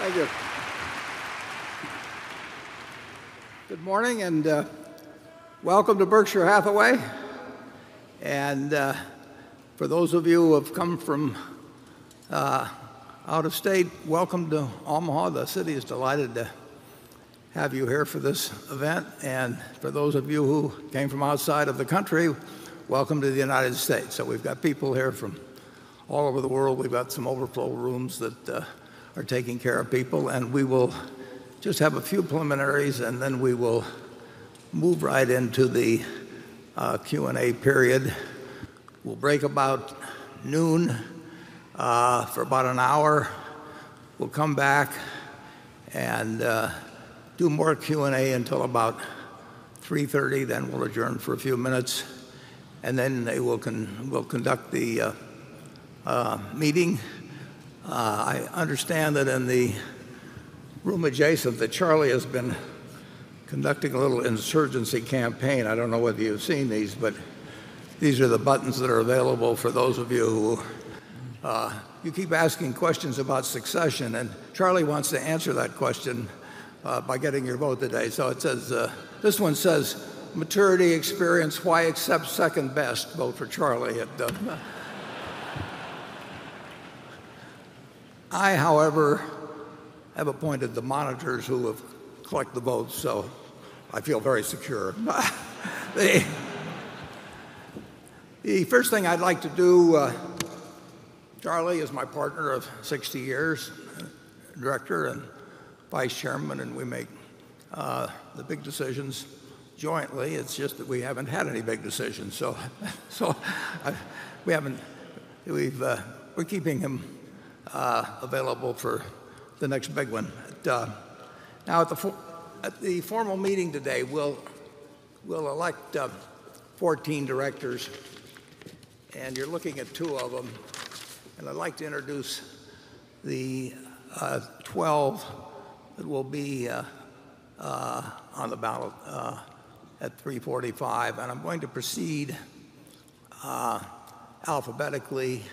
Thank you. Good morning, and welcome to Berkshire Hathaway. For those of you who have come from out of state, welcome to Omaha. The city is delighted to have you here for this event. For those of you who came from outside of the country, welcome to the United States. We've got people here from all over the world. We've got some overflow rooms that are taking care of people, and we will just have a few preliminaries, and then we will move right into the Q&A period. We'll break about noon for about an hour. We'll come back and do more Q&A until about 3:30, then we'll adjourn for a few minutes, and then they will conduct the meeting. I understand that in the room adjacent, Charlie has been conducting a little insurgency campaign. I don't know whether you've seen these, but these are the buttons that are available for those of you who keep asking questions about succession. Charlie wants to answer that question by getting your vote today. This one says, "Maturity, experience. Why accept second best? Vote for Charlie." I, however, have appointed the monitors who will collect the votes, so I feel very secure. The first thing I'd like to do, Charlie is my partner of 60 years, director and vice chairman, and we make the big decisions jointly. It's just that we haven't had any big decisions, so we're keeping him available for the next big one. Now, at the formal meeting today, we'll elect 14 directors, and you're looking at two of them. I'd like to introduce the 12 that will be on the ballot at 3:45. I'm going to proceed alphabetically.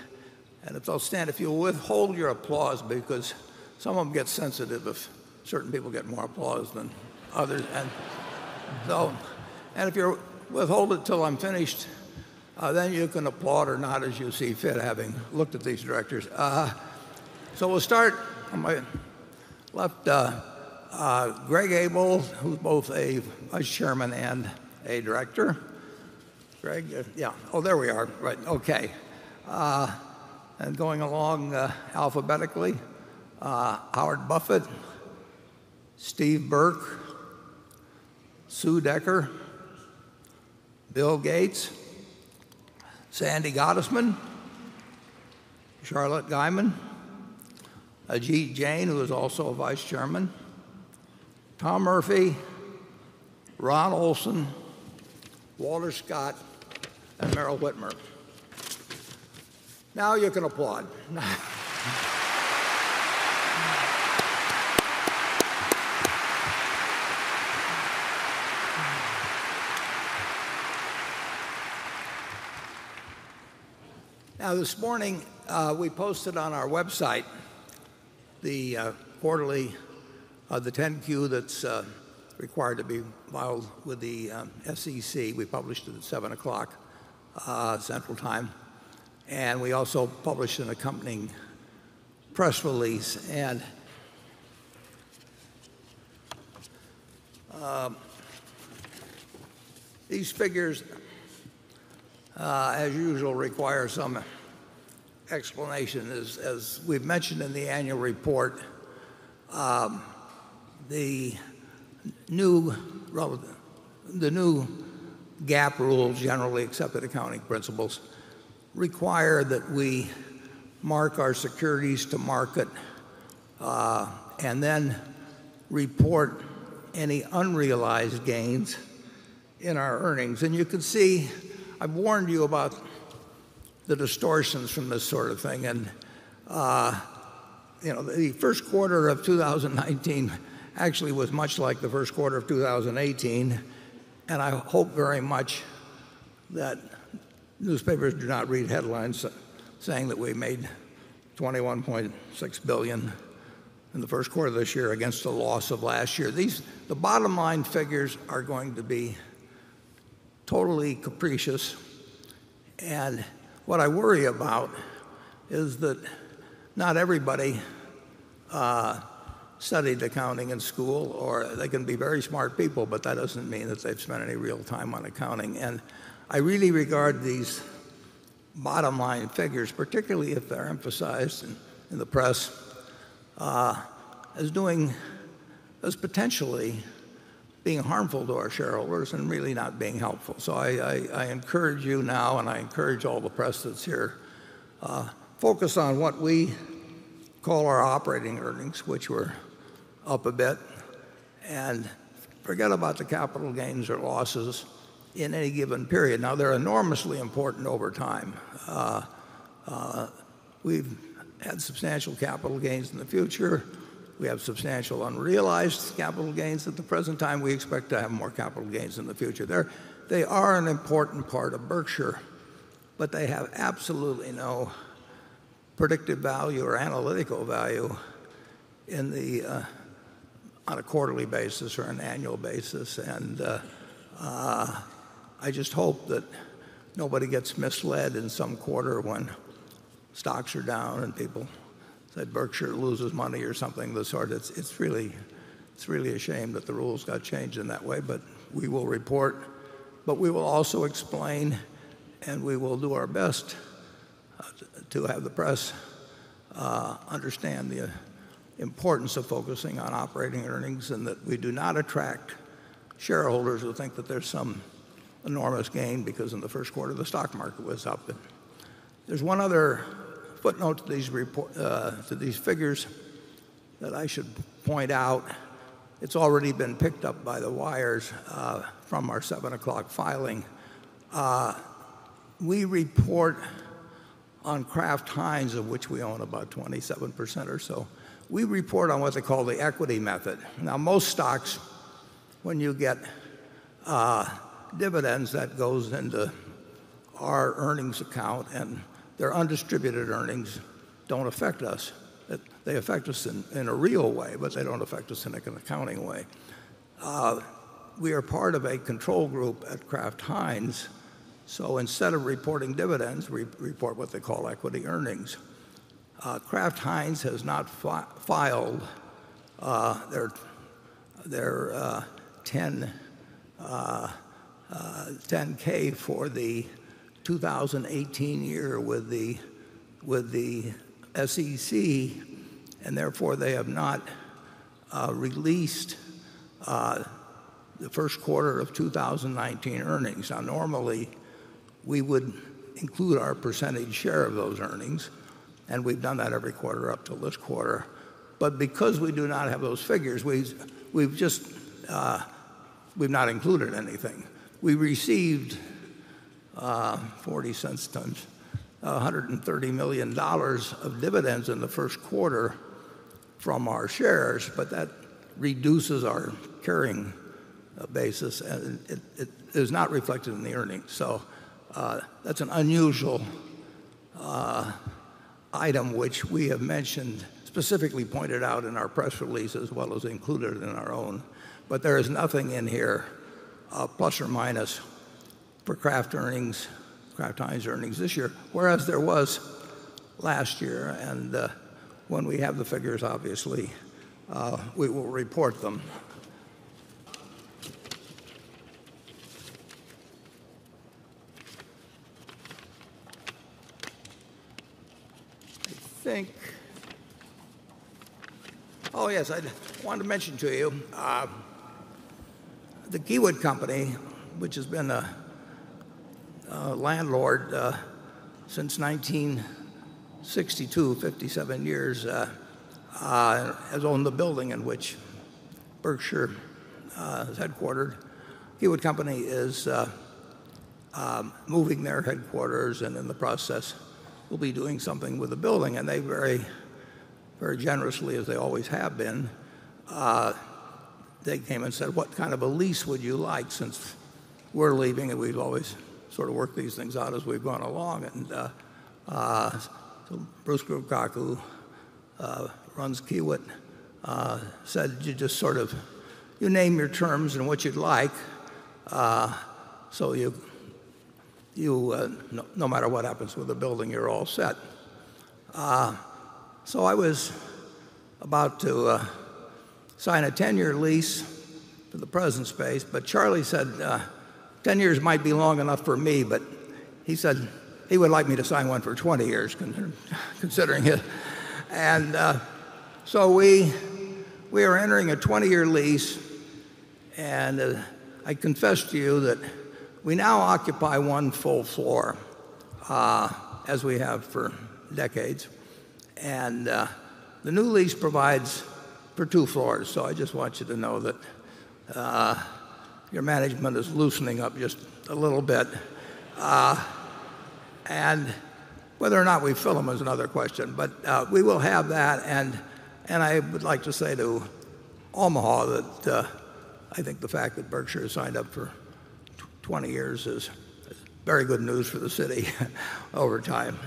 If they'll stand, if you'll withhold your applause, because some of them get sensitive if certain people get more applause than others. If you'll withhold it till I'm finished, then you can applaud or not as you see fit, having looked at these directors. We'll start on my left. Gregg Abel, who's both a vice chairman and a director. Gregg? Yeah. Oh, there we are. Right. Okay. And going along alphabetically, Howard Buffett, Steve Burke, Sue Decker, Bill Gates, Sandy Gottesman, Charlotte Guyman, Ajit Jain, who is also a vice chairman, Tom Murphy, Ron Olson, Walter Scott, and Meryl Witmer. Now you can applaud. Now, this morning, we posted on our website the quarterly, the 10-Q that's required to be filed with the SEC. We published it at 7:00 Central Time, and we also published an accompanying press release. These figures, as usual, require some explanation. As we've mentioned in the annual report, the new GAAP rule, generally accepted accounting principles, require that we mark our securities to market, and then report any unrealized gains in our earnings. You can see, I've warned you about the distortions from this sort of thing. The first quarter of 2019 actually was much like the first quarter of 2018, and I hope very much that newspapers do not read headlines saying that we made $21.6 billion in the first quarter of this year against a loss of last year. The bottom line figures are going to be totally capricious, and what I worry about is that not everybody studied accounting in school, or they can be very smart people, but that doesn't mean that they've spent any real time on accounting. I really regard these bottom line figures, particularly if they're emphasized in the press, as potentially being harmful to our shareholders and really not being helpful. I encourage you now, I encourage all the press that's here, focus on what we call our operating earnings, which were up a bit, forget about the capital gains or losses in any given period. They're enormously important over time. We've had substantial capital gains in the future. We have substantial unrealized capital gains at the present time. We expect to have more capital gains in the future. They are an important part of Berkshire, but they have absolutely no predictive value or analytical value on a quarterly basis or an annual basis. I just hope that nobody gets misled in some quarter when stocks are down and people said Berkshire loses money or something of the sort. It's really a shame that the rules got changed in that way, we will report. We will also explain, and we will do our best to have the press understand the importance of focusing on operating earnings and that we do not attract shareholders who think that there's some enormous gain because in the first quarter, the stock market was up. There's one other footnote to these figures that I should point out. It's already been picked up by the wires from our 7:00 filing. We report on Kraft Heinz, of which we own about 27% or so. We report on what they call the equity method. Most stocks, when you get dividends, that goes into our earnings account, and their undistributed earnings don't affect us. They affect us in a real way, but they don't affect us in an accounting way. We are part of a control group at Kraft Heinz, instead of reporting dividends, we report what they call equity earnings. Kraft Heinz has not filed their 10-K for the 2018 year with the SEC, and therefore they have not released the first quarter of 2019 earnings. Normally, we would include our percentage share of those earnings, and we've done that every quarter up till this quarter. Because we do not have those figures, we've not included anything. We received $130 million of dividends in the first quarter from our shares, but that reduces our carrying basis, and it is not reflected in the earnings. That's an unusual item which we have mentioned, specifically pointed out in our press release as well as included in our own. There is nothing in here, plus or minus, for Kraft earnings, Kraft Heinz earnings this year, whereas there was last year. When we have the figures, obviously we will report them. I wanted to mention to you, the Kiewit Company, which has been a landlord since 1962, 57 years, has owned the building in which Berkshire is headquartered. Kiewit Company is moving their headquarters, and in the process, will be doing something with the building, and they very generously, as they always have been, they came and said, "What kind of a lease would you like since we're leaving?" We've always sort of worked these things out as we've gone along. Bruce Grewcock, who runs Kiewit, said, "You name your terms and what you'd like, no matter what happens with the building, you're all set." I was about to sign a 10-year lease for the present space, Charlie said 10 years might be long enough for me, he said he would like me to sign one for 20 years, considering it. We are entering a 20-year lease, I confess to you that we now occupy one full floor, as we have for decades. The new lease provides for two floors. I just want you to know that your management is loosening up just a little bit. Whether or not we fill them is another question, we will have that, I would like to say to Omaha that I think the fact that Berkshire has signed up for 20 years is very good news for the city over time.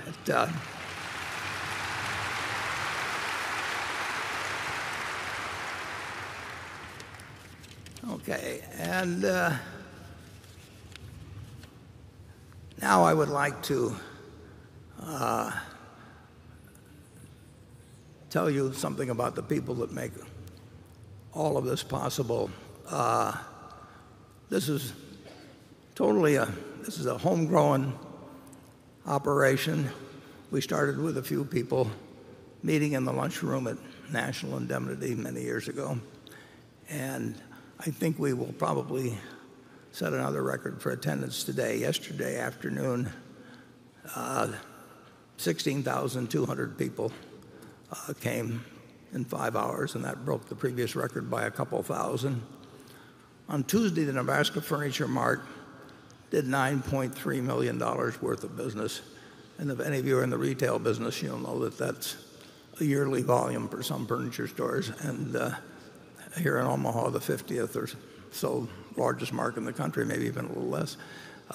Okay. Now I would like to tell you something about the people that make all of this possible. This is a homegrown operation. We started with a few people meeting in the lunchroom at National Indemnity many years ago, I think we will probably set another record for attendance today. Yesterday afternoon, 16,200 people came in five hours, that broke the previous record by a couple thousand. On Tuesday, the Nebraska Furniture Mart did $9.3 million worth of business. If any of you are in the retail business, you'll know that that's a yearly volume for some furniture stores. Here in Omaha, the 50th or so largest mart in the country, maybe even a little less.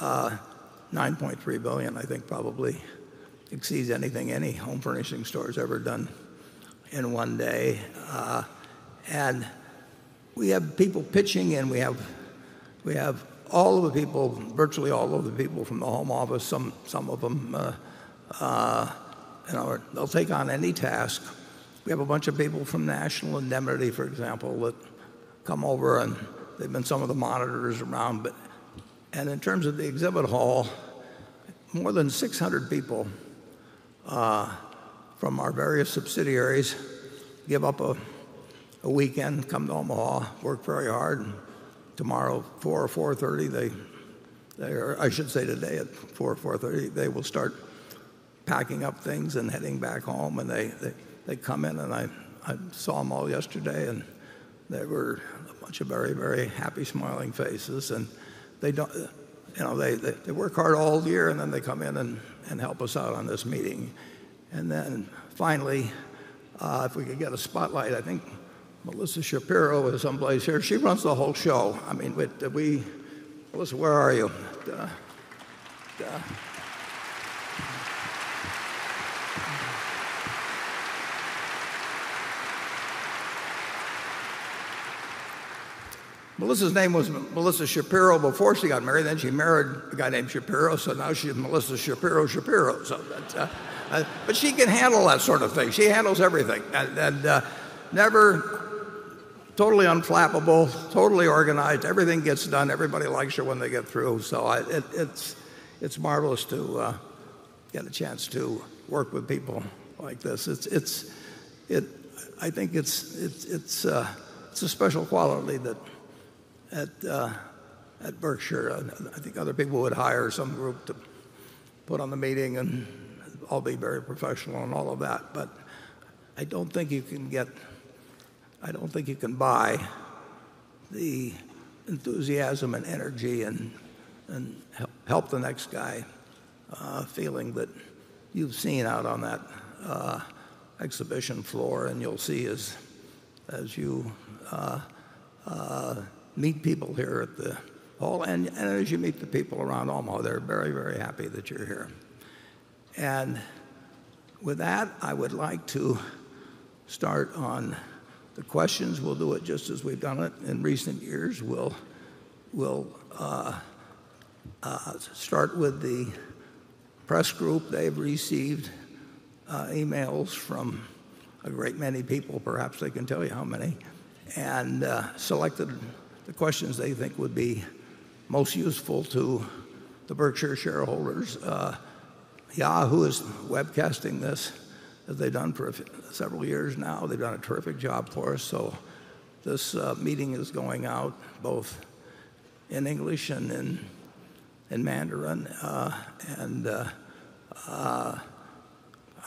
$9.3 million, I think probably exceeds anything any home furnishing store's ever done in one day. We have people pitching in. We have virtually all of the people from the home office, some of them, they'll take on any task. We have a bunch of people from National Indemnity, for example, that come over, they've been some of the monitors around. In terms of the exhibit hall, more than 600 people from our various subsidiaries give up a weekend, come to Omaha, work very hard, tomorrow 4:00 P.M. or 4:30 P.M., or I should say today at 4:00 P.M. or 4:30 P.M., they will start packing up things and heading back home. They come in, I saw them all yesterday, they were a bunch of very happy, smiling faces. They work hard all year, they come in and help us out on this meeting. Finally, if we could get a spotlight, I think Melissa Shapiro is someplace here. She runs the whole show. Melissa, where are you? Melissa's name was Melissa Shapiro before she got married. She married a guy named Shapiro, now she's Melissa Shapiro Shapiro. She can handle that sort of thing. She handles everything. Totally unflappable, totally organized, everything gets done. Everybody likes her when they get through. It's marvelous to get a chance to work with people like this. I think it's a special quality at Berkshire. I think other people would hire some group to put on the meeting, and all be very professional and all of that, but I don't think you can buy the enthusiasm and energy and help the next guy feeling that you've seen out on that exhibition floor and you'll see as you meet people here at the hall. As you meet the people around Omaha, they're very happy that you're here. With that, I would like to start on the questions. We'll do it just as we've done it in recent years. We'll start with the press group. They've received emails from a great many people, perhaps they can tell you how many, and selected the questions they think would be most useful to the Berkshire shareholders. Yahoo is webcasting this, as they've done for several years now. They've done a terrific job for us. This meeting is going out both in English and in Mandarin. I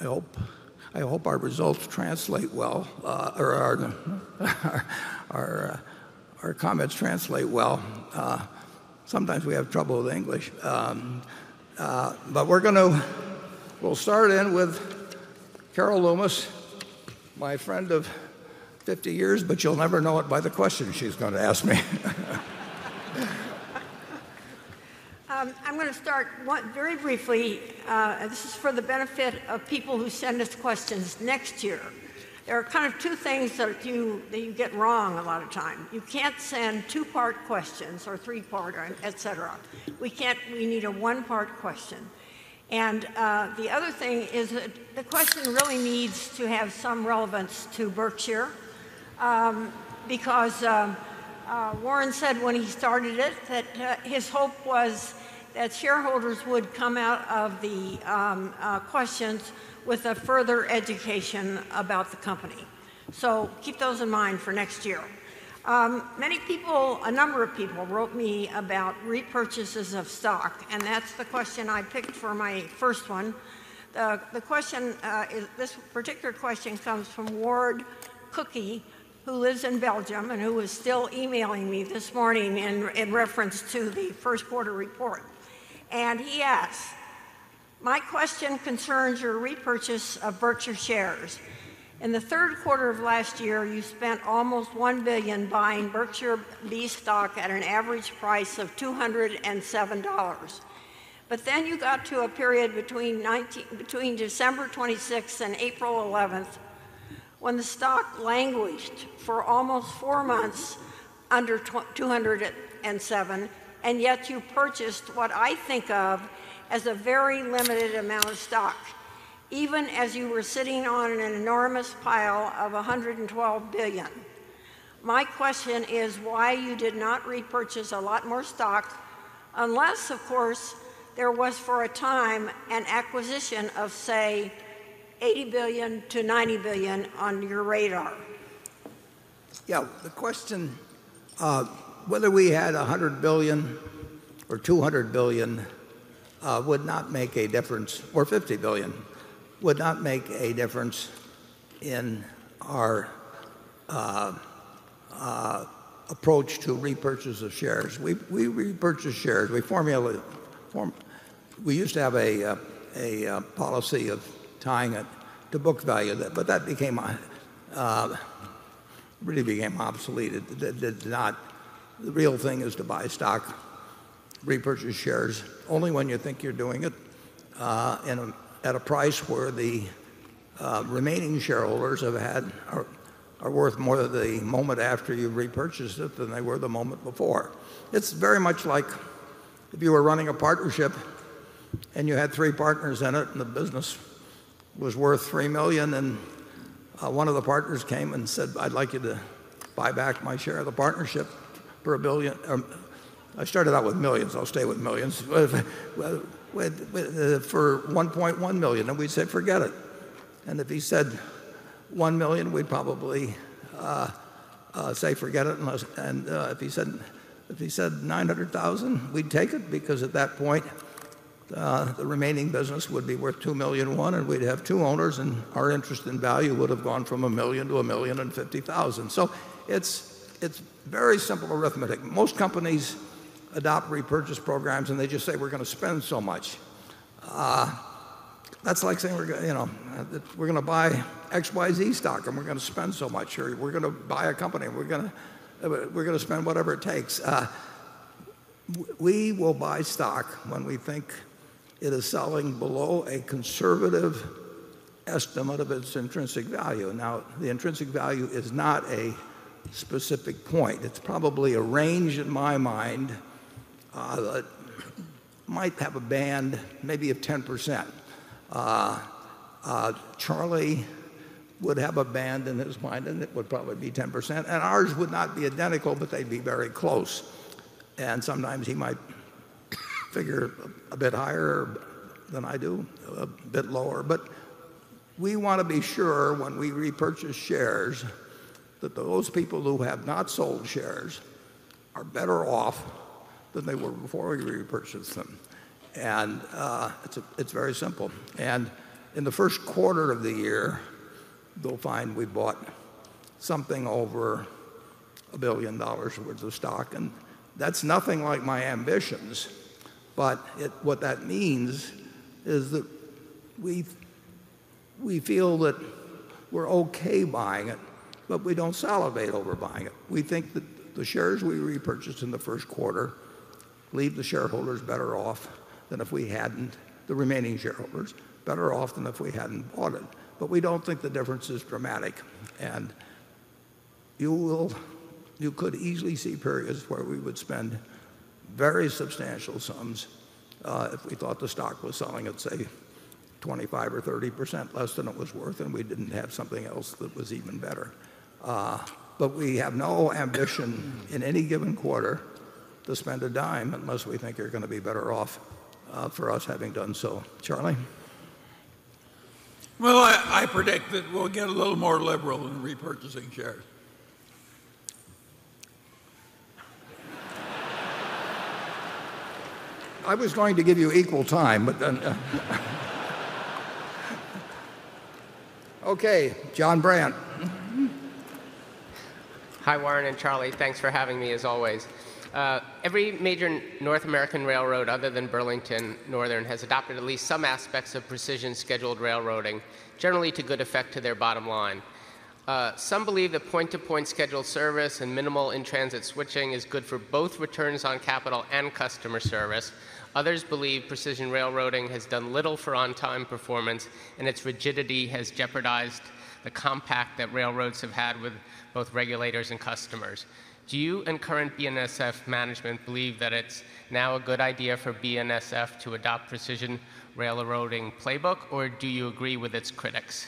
hope our comments translate well. Sometimes we have trouble with English. We'll start in with Carol Loomis, my friend of 50 years, but you'll never know it by the question she's going to ask me. I'm going to start very briefly. This is for the benefit of people who send us questions next year. There are two things that you get wrong a lot of time. You can't send two-part questions or three-part, etc. We need a one-part question. The other thing is that the question really needs to have some relevance to Berkshire, because Warren said when he started it that his hope was that shareholders would come out of the questions with a further education about the company. Keep those in mind for next year. A number of people wrote me about repurchases of stock, and that's the question I picked for my first one. This particular question comes from Ward Cookie, who lives in Belgium and who was still emailing me this morning in reference to the first quarter report. He asks, "My question concerns your repurchase of Berkshire shares. In the third quarter of last year, you spent almost $1 billion buying Berkshire B stock at an average price of $207. You got to a period between December 26th and April 11th, when the stock languished for almost four months under $207, and yet you purchased what I think of as a very limited amount of stock, even as you were sitting on an enormous pile of $112 billion. My question is why you did not repurchase a lot more stock, unless, of course, there was for a time an acquisition of, say, $80 billion-$90 billion on your radar? Yeah. The question whether we had $100 billion or $200 billion would not make a difference, or $50 billion would not make a difference in our approach to repurchase of shares. We repurchase shares. We used to have a policy of tying it to book value, but that really became obsolete. The real thing is to buy stock, repurchase shares only when you think you're doing it at a price where the remaining shareholders are worth more the moment after you've repurchased it than they were the moment before. It's very much like if you were running a partnership and you had three partners in it, and the business was worth $3 million, and one of the partners came and said, "I'd like you to buy back my share of the partnership for $1 million" I started out with millions, I'll stay with millions. for $1.1 million," We'd say, "Forget it." If he said, "$1 million," we'd probably say, "Forget it." If he said, "$900,000," we'd take it because at that point, the remaining business would be worth $2.1 million, and we'd have two owners, and our interest in value would have gone from $1 million to $1,050,000. It's very simple arithmetic. Most companies adopt repurchase programs, and they just say, "We're going to spend so much." That's like saying, "We're going to buy XYZ stock, and we're going to spend so much," or, "We're going to buy a company, and we're going to spend whatever it takes." We will buy stock when we think it is selling below a conservative estimate of its intrinsic value. The intrinsic value is not a specific point. It's probably a range in my mind that might have a band maybe of 10%. Charlie would have a band in his mind, and it would probably be 10%. Ours would not be identical, but they'd be very close. Sometimes he might figure a bit higher than I do, a bit lower. We want to be sure when we repurchase shares that those people who have not sold shares are better off than they were before we repurchased them. It's very simple. In the first quarter of the year, you'll find we bought something over $1 billion worth of stock. That's nothing like my ambitions, but what that means is that we feel that we're okay buying it, but we don't salivate over buying it. We think that the shares we repurchased in the first quarter leave the shareholders better off than if we hadn't, the remaining shareholders, better off than if we hadn't bought it. We don't think the difference is dramatic. You could easily see periods where we would spend very substantial sums if we thought the stock was selling at, say, 25% or 30% less than it was worth, and we didn't have something else that was even better. We have no ambition in any given quarter to spend $0.10 unless we think you're going to be better off for us having done so. Charlie? Well, I predict that we'll get a little more liberal in repurchasing shares. I was going to give you equal time. Okay. Jonathan Brandt. Hi, Warren and Charlie. Thanks for having me as always. Every major North American railroad other than Burlington Northern has adopted at least some aspects of precision scheduled railroading, generally to good effect to their bottom line. Some believe that point-to-point scheduled service and minimal in-transit switching is good for both returns on capital and customer service. Others believe precision railroading has done little for on-time performance, and its rigidity has jeopardized the compact that railroads have had with both regulators and customers. Do you and current BNSF management believe that it's now a good idea for BNSF to adopt precision railroading playbook, or do you agree with its critics?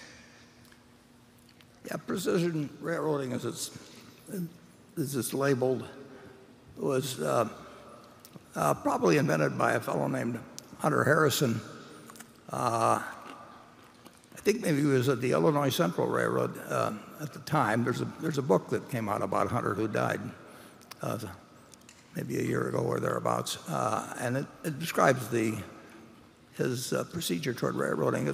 Yeah. Precision railroading, as it's labeled, was probably invented by a fellow named Hunter Harrison. I think maybe he was at the Illinois Central Railroad at the time. There's a book that came out about Hunter, who died maybe a year ago or thereabouts, and it describes his procedure toward railroading.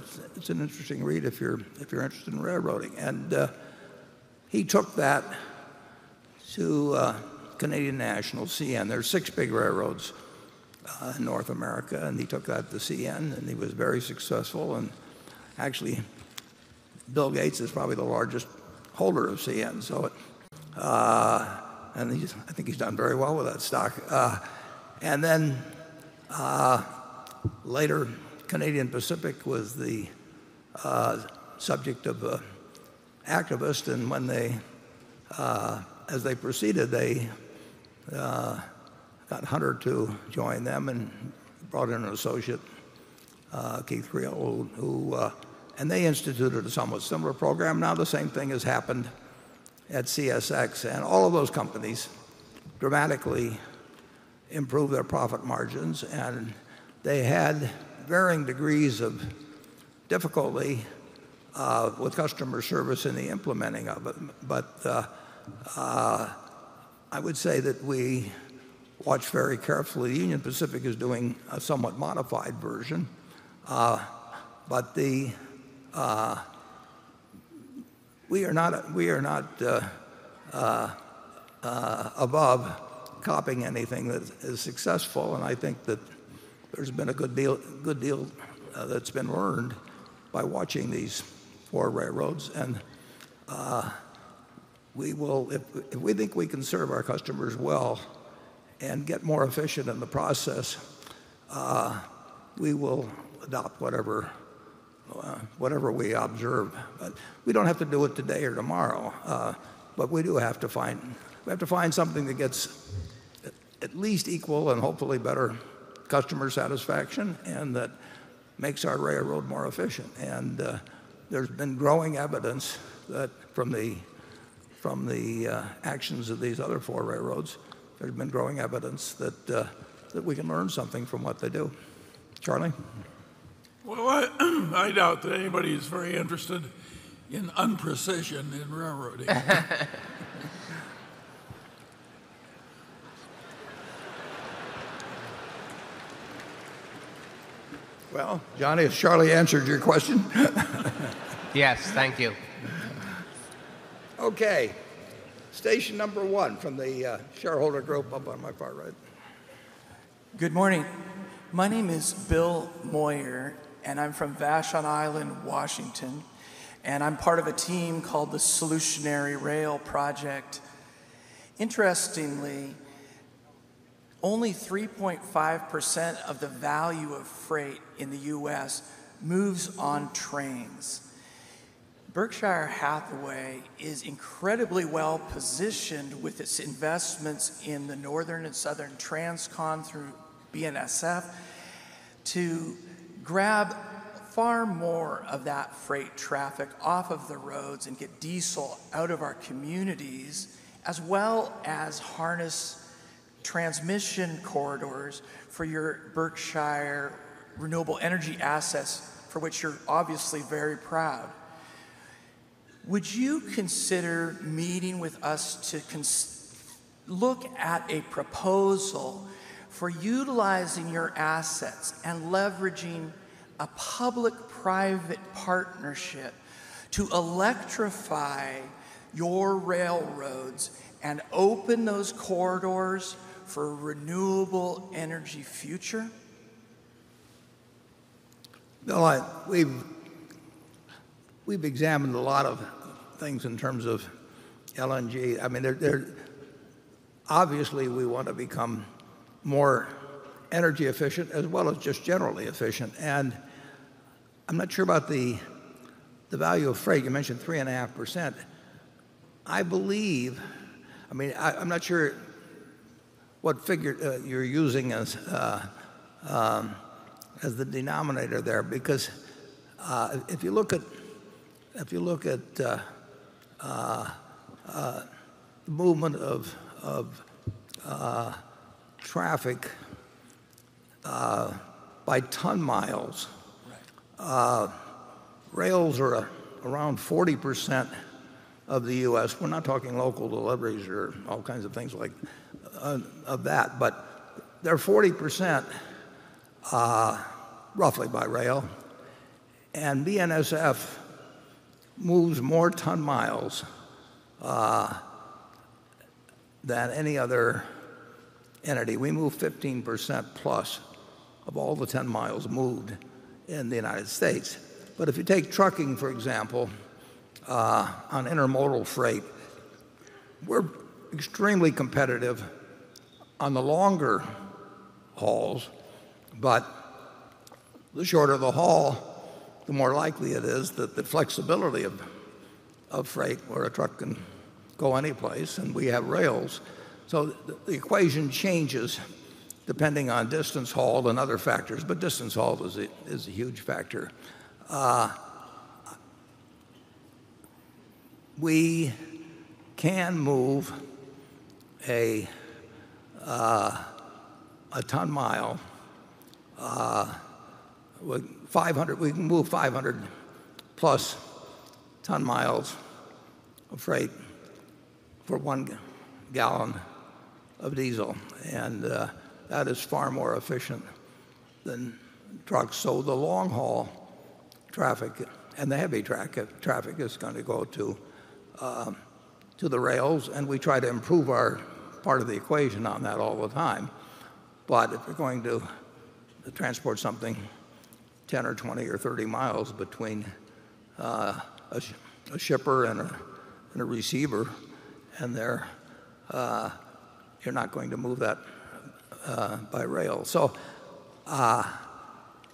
He took that to Canadian National, CN. There are six big railroads in North America, and he took that to CN, and he was very successful. Actually, Bill Gates is probably the largest holder of CN, and I think he's done very well with that stock. Later, Canadian Pacific was the subject of an activist. As they proceeded, they got Hunter to join them and brought in an associate, Keith Creel, and they instituted a somewhat similar program. The same thing has happened at CSX. All of those companies dramatically improved their profit margins, and they had varying degrees of difficulty with customer service in the implementing of it. I would say that we watch very carefully. Union Pacific is doing a somewhat modified version, but we are not above copying anything that is successful, and I think that there's been a good deal that's been learned by watching these four railroads. If we think we can serve our customers well and get more efficient in the process, we will adopt whatever we observe. We don't have to do it today or tomorrow, but we have to find something that gets at least equal and hopefully better customer satisfaction, and that makes our railroad more efficient. There's been growing evidence from the actions of these other four railroads, there's been growing evidence that we can learn something from what they do. Charlie? Well, I doubt that anybody is very interested in unprecision in railroading. Well, Johnny, has Charlie answered your question? Yes. Thank you. Okay. Station number one from the shareholder group up on my far right. Good morning. My name is Bill Moyer, and I'm from Vashon Island, Washington, and I'm part of a team called the Solutionary Rail Project. Interestingly, only 3.5% of the value of freight in the U.S. moves on trains. Berkshire Hathaway is incredibly well-positioned with its investments in the Northern and Southern Transcon through BNSF to grab far more of that freight traffic off of the roads and get diesel out of our communities, as well as harness transmission corridors for your Berkshire renewable energy assets, for which you're obviously very proud. Would you consider meeting with us to look at a proposal for utilizing your assets and leveraging a public-private partnership to electrify your railroads and open those corridors for a renewable energy future? Bill, we've examined a lot of things in terms of LNG. Obviously, we want to become more energy efficient as well as just generally efficient. I'm not sure about the value of freight. You mentioned 3.5%. I'm not sure what figure you're using as the denominator there because if you look at the movement of traffic by ton miles- Right Rails are around 40% of the U.S. We're not talking local deliveries or all kinds of things of that, but they're 40% roughly by rail. BNSF moves more ton miles than any other entity. We move 15% plus of all the ton miles moved in the United States. If you take trucking, for example, on intermodal freight, we're extremely competitive on the longer hauls, but the shorter the haul, the more likely it is that the flexibility of freight where a truck can go any place, and we have rails. The equation changes depending on distance hauled and other factors, but distance hauled is a huge factor. We can move 500 plus ton miles of freight for one gallon of diesel, and that is far more efficient than trucks. The long haul traffic and the heavy traffic is going to go to the rails, and we try to improve our part of the equation on that all the time. If you're going to transport something 10 or 20 or 30 miles between a shipper and a receiver, you're not going to move that by rail.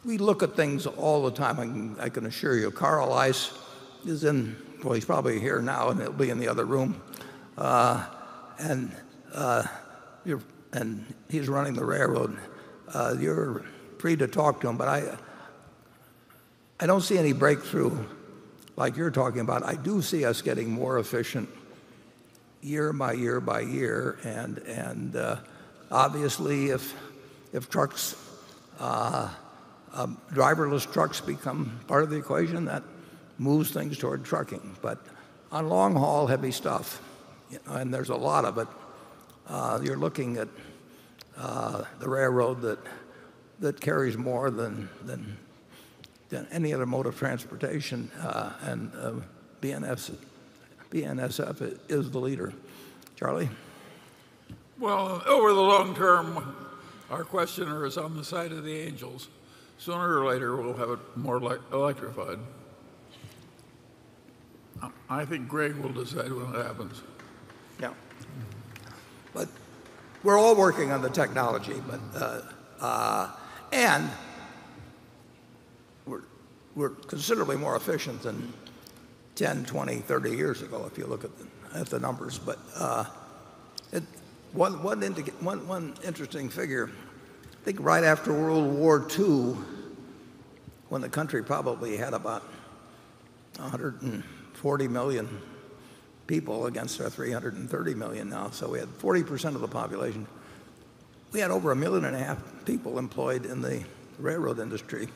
We look at things all the time, I can assure you. Carl Ice is in. Well, he's probably here now, and he'll be in the other room. He's running the railroad. You're free to talk to him, but I don't see any breakthrough like you're talking about. I do see us getting more efficient year by year by year, and obviously if driverless trucks become part of the equation, that moves things toward trucking. On long haul heavy stuff, and there's a lot of it, you're looking at the railroad that carries more than any other mode of transportation, and BNSF is the leader. Charlie? Well, over the long term, our questioner is on the side of the angels. Sooner or later, we'll have it more electrified. I think Gregg will decide when that happens. Yeah. We're all working on the technology. We're considerably more efficient than 10, 20, 30 years ago, if you look at the numbers. One interesting figure, I think right after World War II, when the country probably had about 140 million people against our 330 million now, so we had 40% of the population. We had over a million and a half people employed in the railroad industry.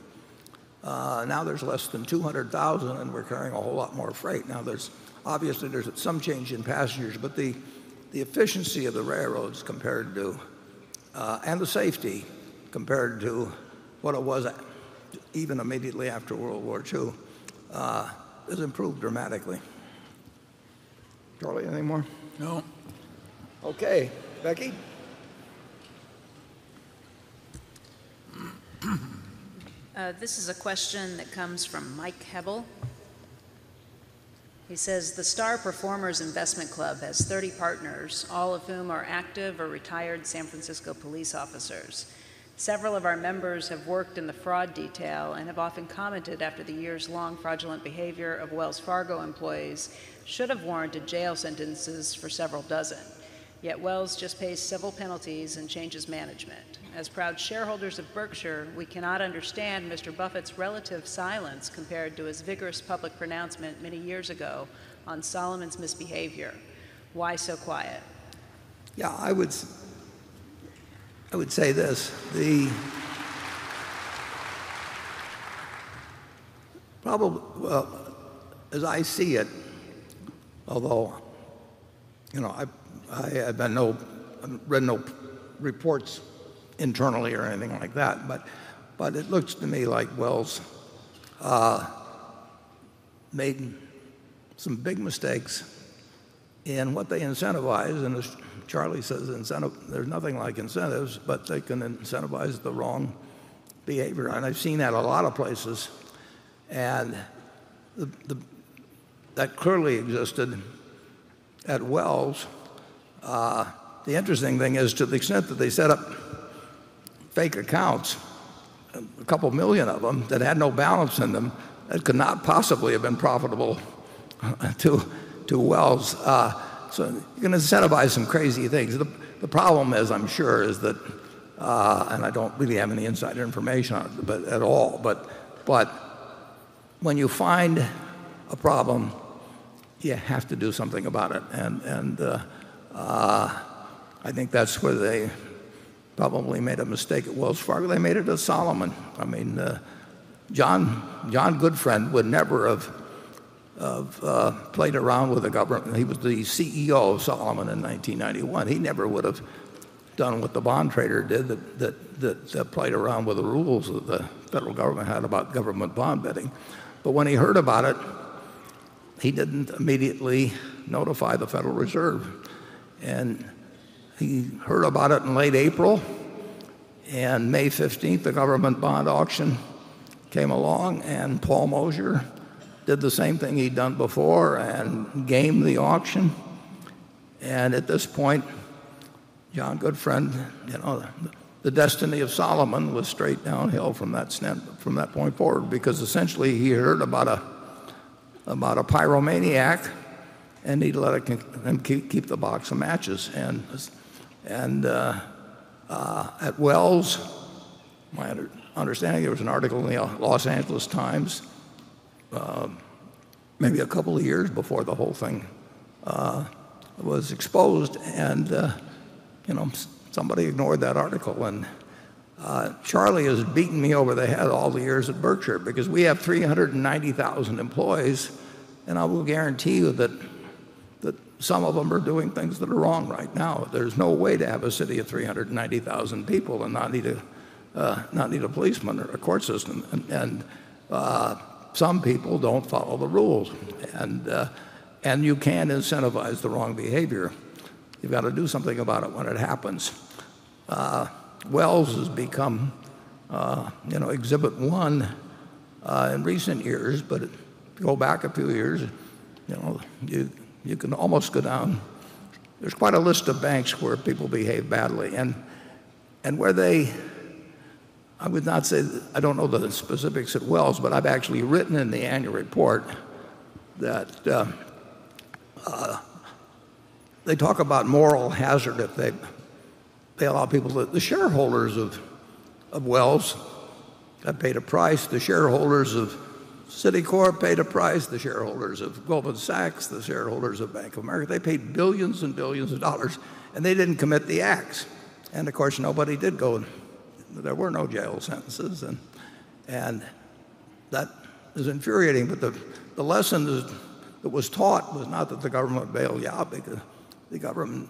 Now there's less than 200,000 and we're carrying a whole lot more freight. Now, obviously there's some change in passengers, but the efficiency of the railroads and the safety compared to what it was even immediately after World War II, has improved dramatically. Charlie, anymore? No. Okay. Becky? This is a question that comes from Mike Hebel. He says, "The Star Performers Investment Club has 30 partners, all of whom are active or retired San Francisco police officers. Several of our members have worked in the fraud detail and have often commented after the years' long fraudulent behavior of Wells Fargo employees should have warranted jail sentences for several dozen. Yet Wells just pays civil penalties and changes management. As proud shareholders of Berkshire, we cannot understand Mr. Buffett's relative silence compared to his vigorous public pronouncement many years ago on Salomon's misbehavior. Why so quiet? Yeah. I would say this. As I see it, although I've read no reports internally or anything like that, it looks to me like Wells made some big mistakes in what they incentivize. As Charlie says, there's nothing like incentives, but they can incentivize the wrong behavior. I've seen that a lot of places. That clearly existed at Wells. The interesting thing is to the extent that they set up fake accounts, a couple million of them, that had no balance in them, that could not possibly have been profitable to Wells. You can incentivize some crazy things. The problem is, I'm sure, I don't really have any insider information on it at all, when you find a problem, you have to do something about it. I think that's where they probably made a mistake at Wells Fargo. They made it to Salomon. John Gutfreund would never have played around with the government. He was the CEO of Salomon in 1991. He never would have done what the bond trader did, that played around with the rules that the Federal Government had about government bond betting. When he heard about it, he didn't immediately notify the Federal Reserve. He heard about it in late April. May 15th, the government bond auction came along, Paul Mozer did the same thing he'd done before and gamed the auction. At this point, John Gutfreund, the destiny of Salomon was straight downhill from that point forward, because essentially he heard about a pyromaniac, he let him keep the box of matches. At Wells, my understanding, there was an article in "The Los Angeles Times," maybe a couple of years before the whole thing was exposed. Somebody ignored that article. Charlie has beaten me over the head all the years at Berkshire because we have 390,000 employees, I will guarantee you that some of them are doing things that are wrong right now. There's no way to have a city of 390,000 people and not need a policeman or a court system. Some people don't follow the rules. You can incentivize the wrong behavior. You've got to do something about it when it happens. Wells has become exhibit one in recent years, but go back a few years, you can almost go down. There's quite a list of banks where people behave badly. I don't know the specifics at Wells, but I've actually written in the annual report that they talk about moral hazard if they allow people. The shareholders of Wells have paid a price. The shareholders of Citicorp paid a price, the shareholders of Goldman Sachs, the shareholders of Bank of America, they paid $billions and $billions, they didn't commit the acts. Of course, nobody did go, there were no jail sentences, that is infuriating. The lesson that was taught was not that the government bailed out, because the government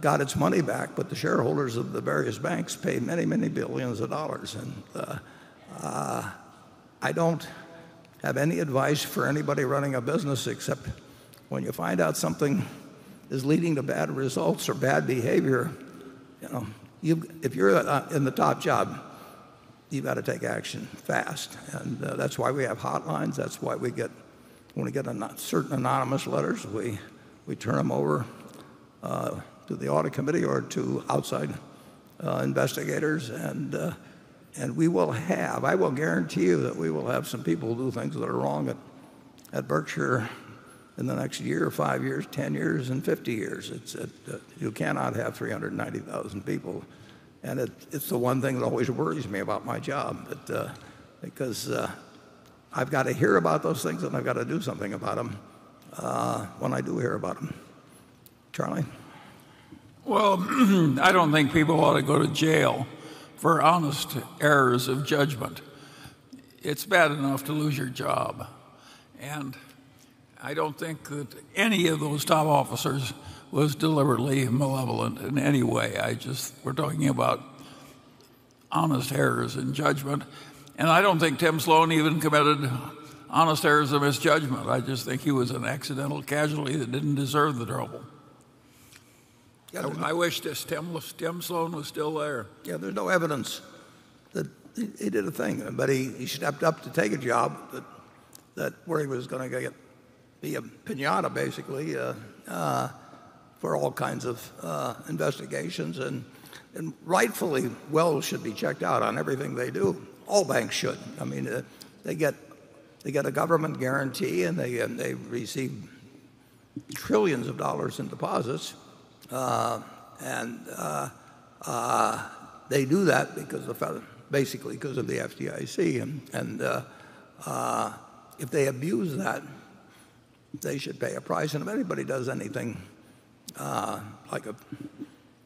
got its money back, but the shareholders of the various banks paid many, many $billions. I don't have any advice for anybody running a business except when you find out something is leading to bad results or bad behavior, if you're in the top job, you've got to take action fast. That's why we have hotlines. That's why when we get certain anonymous letters, we turn them over to the audit committee or to outside investigators. I will guarantee you that we will have some people who do things that are wrong at Berkshire in the next year, five years, 10 years, and 50 years. You cannot have 390,000 people, it's the one thing that always worries me about my job because I've got to hear about those things, I've got to do something about them when I do hear about them. Charlie? Well, I don't think people ought to go to jail for honest errors of judgment. It's bad enough to lose your job. I don't think that any of those top officers was deliberately malevolent in any way. We're talking about honest errors in judgment. I don't think Tim Sloan even committed honest errors of misjudgment. I just think he was an accidental casualty that didn't deserve the trouble. Yeah. I wish Tim Sloan was still there. Yeah, there's no evidence that he did a thing. He stepped up to take a job, where he was going to be a piñata, basically, for all kinds of investigations, and rightfully Wells Fargo should be checked out on everything they do. All banks should. They get a government guarantee, and they receive $trillions in deposits. They do that basically because of the FDIC. If they abuse that, they should pay a price. If anybody does anything like a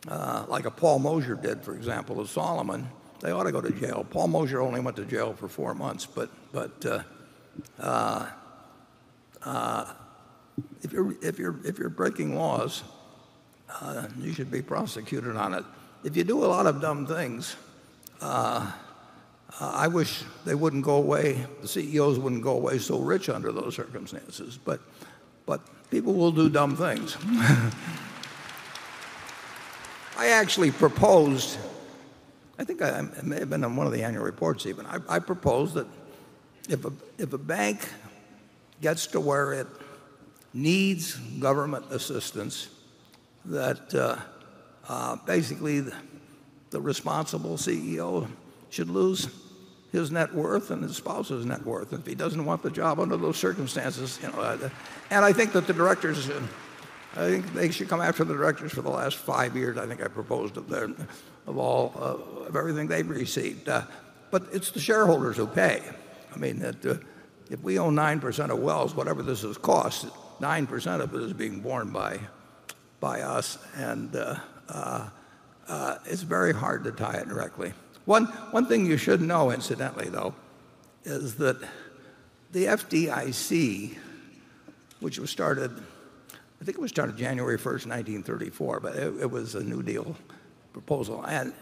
Paul Mozer did, for example, at Salomon, they ought to go to jail. Paul Mozer only went to jail for four months. If you're breaking laws, you should be prosecuted on it. If you do a lot of dumb things, I wish the CEOs wouldn't go away so rich under those circumstances, but people will do dumb things. I actually proposed, I think it may have been in one of the annual reports even, I proposed that if a bank gets to where it needs government assistance, that basically the responsible CEO should lose his net worth and his spouse's net worth if he doesn't want the job under those circumstances. I think they should come after the directors for the last five years, I think I proposed, of everything they've received. It's the shareholders who pay. If we own 9% of Wells Fargo, whatever this has cost, 9% of it is being borne by us. It's very hard to tie it directly. One thing you should know incidentally, though, is that the FDIC, which I think it was started January 1st, 1934, but it was a New Deal proposal, and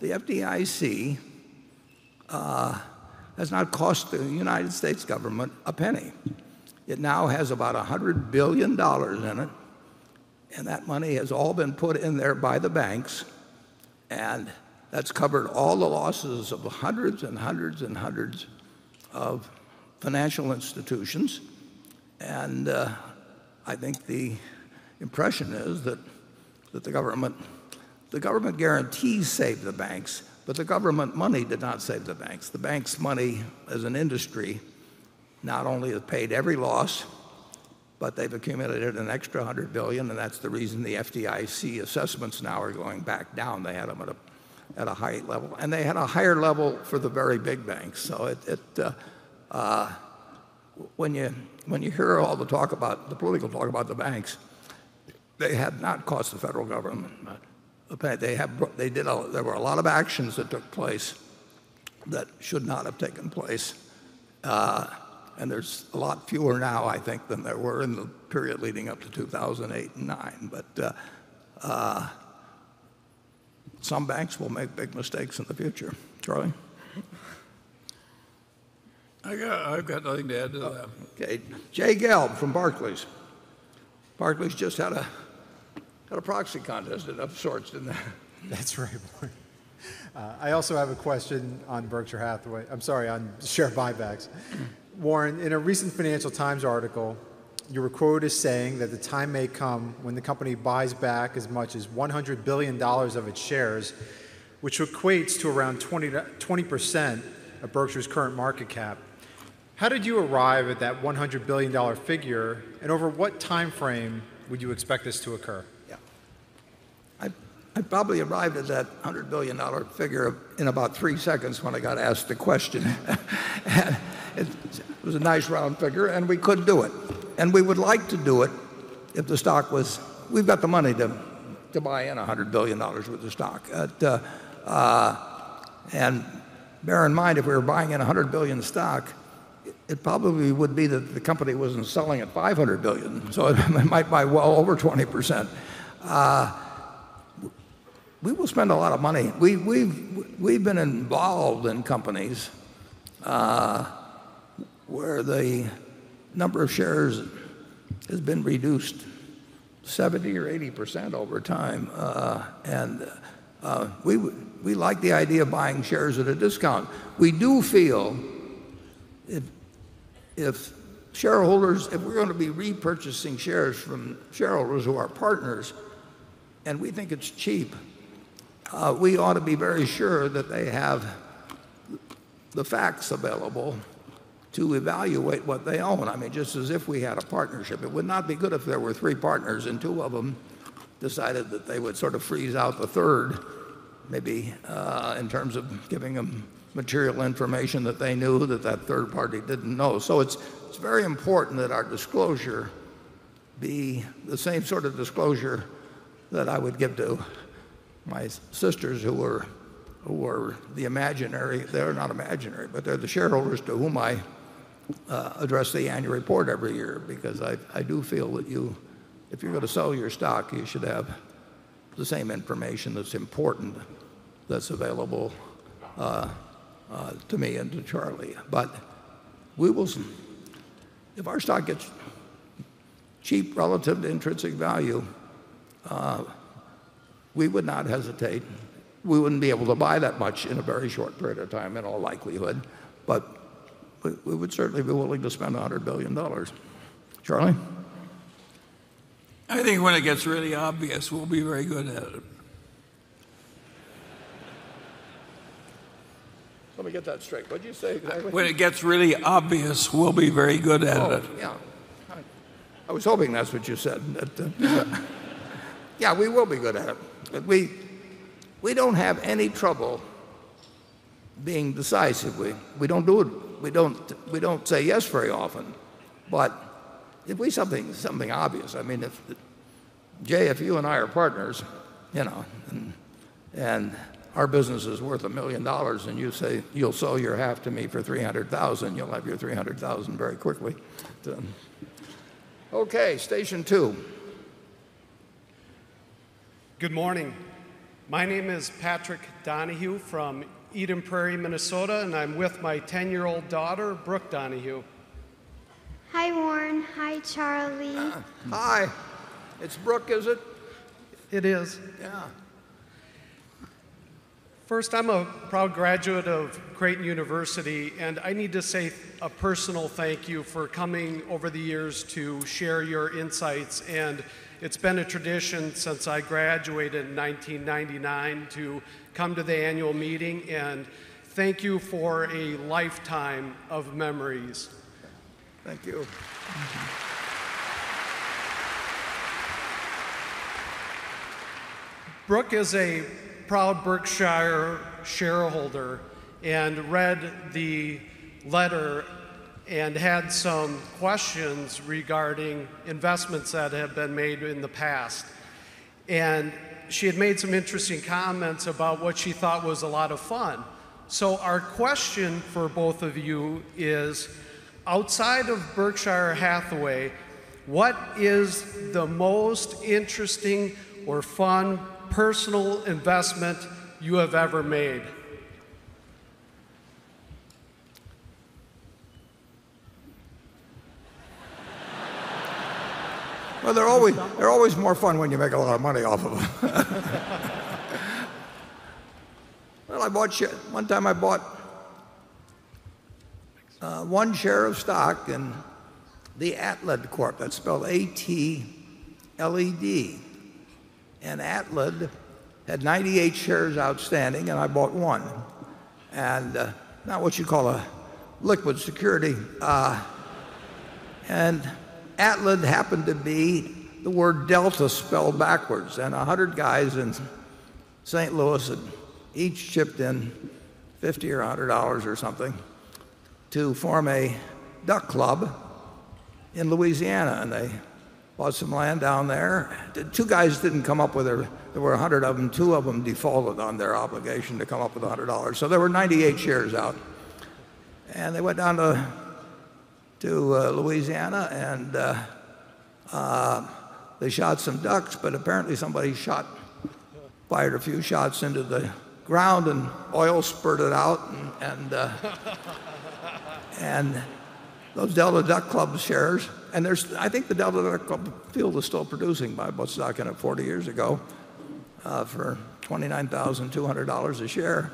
the FDIC has not cost the United States government $0.01. It now has about $100 billion in it, and that money has all been put in there by the banks, and that's covered all the losses of hundreds and hundreds and hundreds of financial institutions. I think the impression is that the government guarantees save the banks, but the government money did not save the banks. The banks' money as an industry not only has paid every loss, but they've accumulated an extra $100 billion and that's the reason the FDIC assessments now are going back down. They had them at a high level. They had a higher level for the very big banks. When you hear all the political talk about the banks, they have not cost the federal government a penny. There were a lot of actions that took place that should not have taken place, and there's a lot fewer now, I think, than there were in the period leading up to 2008 and 2009. Some banks will make big mistakes in the future. Charlie? I've got nothing to add to that. Okay. Jay Gelb from Barclays. Barclays just had a proxy contest of sorts, didn't they? That's right, Warren. I also have a question on share buybacks. Warren, in a recent "Financial Times" article, you were quoted as saying that the time may come when the company buys back as much as $100 billion of its shares, which equates to around 20% of Berkshire's current market cap. How did you arrive at that $100 billion figure, and over what time frame would you expect this to occur? Yeah. I probably arrived at that $100 billion figure in about three seconds when I got asked the question. It was a nice round figure. We could do it. We would like to do it. We've got the money to buy in $100 billion worth of stock. Bear in mind, if we were buying in $100 billion stock, it probably would be that the company wasn't selling at $500 billion, so I might buy well over 20%. We will spend a lot of money. We've been involved in companies where the number of shares has been reduced 70% or 80% over time, and we like the idea of buying shares at a discount. We do feel if we're going to be repurchasing shares from shareholders who are partners, we think it's cheap, we ought to be very sure that they have the facts available to evaluate what they own. I mean, just as if we had a partnership. It would not be good if there were three partners, and two of them decided that they would sort of freeze out the third, maybe in terms of giving them material information that they knew that third party didn't know. It's very important that our disclosure be the same sort of disclosure that I would give to my sisters who are not imaginary, but they're the shareholders to whom I address the annual report every year because I do feel that if you're going to sell your stock, you should have the same information that's important that's available to me and to Charlie. If our stock gets cheap relative to intrinsic value, we would not hesitate. We wouldn't be able to buy that much in a very short period of time in all likelihood, but we would certainly be willing to spend $100 billion. Charlie? I think when it gets really obvious, we'll be very good at it. Let me get that straight. What did you say exactly? When it gets really obvious, we'll be very good at it. Oh, yeah. I was hoping that's what you said. Yeah, we will be good at it. We don't have any trouble being decisive. We don't say yes very often, but if it's something obvious. Jay, if you and I are partners, and our business is worth $1 million, and you say you'll sell your half to me for $300,000, you'll have your $300,000 very quickly. Okay, station 2. Good morning. My name is Patrick Donahue from Eden Prairie, Minnesota, and I'm with my 10-year-old daughter, Brooke Donahue. Hi, Warren. Hi, Charlie. Hi. It's Brooke, is it? It is. Yeah. I'm a proud graduate of Creighton University, I need to say a personal thank you for coming over the years to share your insights. It's been a tradition since I graduated in 1999 to come to the annual meeting, thank you for a lifetime of memories. Thank you. Brooke is a proud Berkshire shareholder read the letter had some questions regarding investments that have been made in the past. She had made some interesting comments about what she thought was a lot of fun. Our question for both of you is, outside of Berkshire Hathaway, what is the most interesting or fun personal investment you have ever made? Well, they're always more fun when you make a lot of money off of them. Well, one time I bought one share of stock in the Atled Corp. That's spelled A-T-L-E-D. Atled had 98 shares outstanding, I bought one. Not what you call a liquid security. Atled happened to be the word delta spelled backwards, 100 guys in St. Louis had each chipped in $50 or $100 or something to form a duck club in Louisiana, they bought some land down there. There were 100 of them. Two of them defaulted on their obligation to come up with $100, so there were 98 shares out. They went down to Louisiana, they shot some ducks, apparently somebody fired a few shots into the ground, oil spurted out. Those Delta Duck Club shares. I think the Delta Duck Club field is still producing by what stock ended 40 years ago for $29,200 a share.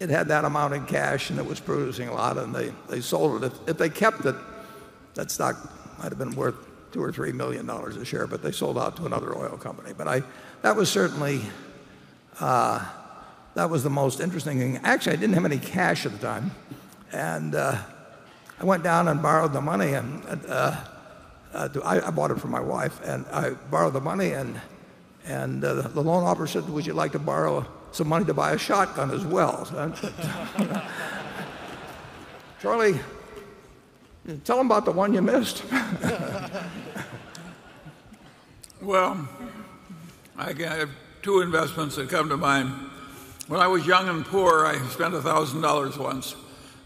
It had that amount in cash, and it was producing a lot, and they sold it. If they kept it, that stock might have been worth $2 million or $3 million a share, but they sold out to another oil company. That was certainly the most interesting thing. Actually, I didn't have any cash at the time, and I went down and borrowed the money, and I bought it for my wife. I borrowed the money, and the loan officer said, "Would you like to borrow some money to buy a shotgun as well?" Charlie, tell them about the one you missed. Well, I have two investments that come to mind. When I was young and poor, I spent $1,000 once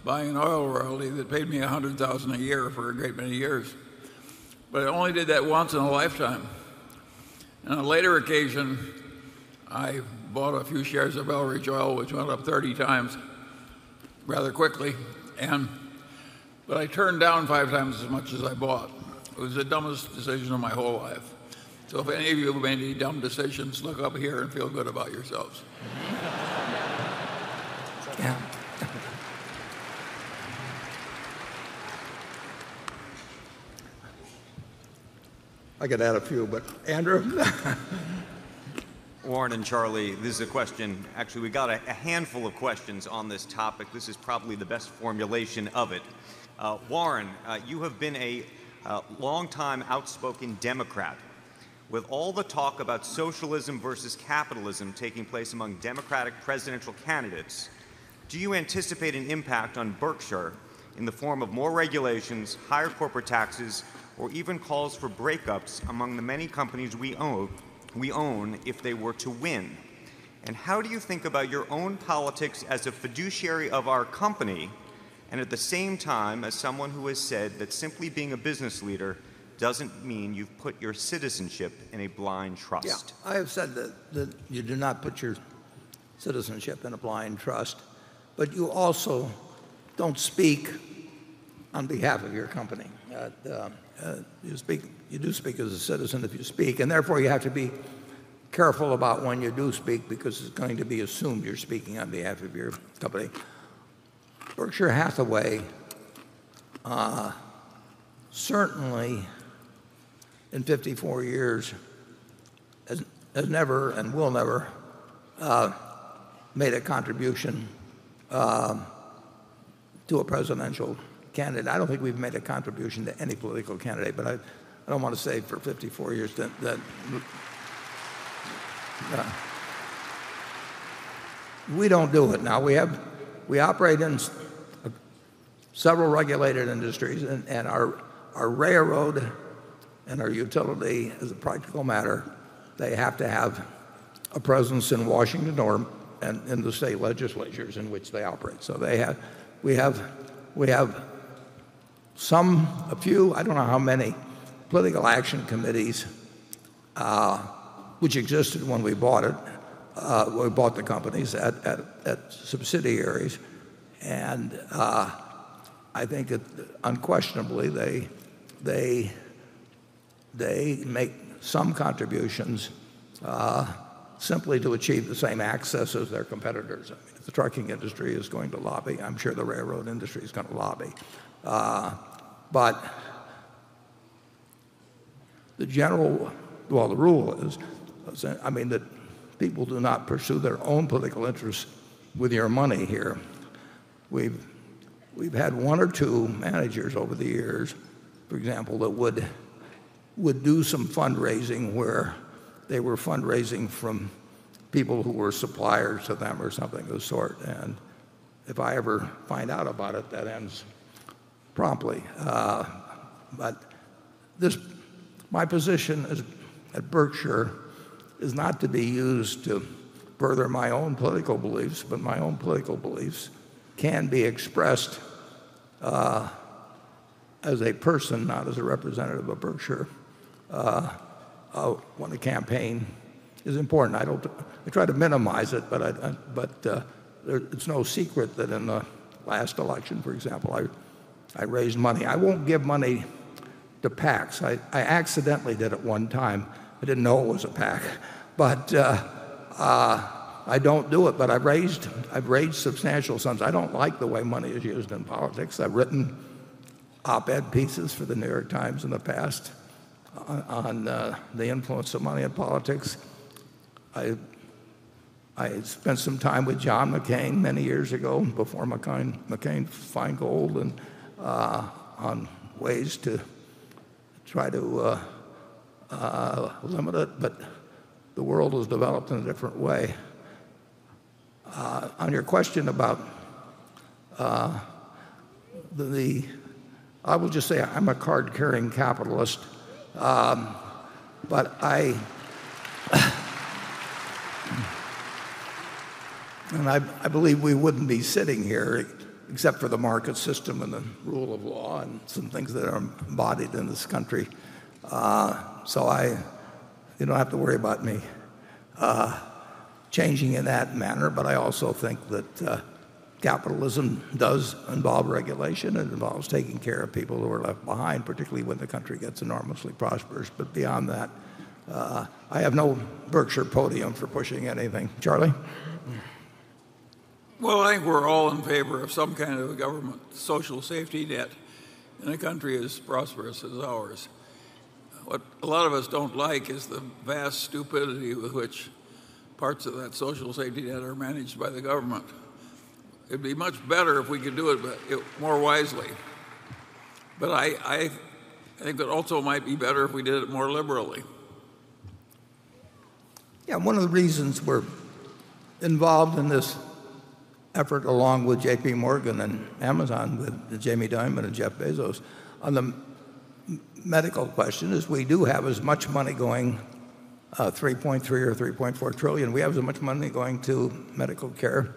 buying an oil royalty that paid me $100,000 a year for a great many years. I only did that once in a lifetime. On a later occasion, I bought a few shares of El Rio Oil, which went up 30 times rather quickly. But I turned down five times as much as I bought. It was the dumbest decision of my whole life. If any of you have made any dumb decisions, look up here and feel good about yourselves. Yeah. I could add a few, Andrew? Warren and Charlie, this is a question. Actually, we got a handful of questions on this topic. This is probably the best formulation of it. Warren, you have been a longtime outspoken Democrat. With all the talk about socialism versus capitalism taking place among Democratic presidential candidates, do you anticipate an impact on Berkshire in the form of more regulations, higher corporate taxes, or even calls for breakups among the many companies we own if they were to win? How do you think about your own politics as a fiduciary of our company, and at the same time, as someone who has said that simply being a business leader doesn't mean you've put your citizenship in a blind trust? Yeah. I have said that you do not put your citizenship in a blind trust, you also don't speak on behalf of your company. You do speak as a citizen if you speak, therefore, you have to be careful about when you do speak because it's going to be assumed you're speaking on behalf of your company. Berkshire Hathaway, certainly in 54 years, has never and will never made a contribution to a presidential candidate. I don't think we've made a contribution to any political candidate, I don't want to say for 54 years that we don't do it now. We operate in several regulated industries, our railroad and our utility, as a practical matter, they have to have a presence in Washington or in the state legislatures in which they operate. We have a few, I don't know how many, political action committees which existed when we bought the companies at subsidiaries. I think that unquestionably, they make some contributions simply to achieve the same access as their competitors. If the trucking industry is going to lobby, I'm sure the railroad industry is going to lobby. The rule is that people do not pursue their own political interests with your money here. We've had one or two managers over the years, for example, that would do some fundraising where they were fundraising from people who were suppliers to them or something of the sort. If I ever find out about it, that ends promptly. My position at Berkshire is not to be used to further my own political beliefs, my own political beliefs can be expressed as a person, not as a representative of Berkshire when the campaign is important. I try to minimize it's no secret that in the last election, for example, I raised money. I won't give money to PACs. I accidentally did it one time. I didn't know it was a PAC, I don't do it. I've raised substantial sums. I don't like the way money is used in politics. I've written op-ed pieces for "The New York Times" in the past on the influence of money in politics. I spent some time with John McCain many years ago before McCain-Feingold and on ways to try to limit it, the world has developed in a different way. On your question about the. I would just say I'm a card-carrying capitalist. I believe we wouldn't be sitting here except for the market system and the rule of law and some things that are embodied in this country. You don't have to worry about me changing in that manner. I also think that capitalism does involve regulation. It involves taking care of people who are left behind, particularly when the country gets enormously prosperous. Beyond that, I have no Berkshire podium for pushing anything. Charlie? Well, I think we're all in favor of some kind of a government social safety net in a country as prosperous as ours. What a lot of us don't like is the vast stupidity with which parts of that social safety net are managed by the government. It'd be much better if we could do it more wisely. I think it also might be better if we did it more liberally. Yeah, one of the reasons we're involved in this effort, along with JPMorgan and Amazon, with Jamie Dimon and Jeff Bezos, on the medical question is we do have as much money going, $3.3 trillion or $3.4 trillion. We have as much money going to medical care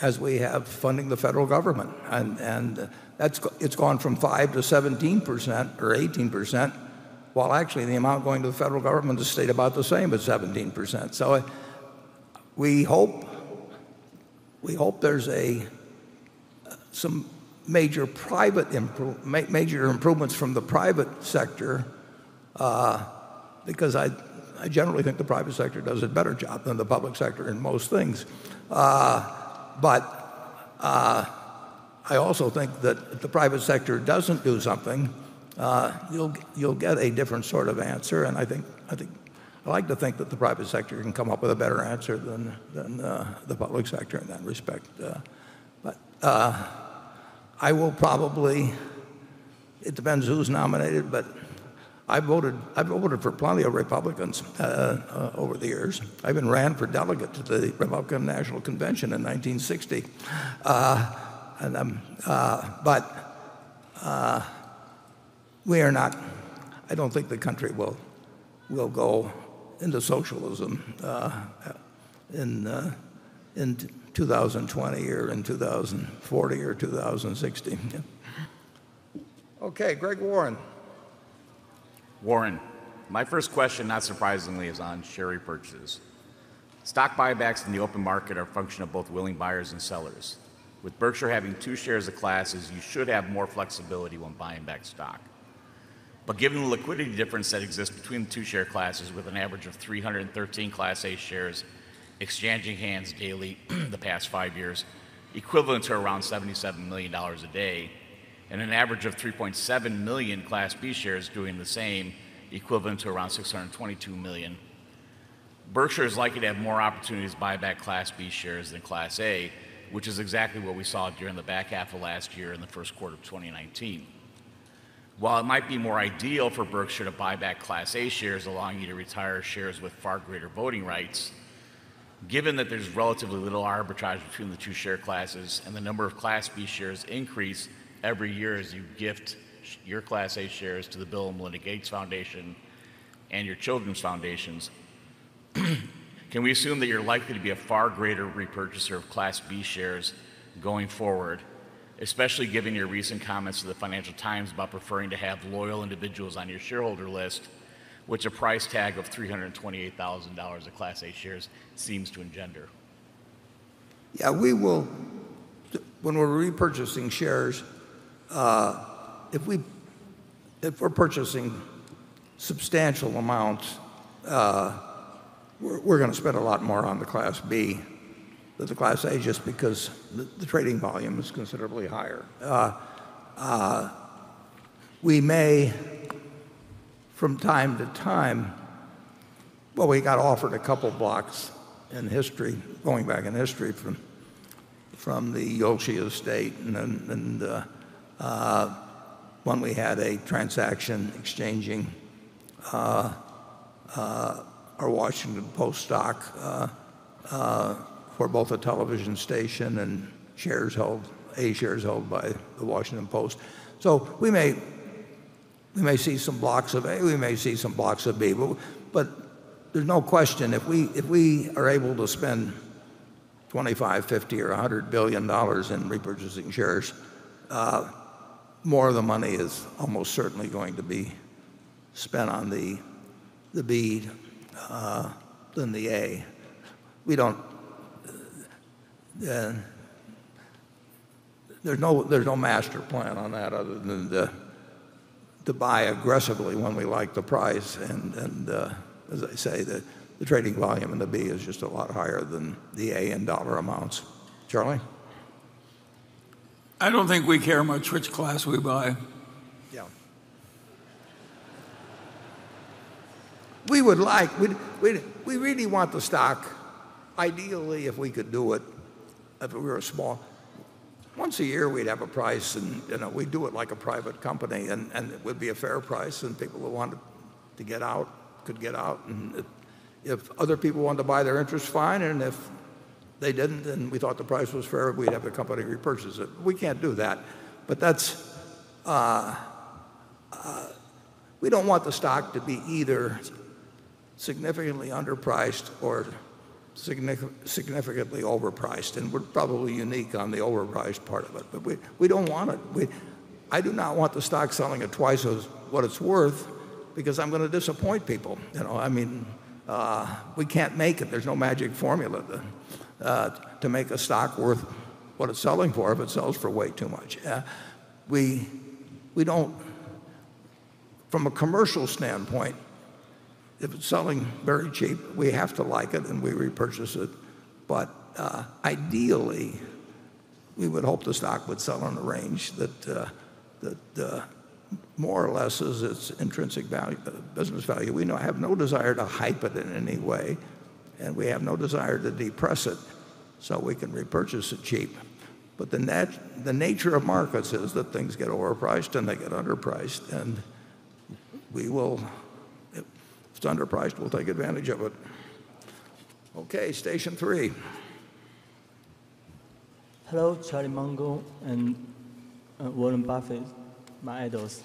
as we have funding the federal government. It's gone from 5% to 17% or 18%, while actually the amount going to the federal government has stayed about the same at 17%. We hope there's some major improvements from the private sector, because I generally think the private sector does a better job than the public sector in most things. I also think that if the private sector doesn't do something, you'll get a different sort of answer, and I like to think that the private sector can come up with a better answer than the public sector in that respect. I will probably, it depends who's nominated, but I've voted for plenty of Republicans over the years. I even ran for delegate to the Republican National Convention in 1960. I don't think the country will go into socialism in 2020 or in 2040 or 2060. Okay, Gregg Warren. Warren. My first question, not surprisingly, is on share repurchases. Stock buybacks in the open market are a function of both willing buyers and sellers. With Berkshire having 2 shares of classes, you should have more flexibility when buying back stock. Given the liquidity difference that exists between the 2 share classes, with an average of 313 Class A shares exchanging hands daily the past five years, equivalent to around $77 million a day, and an average of 3.7 million Class B shares doing the same, equivalent to around $622 million, Berkshire is likely to have more opportunities to buy back Class B shares than Class A, which is exactly what we saw during the back half of last year and the first quarter of 2019. While it might be more ideal for Berkshire to buy back Class A shares, allowing you to retire shares with far greater voting rights, given that there's relatively little arbitrage between the two share classes and the number of Class B shares increase every year as you gift your Class A shares to the Bill & Melinda Gates Foundation and your children's foundations, can we assume that you're likely to be a far greater repurchaser of Class B shares going forward, especially given your recent comments to the Financial Times about preferring to have loyal individuals on your shareholder list, which a price tag of $328,000 of Class A shares seems to engender? Yeah, when we're repurchasing shares, if we're purchasing substantial amounts, we're going to spend a lot more on the Class B than the Class A just because the trading volume is considerably higher. We may, from time to time Well, we got offered a couple blocks going back in history from the Yawkey estate, and when we had a transaction exchanging our The Washington Post stock for both a television station and A shares held by The Washington Post. We may see some blocks of A, we may see some blocks of B, there's no question, if we are able to spend $25 billion, $50 billion or $100 billion in repurchasing shares, more of the money is almost certainly going to be spent on the B than the A. There's no master plan on that other than to buy aggressively when we like the price. As I say, the trading volume in the B is just a lot higher than the A in dollar amounts. Charlie? I don't think we care much which class we buy. Yeah. We really want the stock, ideally, if we could do it, if we were small. Once a year, we'd have a price, and we'd do it like a private company, and it would be a fair price, and people who wanted to get out could get out. If other people wanted to buy their interest, fine, and if they didn't, and we thought the price was fair, we'd have the company repurchase it. We can't do that. We don't want the stock to be either significantly underpriced or significantly overpriced, and we're probably unique on the overpriced part of it. We don't want it. I do not want the stock selling at twice what it's worth because I'm going to disappoint people. We can't make it. There's no magic formula to make a stock worth what it's selling for if it sells for way too much. From a commercial standpoint, if it's selling very cheap, we have to like it and we repurchase it. Ideally, we would hope the stock would sell in a range that more or less is its intrinsic business value. We have no desire to hype it in any way, we have no desire to depress it so we can repurchase it cheap. The nature of markets is that things get overpriced and they get underpriced, and if it's underpriced, we'll take advantage of it. Okay, station three. Hello, Charlie Munger and Warren Buffett, my idols.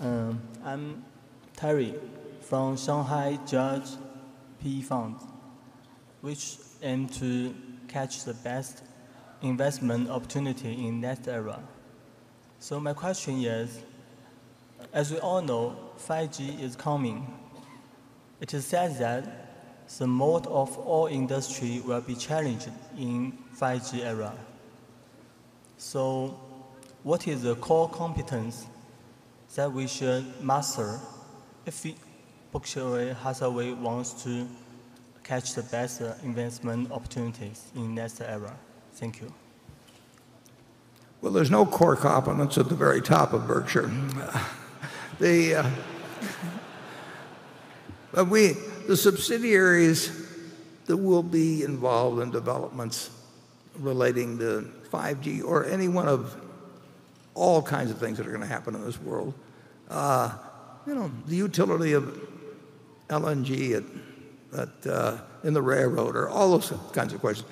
I'm Terry from Shanghai Judge PE Funds, which aim to catch the best investment opportunity in that era. My question is, as we all know, 5G is coming. It is said that the mode of all industry will be challenged in 5G era. What is the core competence that we should master if Berkshire Hathaway wants to catch the best investment opportunities in next era? Thank you. There's no core competence at the very top of Berkshire. The subsidiaries that will be involved in developments relating to 5G or any one of all kinds of things that are going to happen in this world. The utility of LNG in the railroad or all those kinds of questions.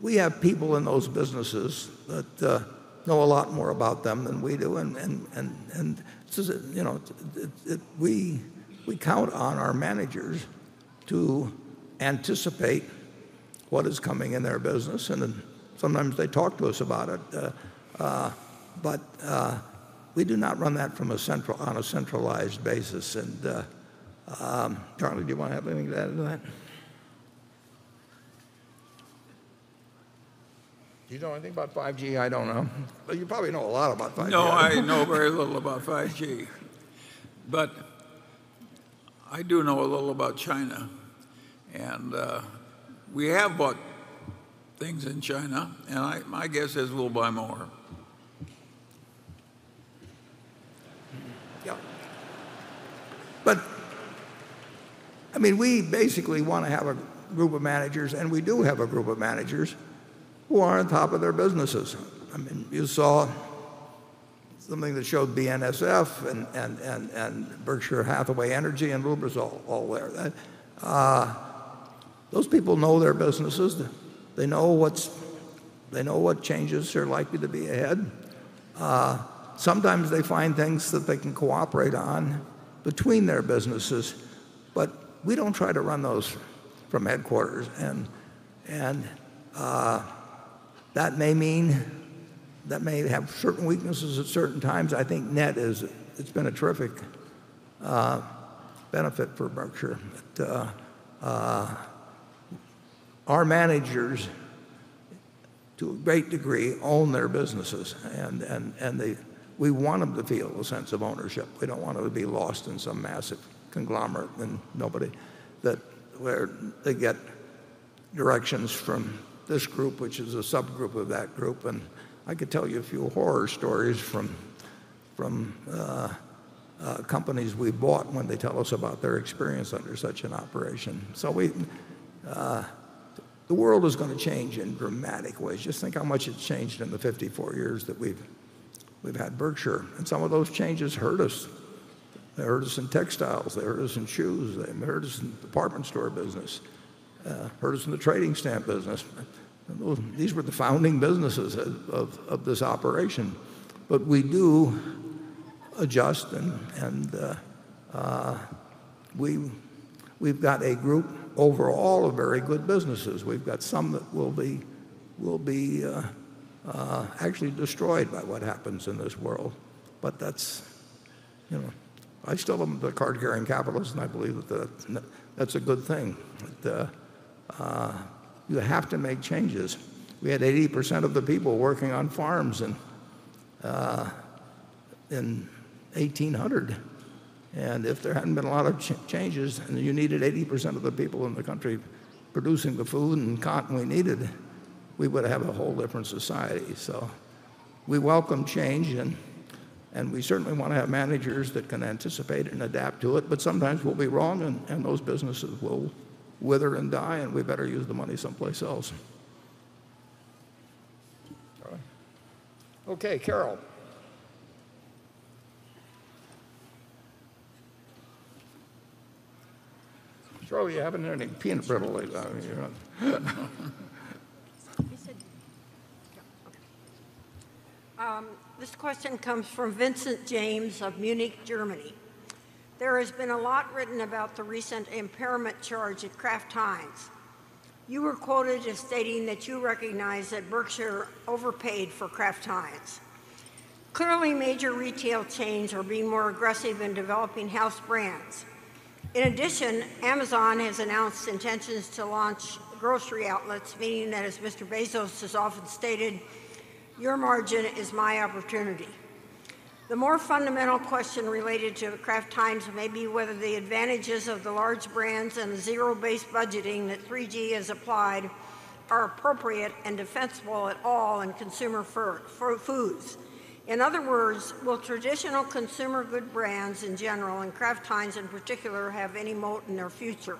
We have people in those businesses that know a lot more about them than we do, we count on our managers to anticipate what is coming in their business, and sometimes they talk to us about it. We do not run that on a centralized basis. Charlie, do you want to have anything to add to that? Do you know anything about 5G I don't know? You probably know a lot about 5G. No, I know very little about 5G, but I do know a little about China. We have bought things in China, and my guess is we'll buy more. Yeah. We basically want to have a group of managers, and we do have a group of managers who are on top of their businesses. You saw something that showed BNSF and Berkshire Hathaway Energy and Lubrizol all there. Those people know their businesses. They know what changes are likely to be ahead. Sometimes they find things that they can cooperate on between their businesses, but we don't try to run those from headquarters, and that may have certain weaknesses at certain times. I think net, it's been a terrific benefit for Berkshire. Our managers, to a great degree, own their businesses, and we want them to feel a sense of ownership. We don't want them to be lost in some massive conglomerate where they get directions from this group, which is a subgroup of that group. I could tell you a few horror stories from companies we've bought when they tell us about their experience under such an operation. The world is going to change in dramatic ways. Just think how much it's changed in the 54 years that we've had Berkshire, and some of those changes hurt us. They hurt us in textiles, they hurt us in shoes, they hurt us in the department store business, hurt us in the trading stamp business. These were the founding businesses of this operation. We do adjust, and we've got a group overall of very good businesses. We've got some that will be actually destroyed by what happens in this world. I still am a card-carrying capitalist and I believe that that's a good thing. You have to make changes. We had 80% of the people working on farms in 1800, and if there hadn't been a lot of changes, and you needed 80% of the people in the country producing the food and cotton we needed, we would have a whole different society. We welcome change, and we certainly want to have managers that can anticipate and adapt to it, but sometimes we'll be wrong, and those businesses will wither and die, and we better use the money someplace else. Okay, Carol. Charlie, you haven't had any peanut brittle lately. He said Yeah. Okay. This question comes from Vincent James of Munich, Germany. There has been a lot written about the recent impairment charge at Kraft Heinz. You were quoted as stating that you recognize that Berkshire overpaid for Kraft Heinz. Clearly, major retail chains are being more aggressive in developing house brands. In addition, Amazon has announced intentions to launch grocery outlets, meaning that as Mr. Bezos has often stated, "Your margin is my opportunity." The more fundamental question related to Kraft Heinz may be whether the advantages of the large brands and the zero-based budgeting that 3G Capital has applied are appropriate and defensible at all in consumer foods. In other words, will traditional consumer good brands in general, and Kraft Heinz in particular, have any moat in their future?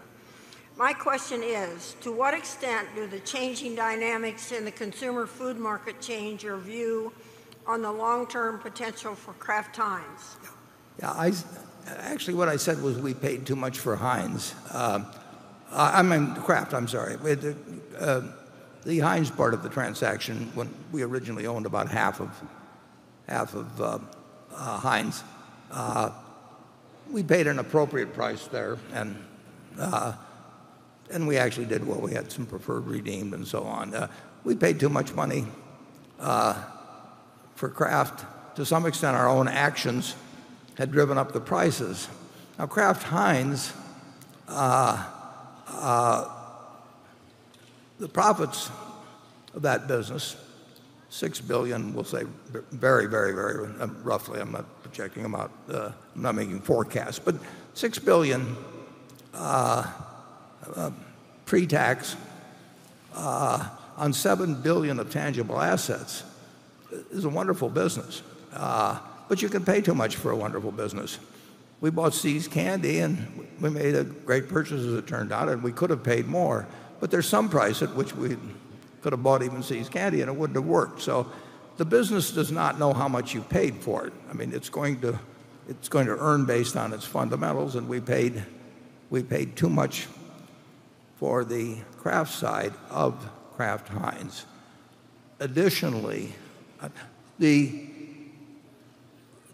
My question is, to what extent do the changing dynamics in the consumer food market change your view on the long-term potential for Kraft Heinz? Yeah. Actually, what I said was we paid too much for Kraft. The Heinz part of the transaction, we originally owned about half of Heinz. We paid an appropriate price there, and we actually did well. We had some preferred redeemed and so on. We paid too much money for Kraft. To some extent, our own actions had driven up the prices. Kraft Heinz, the profits of that business, $6 billion we'll say, very roughly, I'm not projecting them out, I'm not making forecasts. $6 billion pre-tax on $7 billion of tangible assets is a wonderful business. You can pay too much for a wonderful business. We bought See's Candies, and we made a great purchase as it turned out, and we could have paid more. There's some price at which we could have bought even See's Candies and it wouldn't have worked. The business does not know how much you paid for it. It's going to earn based on its fundamentals, and we paid too much for the Kraft side of Kraft Heinz. Additionally,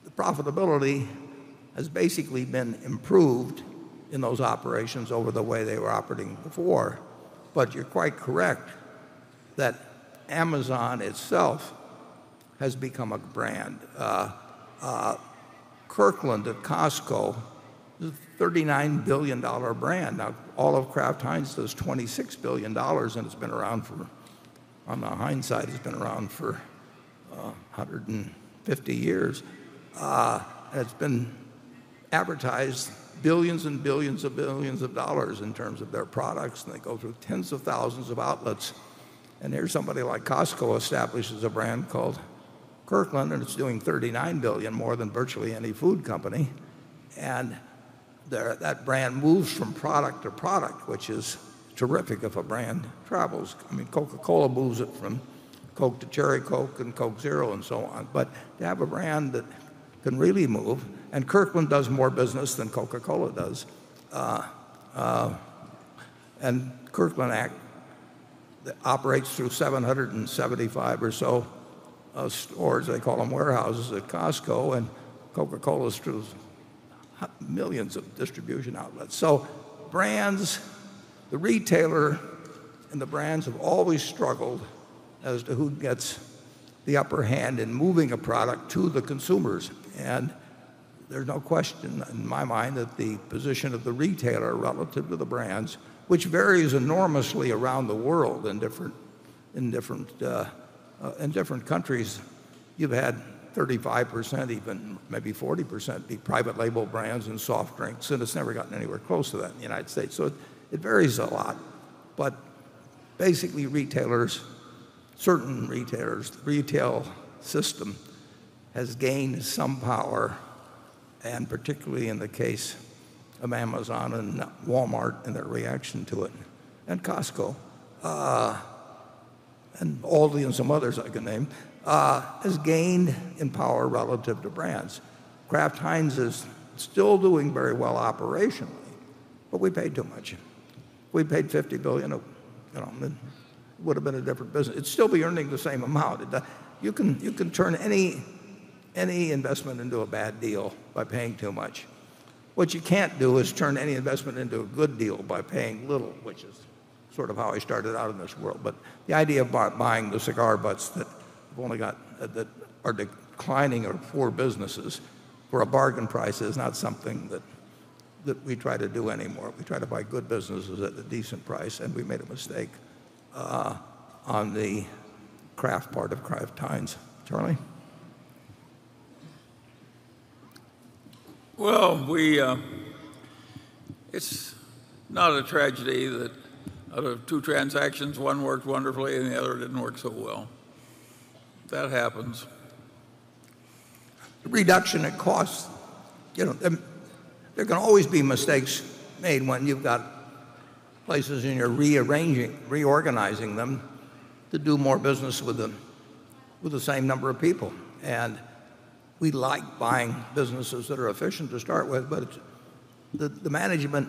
the profitability has basically been improved in those operations over the way they were operating before. You're quite correct that Amazon itself has become a brand. Kirkland Signature at Costco is a $39 billion brand. All of Kraft Heinz is $26 billion, and it's been around for, on the Heinz side, it's been around for 150 years. It's been advertised billions and billions of billions of dollars in terms of their products, and they go through tens of thousands of outlets. Here's somebody like Costco establishes a brand called Kirkland Signature, and it's doing $39 billion, more than virtually any food company. That brand moves from product to product, which is terrific if a brand travels. Coca-Cola moves it from Coke to Cherry Coke and Coke Zero and so on. To have a brand that can really move, Kirkland does more business than Coca-Cola does. Kirkland operates through 775 or so stores, they call them warehouses at Costco, and Coca-Cola is through millions of distribution outlets. The retailer and the brands have always struggled as to who gets the upper hand in moving a product to the consumers. There's no question in my mind that the position of the retailer relative to the brands, which varies enormously around the world in different countries. You've had 35%, even maybe 40% be private label brands in soft drinks, and it's never gotten anywhere close to that in the U.S. It varies a lot. Basically retailers, certain retailers, the retail system has gained some power, particularly in the case of Amazon and Walmart and their reaction to it, Costco, Aldi and some others I can name, has gained in power relative to brands. Kraft Heinz is still doing very well operationally, we paid too much. We paid $50 billion. It would have been a different business. It'd still be earning the same amount. You can turn any investment into a bad deal by paying too much. What you can't do is turn any investment into a good deal by paying little, which is sort of how I started out in this world. The idea of buying the cigar butts that are declining or poor businesses for a bargain price is not something that we try to do anymore. We try to buy good businesses at a decent price, we made a mistake on the Kraft part of Kraft Heinz. Charlie? It's not a tragedy that out of two transactions, one worked wonderfully and the other didn't work so well. That happens. The reduction in costs, there can always be mistakes made when you've got places and you're rearranging, reorganizing them to do more business with the same number of people. We like buying businesses that are efficient to start with, the management,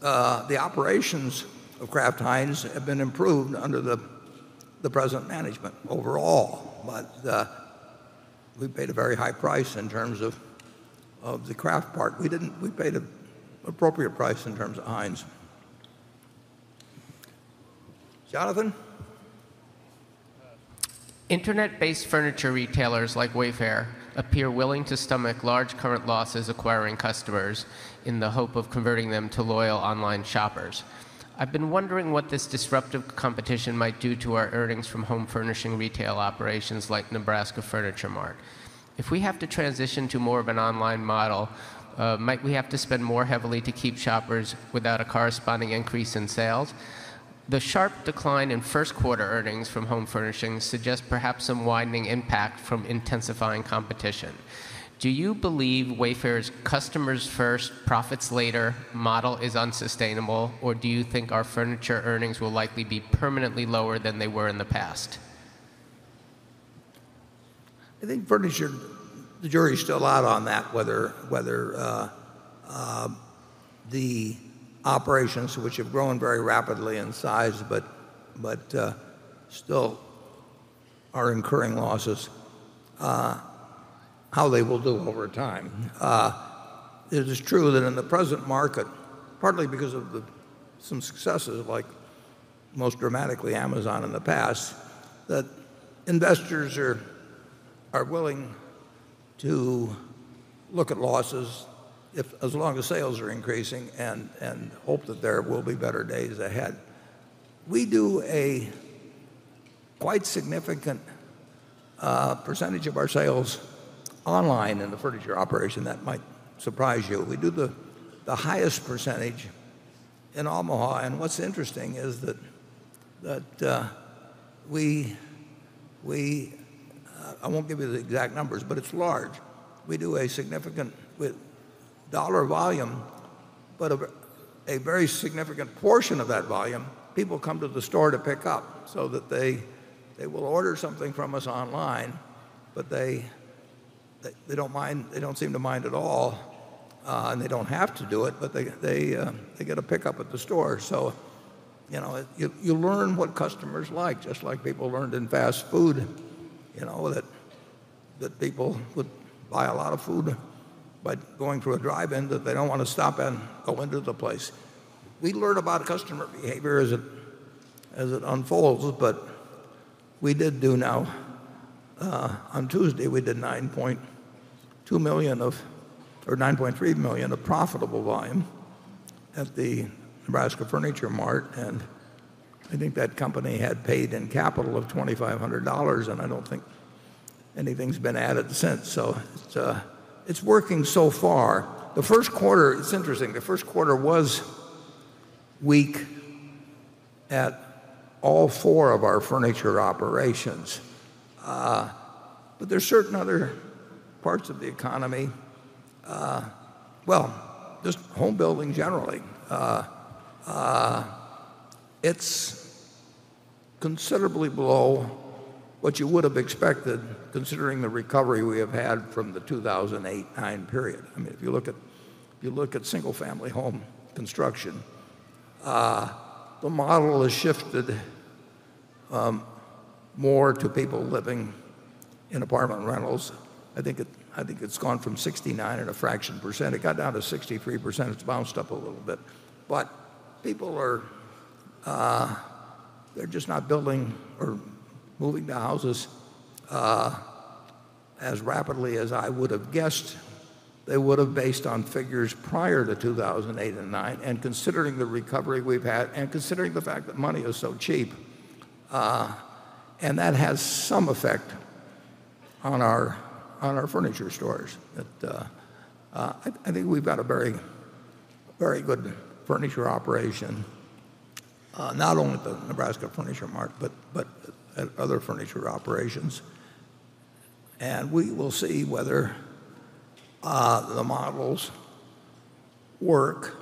the operations of Kraft Heinz have been improved under the present management overall. We paid a very high price in terms of the Kraft part. We paid an appropriate price in terms of Heinz. Jonathan? Internet-based furniture retailers like Wayfair appear willing to stomach large current losses acquiring customers in the hope of converting them to loyal online shoppers. I've been wondering what this disruptive competition might do to our earnings from home furnishing retail operations like Nebraska Furniture Mart. If we have to transition to more of an online model, might we have to spend more heavily to keep shoppers without a corresponding increase in sales? The sharp decline in first quarter earnings from home furnishings suggest perhaps some widening impact from intensifying competition. Do you believe Wayfair's customers first, profits later model is unsustainable, or do you think our furniture earnings will likely be permanently lower than they were in the past? I think furniture, the jury is still out on that, whether the operations which have grown very rapidly in size but still are incurring losses, how they will do over time. It is true that in the present market, partly because of some successes like most dramatically Amazon in the past, that investors are willing to look at losses as long as sales are increasing and hope that there will be better days ahead. We do a quite significant percentage of our sales online in the furniture operation. That might surprise you. We do the highest percentage in Omaha, and what's interesting is that I won't give you the exact numbers, but it's large. We do a significant dollar volume, but a very significant portion of that volume, people come to the store to pick up. They will order something from us online, but they don't seem to mind at all, and they don't have to do it, but they get a pickup at the store. You learn what customers like, just like people learned in fast food, that people would buy a lot of food by going through a drive-in, that they don't want to stop and go into the place. We learn about customer behavior as it unfolds, we did do now, on Tuesday, we did $9.2 million of, or $9.3 million of profitable volume at the Nebraska Furniture Mart, and I think that company had paid in capital of $2,500, and I don't think anything's been added since. It's working so far. The first quarter, it's interesting, the first quarter was weak at all four of our furniture operations. There's certain other parts of the economy, well, just home building generally. It's considerably below what you would have expected considering the recovery we have had from the 2008-2009 period. If you look at single family home construction, the model has shifted more to people living in apartment rentals. I think it's gone from 69 and a fraction%. It got down to 63%, it's bounced up a little bit. People are just not building or moving to houses as rapidly as I would have guessed they would have based on figures prior to 2008 and 2009, and considering the recovery we've had and considering the fact that money is so cheap. That has some effect on our furniture stores. I think we've got a very good furniture operation, not only at the Nebraska Furniture Mart, but at other furniture operations. We will see whether the models work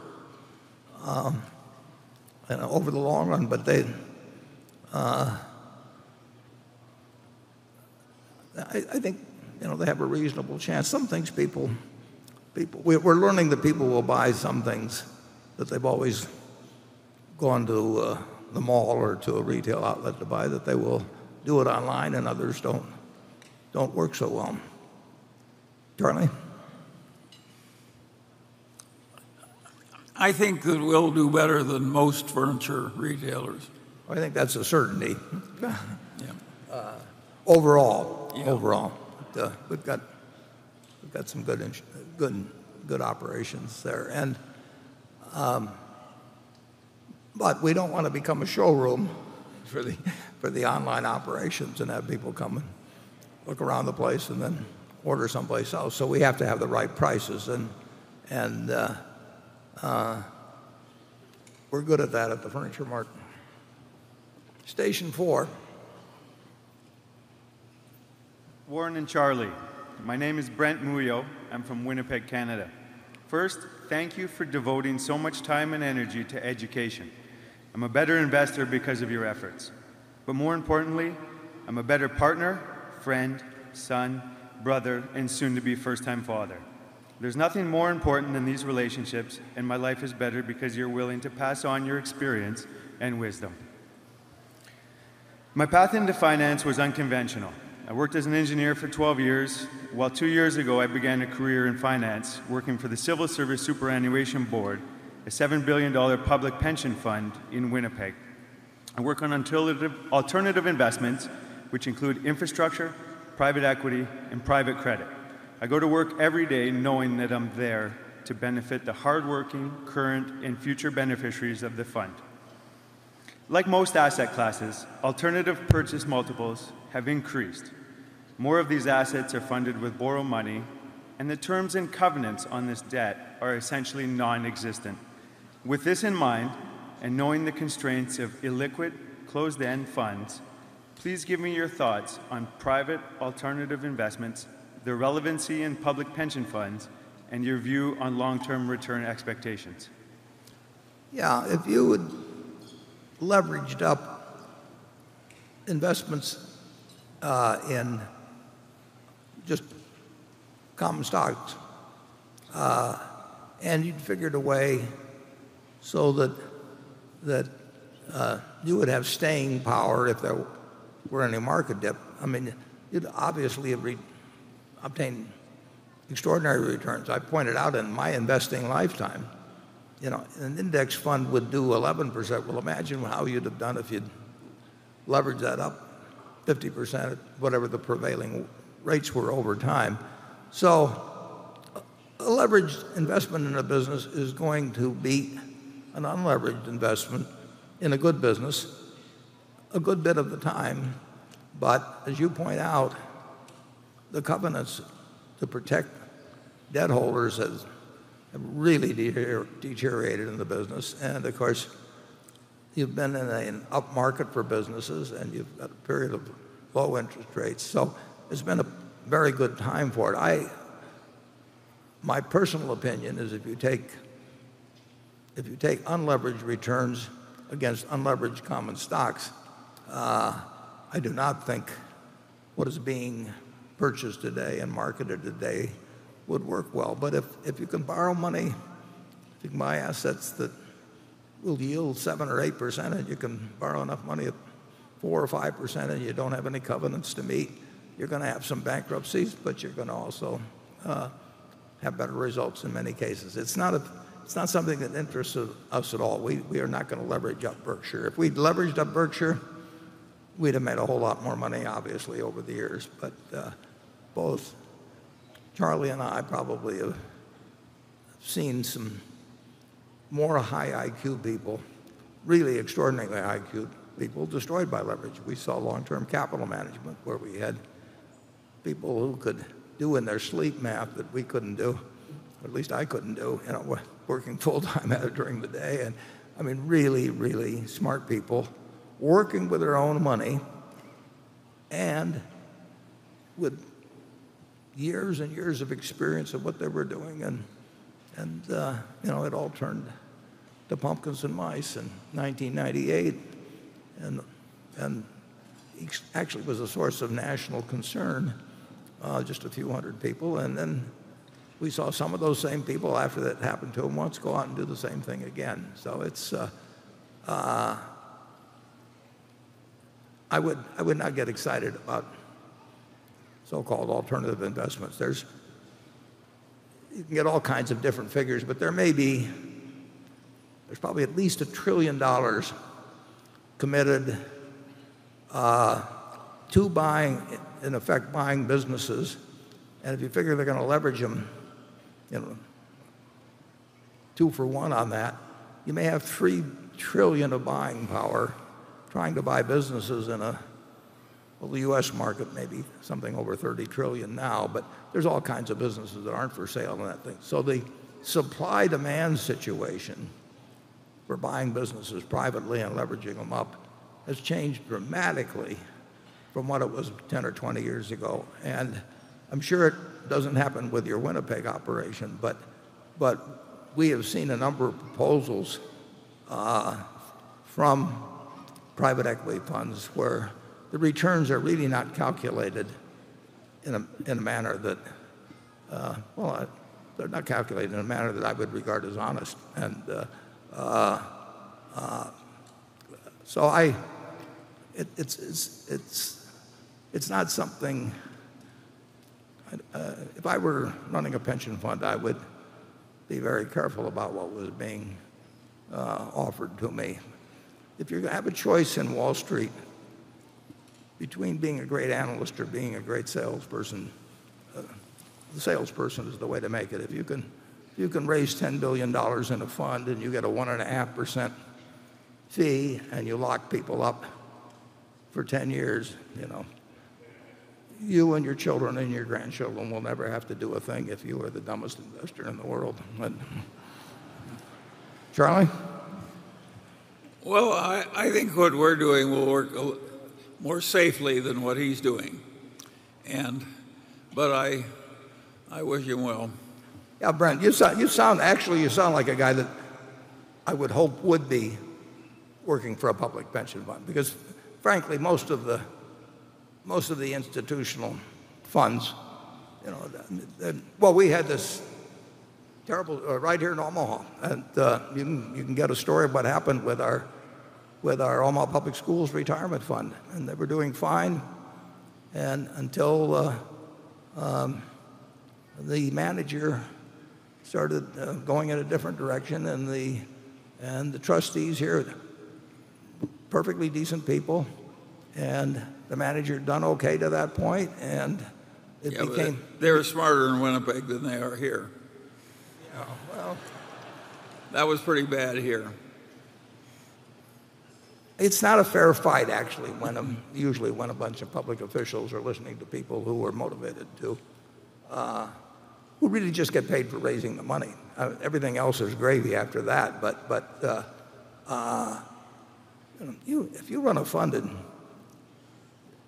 over the long run, but they I think they have a reasonable chance. We're learning that people will buy some things that they've always gone to the mall or to a retail outlet to buy, that they will do it online and others don't work so well. Charlie? I think that we'll do better than most furniture retailers. I think that's a certainty. Yeah. Overall. Yeah. Overall, we've got some good operations there. We don't want to become a showroom for the online operations and have people come and look around the place and then order someplace else. We have to have the right prices, and we're good at that at the Furniture Mart. Station four. Warren and Charlie, my name is Brent Muyo. I'm from Winnipeg, Canada. First, thank you for devoting so much time and energy to education. I'm a better investor because of your efforts. More importantly, I'm a better partner, friend, son, brother, and soon to be first-time father. There's nothing more important than these relationships, and my life is better because you're willing to pass on your experience and wisdom. My path into finance was unconventional. I worked as an engineer for 12 years, while two years ago, I began a career in finance working for The Civil Service Superannuation Board, a $7 billion public pension fund in Winnipeg. I work on alternative investments, which include infrastructure, private equity, and private credit. I go to work every day knowing that I'm there to benefit the hardworking current and future beneficiaries of the fund. Like most asset classes, alternative purchase multiples have increased. More of these assets are funded with borrowed money, and the terms and covenants on this debt are essentially non-existent. With this in mind, and knowing the constraints of illiquid, closed-end funds, please give me your thoughts on private alternative investments, their relevancy in public pension funds, and your view on long-term return expectations. Yeah. If you had leveraged up investments in just common stocks, and you'd figured a way so that you would have staying power if there were any market dip, you'd obviously have obtained extraordinary returns. I pointed out in my investing lifetime, an index fund would do 11%. Well, imagine how you'd have done if you'd leveraged that up 50% at whatever the prevailing rates were over time. A leveraged investment in a business is going to beat an unleveraged investment in a good business a good bit of the time. As you point out, the covenants to protect debt holders have really deteriorated in the business, and of course, you've been in an upmarket for businesses and you've got a period of low interest rates, so it's been a very good time for it. My personal opinion is if you take unleveraged returns against unleveraged common stocks, I do not think what is being purchased today and marketed today would work well. If you can borrow money, take my assets that will yield 7% or 8%, and you can borrow enough money at 4% or 5%, and you don't have any covenants to meet, you're going to have some bankruptcies, but you're going to also have better results in many cases. It's not something that interests us at all. We are not going to leverage up Berkshire. If we'd leveraged up Berkshire, we'd have made a whole lot more money, obviously, over the years. Both Charlie and I probably have seen some more high IQ people, really extraordinarily high IQ people, destroyed by leverage. We saw Long-Term Capital Management where we had people who could do in their sleep math that we couldn't do, or at least I couldn't do, working full time at it during the day, and really, really smart people working with their own money and with years and years of experience of what they were doing, and it all turned to pumpkins and mice in 1998, and actually was a source of national concern, just a few hundred people. We saw some of those same people after that happened to them once go out and do the same thing again. I would not get excited about so-called alternative investments. You can get all kinds of different figures, there's probably at least $1 trillion committed to, in effect, buying businesses, and if you figure they're going to leverage them 2 for 1 on that, you may have $3 trillion of buying power trying to buy businesses in a. The U.S. market may be something over $30 trillion now, but there's all kinds of businesses that aren't for sale and that thing. The supply-demand situation for buying businesses privately and leveraging them up has changed dramatically from what it was 10 or 20 years ago. I'm sure it doesn't happen with your Winnipeg operation, but we have seen a number of proposals from private equity funds where the returns are really not calculated in a manner that I would regard as honest. If I were running a pension fund, I would be very careful about what was being offered to me. If you have a choice in Wall Street between being a great analyst or being a great salesperson, the salesperson is the way to make it. If you can raise $10 billion in a fund and you get a 1.5% fee and you lock people up for 10 years, you and your children and your grandchildren will never have to do a thing if you were the dumbest investor in the world. Charlie? Well, I think what we're doing will work more safely than what he's doing. I wish him well. Yeah, Brent, actually you sound like a guy that I would hope would be working for a public pension fund because frankly, most of the institutional funds Well, we had this terrible right here in Omaha. You can get a story of what happened with our Omaha Public Schools retirement fund. They were doing fine until the manager started going in a different direction, and the trustees here, perfectly decent people, and the manager had done okay to that point, and it became. Yeah, they were smarter in Winnipeg than they are here. Well, that was pretty bad here. It's not a fair fight, actually, usually when a bunch of public officials are listening to people who really just get paid for raising the money. Everything else is gravy after that. If you run a fund and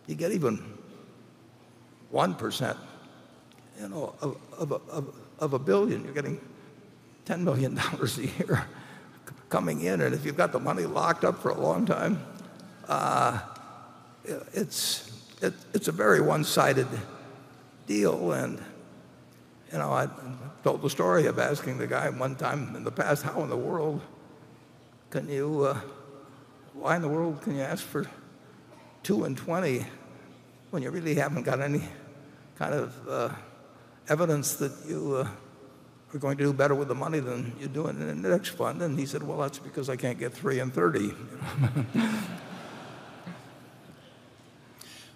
you get even 1% of $1 billion, you're getting $10 million a year coming in. If you've got the money locked up for a long time, it's a very one-sided deal. I told the story of asking the guy one time in the past, "Why in the world can you ask for two and 20 when you really haven't got any kind of evidence that you are going to do better with the money than you're doing in an index fund?" He said, "Well, that's because I can't get three and 30.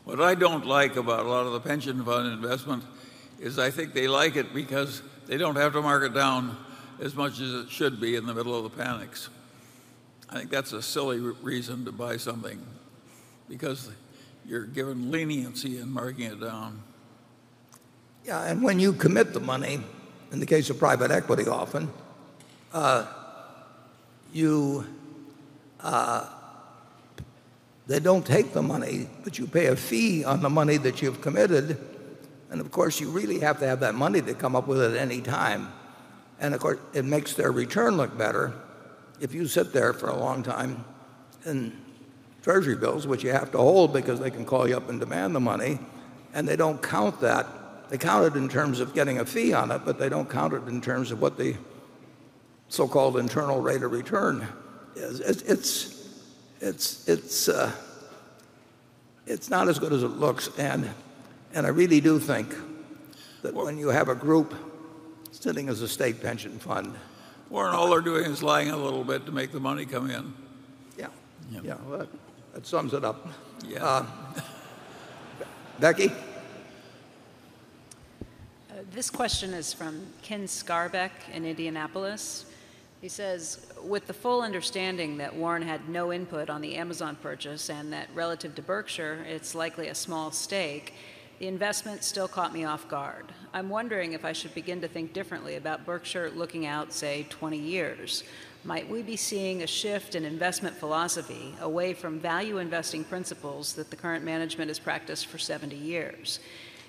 What I don't like about a lot of the pension fund investment is I think they like it because they don't have to mark it down as much as it should be in the middle of the panics. I think that's a silly reason to buy something, because you're given leniency in marking it down. Yeah, when you commit the money, in the case of private equity often they don't take the money, but you pay a fee on the money that you've committed. Of course, you really have to have that money to come up with it at any time. Of course, it makes their return look better if you sit there for a long time in Treasury bills, which you have to hold because they can call you up and demand the money. They don't count that. They count it in terms of getting a fee on it, but they don't count it in terms of what the so-called internal rate of return is. It's not as good as it looks. I really do think that when you have a group sitting as a state pension fund- Warren, all they're doing is lying a little bit to make the money come in. Yeah. Yeah. Well, that sums it up. Yeah. Becky? This question is from Ken Scarbeck in Indianapolis. He says, "With the full understanding that Warren had no input on the Amazon purchase and that relative to Berkshire it's likely a small stake, the investment still caught me off guard. I'm wondering if I should begin to think differently about Berkshire looking out, say, 20 years. Might we be seeing a shift in investment philosophy away from value investing principles that the current management has practiced for 70 years?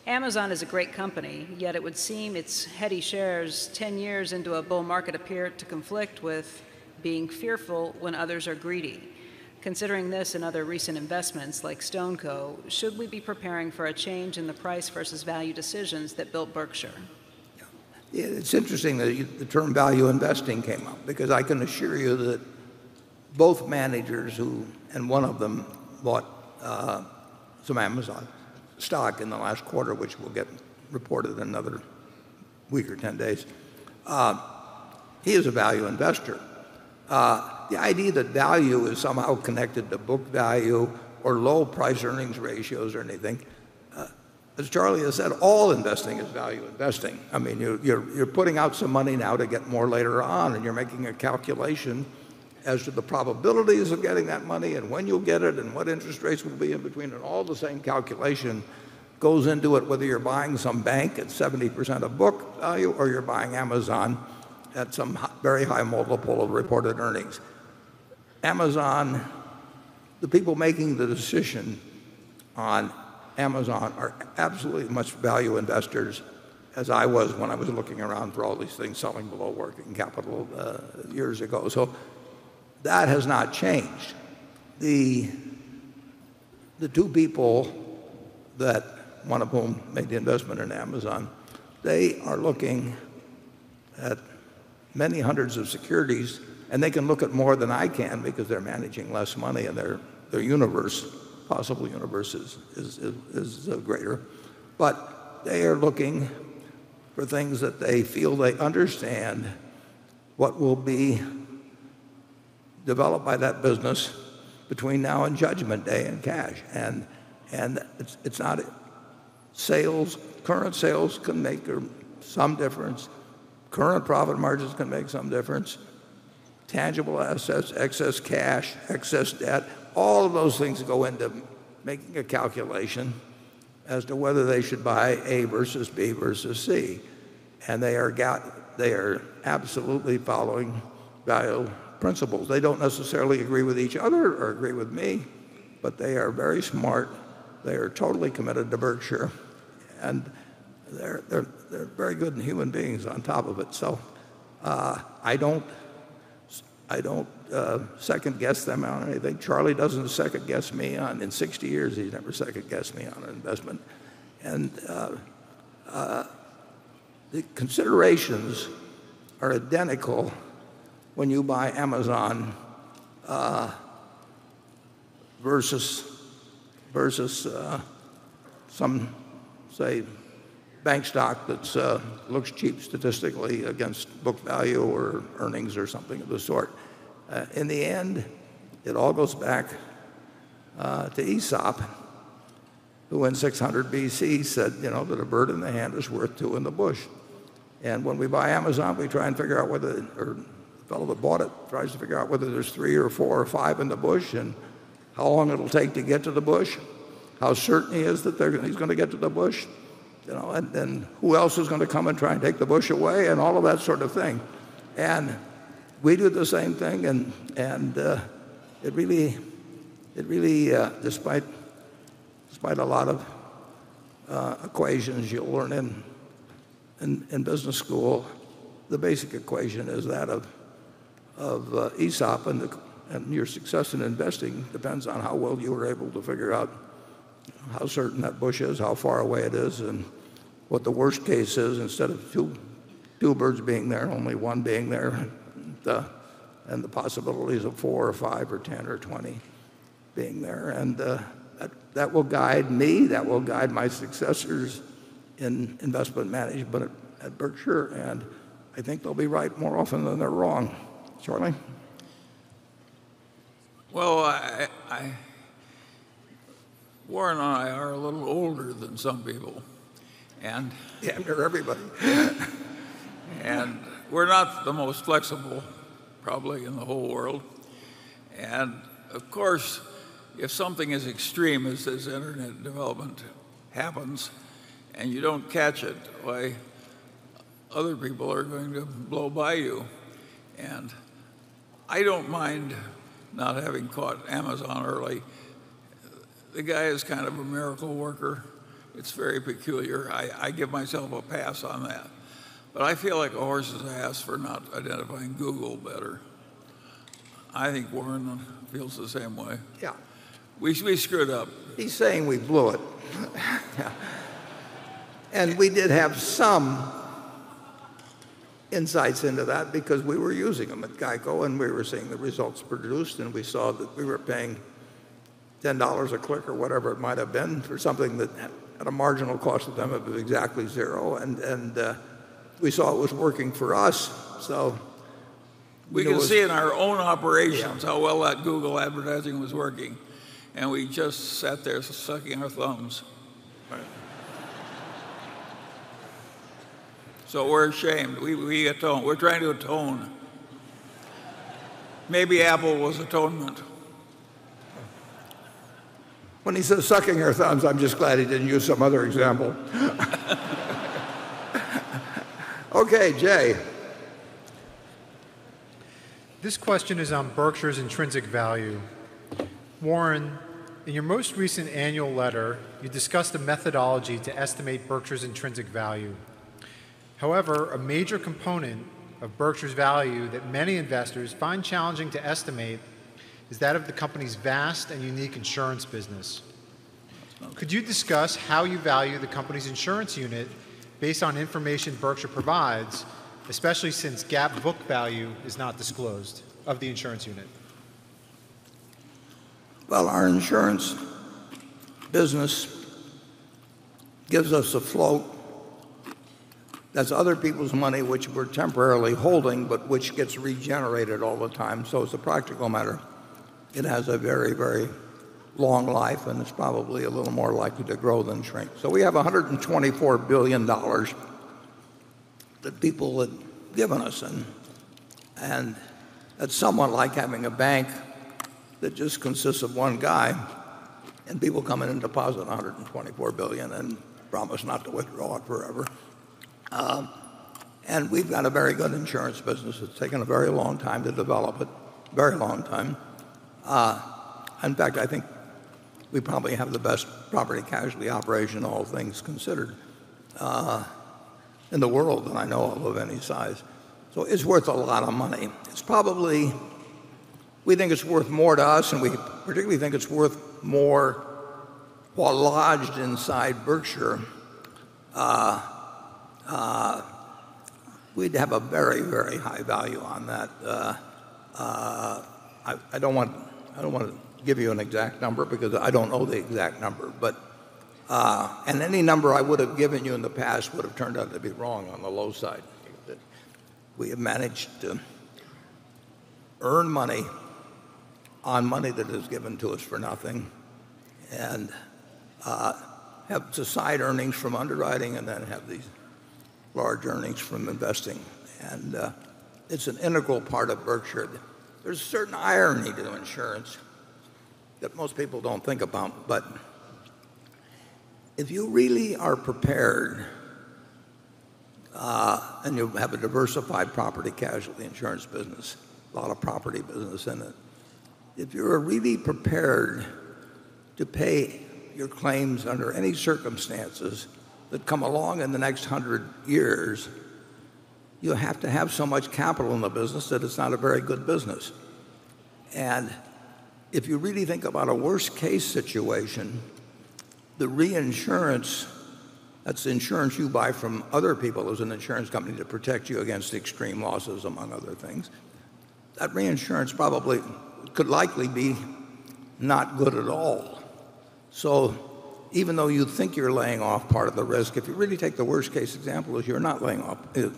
Amazon is a great company, yet it would seem its heady shares 10 years into a bull market appear to conflict with being fearful when others are greedy. Considering this and other recent investments like StoneCo, should we be preparing for a change in the price versus value decisions that built Berkshire? Yeah. It's interesting that the term value investing came up because I can assure you that both managers who, and one of them bought some Amazon stock in the last quarter, which will get reported in another week or 10 days, he is a value investor. The idea that value is somehow connected to book value or low price-earnings ratios or anything, as Charlie has said, all investing is value investing. You're putting out some money now to get more later on, and you're making a calculation as to the probabilities of getting that money and when you'll get it and what interest rates will be in between, and all the same calculation goes into it, whether you're buying some bank at 70% of book value or you're buying Amazon at some very high multiple of reported earnings. The people making the decision on Amazon are absolutely much value investors as I was when I was looking around for all these things selling below working capital years ago. That has not changed. The two people, one of whom made the investment in Amazon, they are looking at many hundreds of securities, and they can look at more than I can because they're managing less money and their possible universe is greater, but they are looking for things that they feel they understand what will be developed by that business between now and judgment day and cash. It's not sales. Current sales can make some difference. Current profit margins can make some difference. Tangible assets, excess cash, excess debt, all of those things go into making a calculation as to whether they should buy A versus B versus C. They are absolutely following value principles. They don't necessarily agree with each other or agree with me, but they are very smart. They are totally committed to Berkshire, and they're very good human beings on top of it. I don't second-guess them on anything. Charlie doesn't second-guess me. In 60 years, he's never second-guessed me on an investment. The considerations are identical when you buy Amazon versus some, say, bank stock that looks cheap statistically against book value or earnings or something of the sort. In the end, it all goes back to Aesop, who in 600 BC said that a bird in the hand is worth two in the bush. When we buy Amazon, the fellow that bought it tries to figure out whether there's three or four or five in the bush, and how long it'll take to get to the bush, how certain he is that he's going to get to the bush, and who else is going to come and try and take the bush away, and all of that sort of thing. We do the same thing, and despite a lot of equations you'll learn in business school, the basic equation is that of Aesop, and your success in investing depends on how well you are able to figure out how certain that bush is, how far away it is, and what the worst case is. Instead of two birds being there, only one being there, and the possibilities of four or five or 10 or 20 being there. That will guide me, that will guide my successors in investment management at Berkshire. I think they'll be right more often than they're wrong. Charlie? Well, Warren and I are a little older than some people, and- Yeah, everybody. We're not the most flexible, probably, in the whole world. Of course, if something as extreme as this internet development happens and you don't catch it, why, other people are going to blow by you. I don't mind not having caught Amazon early. The guy is kind of a miracle worker. It's very peculiar. I give myself a pass on that. I feel like a horse's ass for not identifying Google better. I think Warren feels the same way. Yeah. We screwed up. He's saying we blew it. We did have some insights into that because we were using them at GEICO, and we were seeing the results produced, and we saw that we were paying $10 a click or whatever it might have been for something that at a marginal cost to them, it was exactly zero. We saw it was working for us. We could see in our own operations. Yeah how well that Google advertising was working. We just sat there sucking our thumbs. We're ashamed. We atone. We're trying to atone. Maybe Apple was atonement. When he said "sucking our thumbs," I'm just glad he didn't use some other example. Okay, Jay. This question is on Berkshire's intrinsic value. Warren, in your most recent annual letter, you discussed a methodology to estimate Berkshire's intrinsic value. A major component of Berkshire's value that many investors find challenging to estimate is that of the company's vast and unique insurance business. Could you discuss how you value the company's insurance unit based on information Berkshire provides, especially since GAAP book value is not disclosed of the insurance unit? Well, our insurance business gives us a float that's other people's money, which we're temporarily holding, but which gets regenerated all the time. As a practical matter, it has a very, very long life, and it's probably a little more likely to grow than shrink. We have $124 billion that people have given us, and that's somewhat like having a bank that just consists of one guy and people coming in and depositing $124 billion and promise not to withdraw it forever. We've got a very good insurance business. It's taken a very long time to develop it. Very long time. In fact, I think we probably have the best property casualty operation, all things considered, in the world that I know of any size. It's worth a lot of money. We think it's worth more to us, and we particularly think it's worth more while lodged inside Berkshire. We'd have a very, very high value on that. I don't want to give you an exact number because I don't know the exact number. Any number I would have given you in the past would have turned out to be wrong on the low side. We have managed to earn money on money that is given to us for nothing, and have the side earnings from underwriting, and then have these large earnings from investing. It's an integral part of Berkshire. There's a certain irony to insurance that most people don't think about, but if you really are prepared and you have a diversified property casualty insurance business, a lot of property business in it. If you are really prepared to pay your claims under any circumstances that come along in the next 100 years, you have to have so much capital in the business that it's not a very good business. If you really think about a worst-case situation, the reinsurance, that's insurance you buy from other people as an insurance company to protect you against extreme losses, among other things, that reinsurance probably could likely be not good at all. Even though you think you're laying off part of the risk, if you really take the worst-case example, you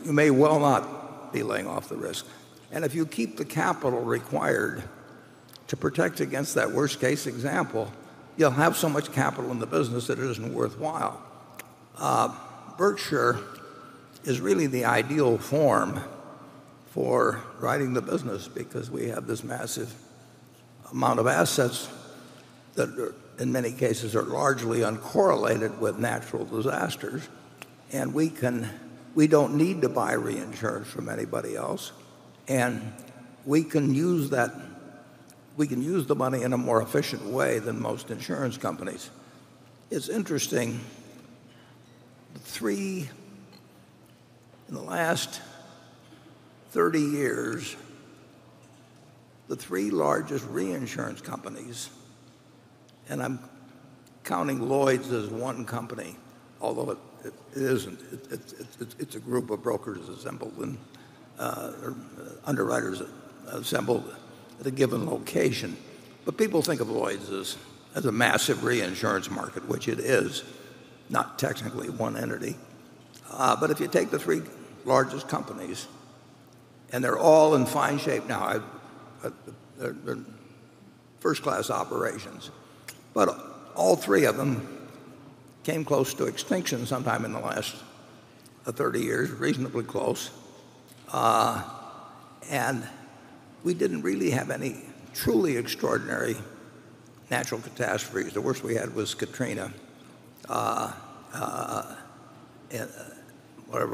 may well not be laying off the risk. If you keep the capital required to protect against that worst-case example, you'll have so much capital in the business that it isn't worthwhile. Berkshire is really the ideal form for writing the business because we have this massive amount of assets that in many cases are largely uncorrelated with natural disasters, and we don't need to buy reinsurance from anybody else, and we can use the money in a more efficient way than most insurance companies. It's interesting, in the last 30 years, the three largest reinsurance companies, and I'm counting Lloyd's as one company, although it isn't. It's a group of brokers assembled, and underwriters assembled at a given location. People think of Lloyd's as a massive reinsurance market, which it is, not technically one entity. If you take the three largest companies, and they're all in fine shape now, they're first-class operations, but all three of them came close to extinction sometime in the last 30 years, reasonably close. We didn't really have any truly extraordinary natural catastrophes. The worst we had was Katrina, whatever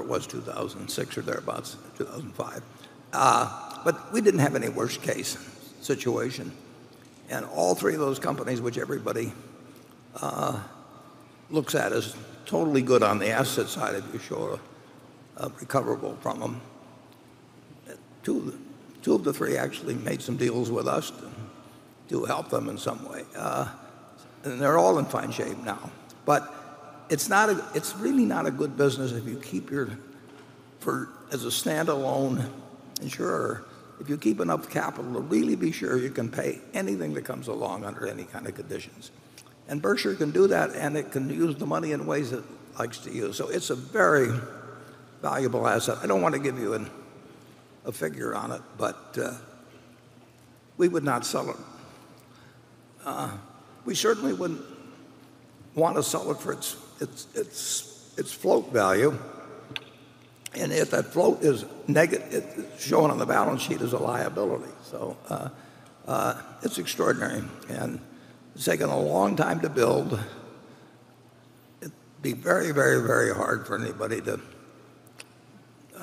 it was, 2006 or thereabouts, 2005. We didn't have any worst-case situation. All three of those companies, which everybody looks at as totally good on the asset side, if you show a recoverable from them, two of the three actually made some deals with us to help them in some way. They're all in fine shape now. It's really not a good business as a standalone insurer, if you keep enough capital to really be sure you can pay anything that comes along under any kind of conditions. Berkshire can do that, and it can use the money in ways it likes to use. It's a very valuable asset. I don't want to give you a figure on it, but we would not sell it. We certainly wouldn't want to sell it for its float value. If that float is shown on the balance sheet as a liability. It's extraordinary, and it's taken a long time to build. I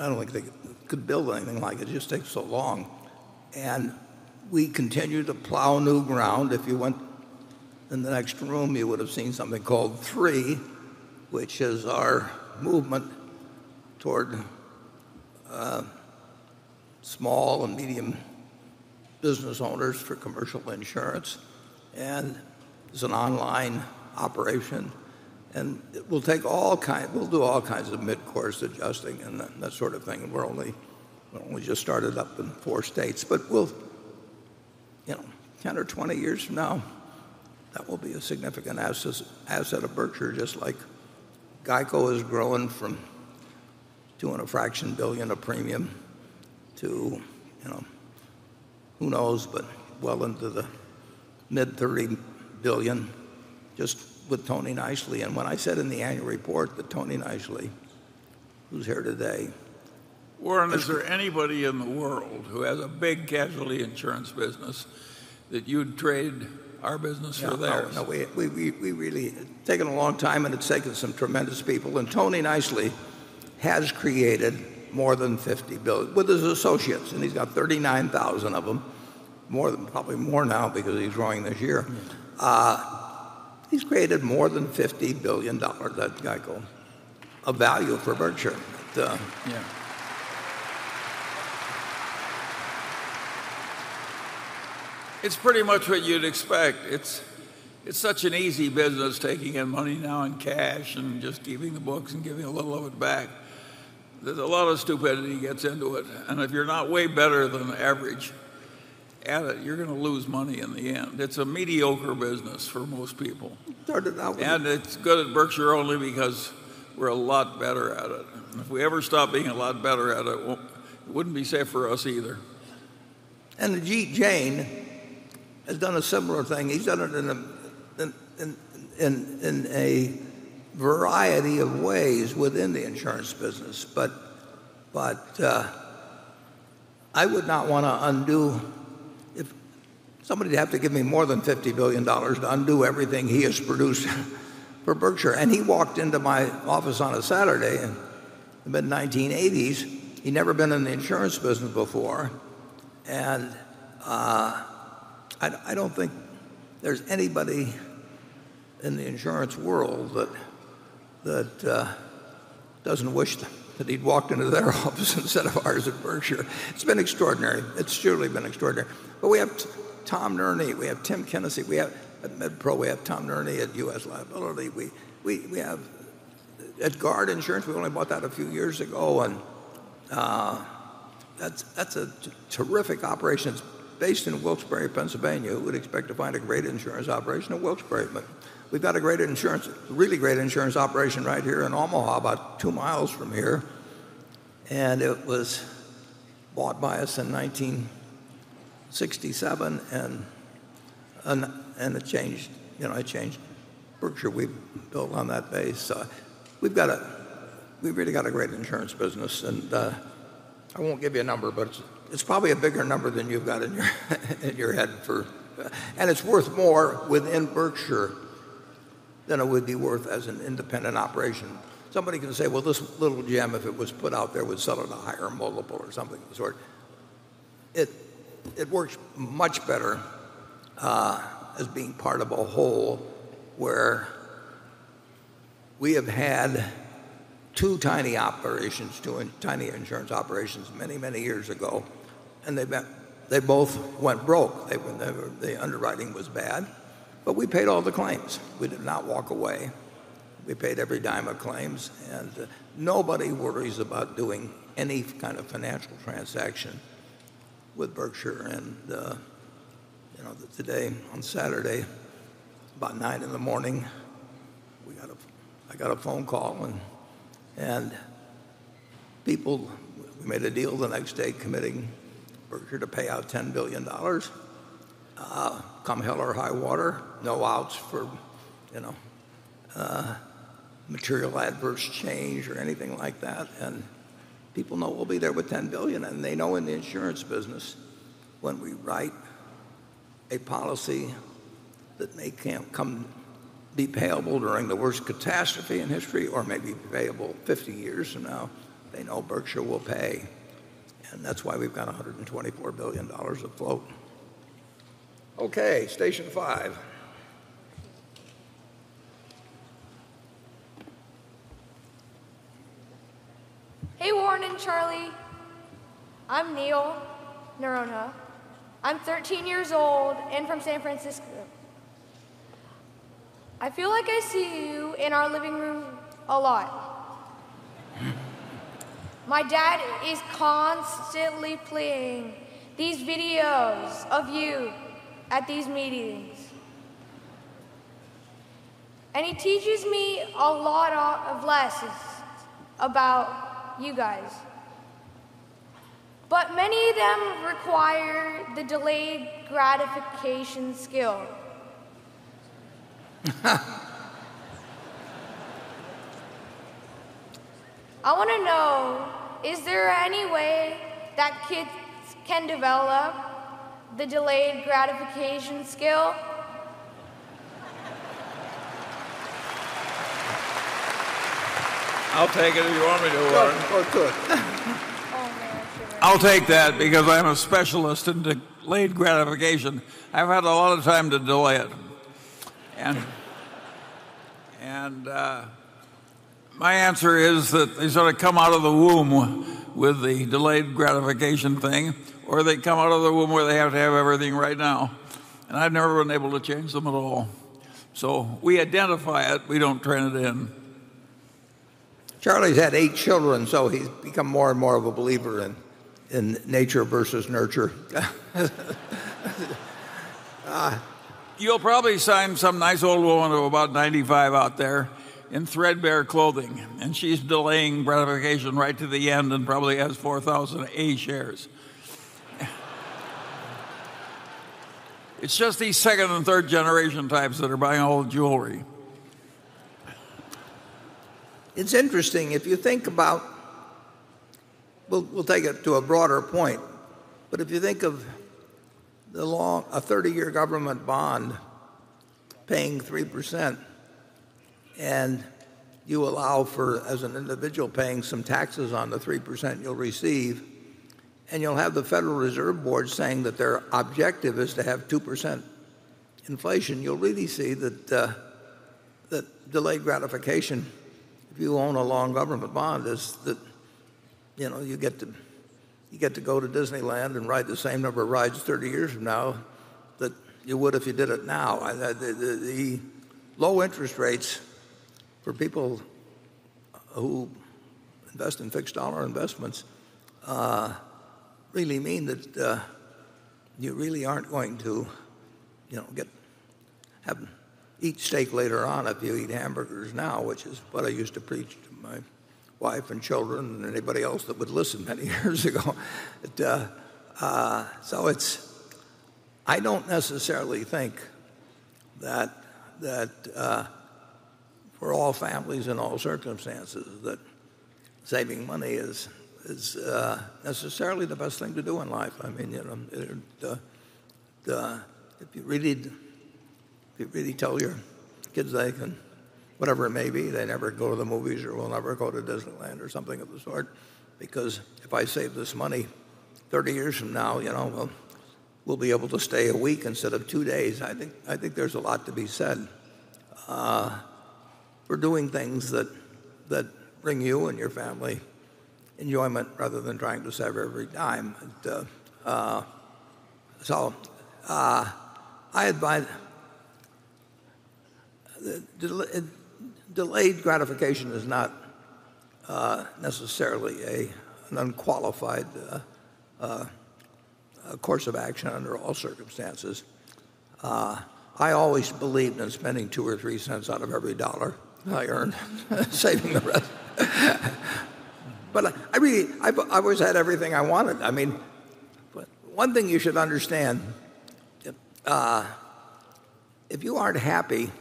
don't think they could build anything like it. It just takes so long. We continue to plow new ground. If you went in the next room, you would have seen something called THREE, which is our movement toward small and medium business owners for commercial insurance. It's an online operation. We'll do all kinds of mid-course adjusting and that sort of thing. We just started up in four states. 10 or 20 years from now, that will be a significant asset of Berkshire, just like GEICO is growing from doing a fraction billion of premium to who knows, but well into the mid-30 billion just with Tony Nicely. When I said in the annual report that Tony Nicely, who's here today. Warren, is there anybody in the world who has a big casualty insurance business that you'd trade our business for theirs? Yeah. No, it's taken a long time. It's taken some tremendous people. Tony Nicely has created more than $50 billion with his associates. He's got 39,000 of them, probably more now because he's growing this year. He's created more than $50 billion, that GEICO, of value for Berkshire. Yeah. It's pretty much what you'd expect. It's such an easy business taking in money now in cash and just keeping the books and giving a little of it back. There's a lot of stupidity gets into it, if you're not way better than average at it, you're going to lose money in the end. It's a mediocre business for most people. Started out with- It's good at Berkshire only because we're a lot better at it. If we ever stop being a lot better at it wouldn't be safe for us either. Ajit Jain has done a similar thing. He's done it in a variety of ways within the insurance business. I would not want to undo Somebody would have to give me more than $50 billion to undo everything he has produced for Berkshire. He walked into my office on a Saturday in the mid-1980s. He'd never been in the insurance business before. I don't think there's anybody in the insurance world that doesn't wish that he'd walked into their office instead of ours at Berkshire. It's been extraordinary. It's truly been extraordinary. We have Tom Nerney, we have Tim Kenesey at MedPro, we have Tom Nerney at U.S. Liability. We have GUARD Insurance, we only bought that a few years ago, that's a terrific operation. It's based in Wilkes-Barre, Pennsylvania. Who would expect to find a great insurance operation in Wilkes-Barre? We've got a really great insurance operation right here in Omaha, about two miles from here, and it was bought by us in 1967 and it changed Berkshire. We've built on that base. We've really got a great insurance business, and I won't give you a number, but it's probably a bigger number than you've got in your head. It's worth more within Berkshire than it would be worth as an independent operation. Somebody can say, "Well, this little gem, if it was put out there, would sell at a higher multiple," or something of the sort. It works much better as being part of a whole, where we have had two tiny insurance operations many, many years ago, and they both went broke. The underwriting was bad. We paid all the claims. We did not walk away. We paid every dime of claims. Nobody worries about doing any kind of financial transaction with Berkshire. Today, on Saturday, about 9:00 A.M., I got a phone call, and people made a deal the next day committing Berkshire to pay out $10 billion come hell or high water, no outs for material adverse change or anything like that. People know we'll be there with $10 billion. They know in the insurance business, when we write a policy that may be payable during the worst catastrophe in history or may be payable 50 years from now, they know Berkshire will pay. That's why we've got $124 billion of float. Okay, station five. Hey, Warren and Charlie. I'm Neil Noronha. I'm 13 years old and from San Francisco. I feel like I see you in our living room a lot. My dad is constantly playing these videos of you at these meetings. He teaches me a lot of lessons about you guys. Many of them require the delayed gratification skill. I want to know, is there any way that kids can develop the delayed gratification skill? I'll take it if you want me to, Warren. Sure. Go for it. Oh, man. I'll take that because I'm a specialist in delayed gratification. I've had a lot of time to delay it. My answer is that they sort of come out of the womb with the delayed gratification thing, or they come out of the womb where they have to have everything right now. I've never been able to change them at all. We identify it, we don't turn it in. Charlie's had 8 children, so he's become more and more of a believer in nature versus nurture. You'll probably sign some nice old woman of about 95 out there in threadbare clothing, and she's delaying gratification right to the end and probably has 4,000 A shares. It's just these second and third generation types that are buying all the jewelry. It's interesting. We'll take it to a broader point, if you think of a 30-year government bond paying 3%, and you allow for, as an individual, paying some taxes on the 3% you'll receive, and you'll have the Federal Reserve Board saying that their objective is to have 2% inflation, you'll really see that delayed gratification, if you own a long government bond, is that you get to go to Disneyland and ride the same number of rides 30 years from now that you would if you did it now. The low interest rates for people who invest in fixed dollar investments really mean that you really aren't going to eat steak later on if you eat hamburgers now, which is what I used to preach to my wife and children and anybody else that would listen many years ago. I don't necessarily think that for all families in all circumstances that saving money is necessarily the best thing to do in life. If you really tell your kids they can, whatever it may be, they never go to the movies or we'll never go to Disneyland or something of the sort, because if I save this money, 30 years from now, we'll be able to stay a week instead of two days. I think there's a lot to be said for doing things that bring you and your family enjoyment rather than trying to save every dime. I advise that delayed gratification is not necessarily an unqualified course of action under all circumstances. I always believed in spending two or three cents out of every dollar I earned, saving the rest. I always had everything I wanted. One thing you should understand, if you aren't happy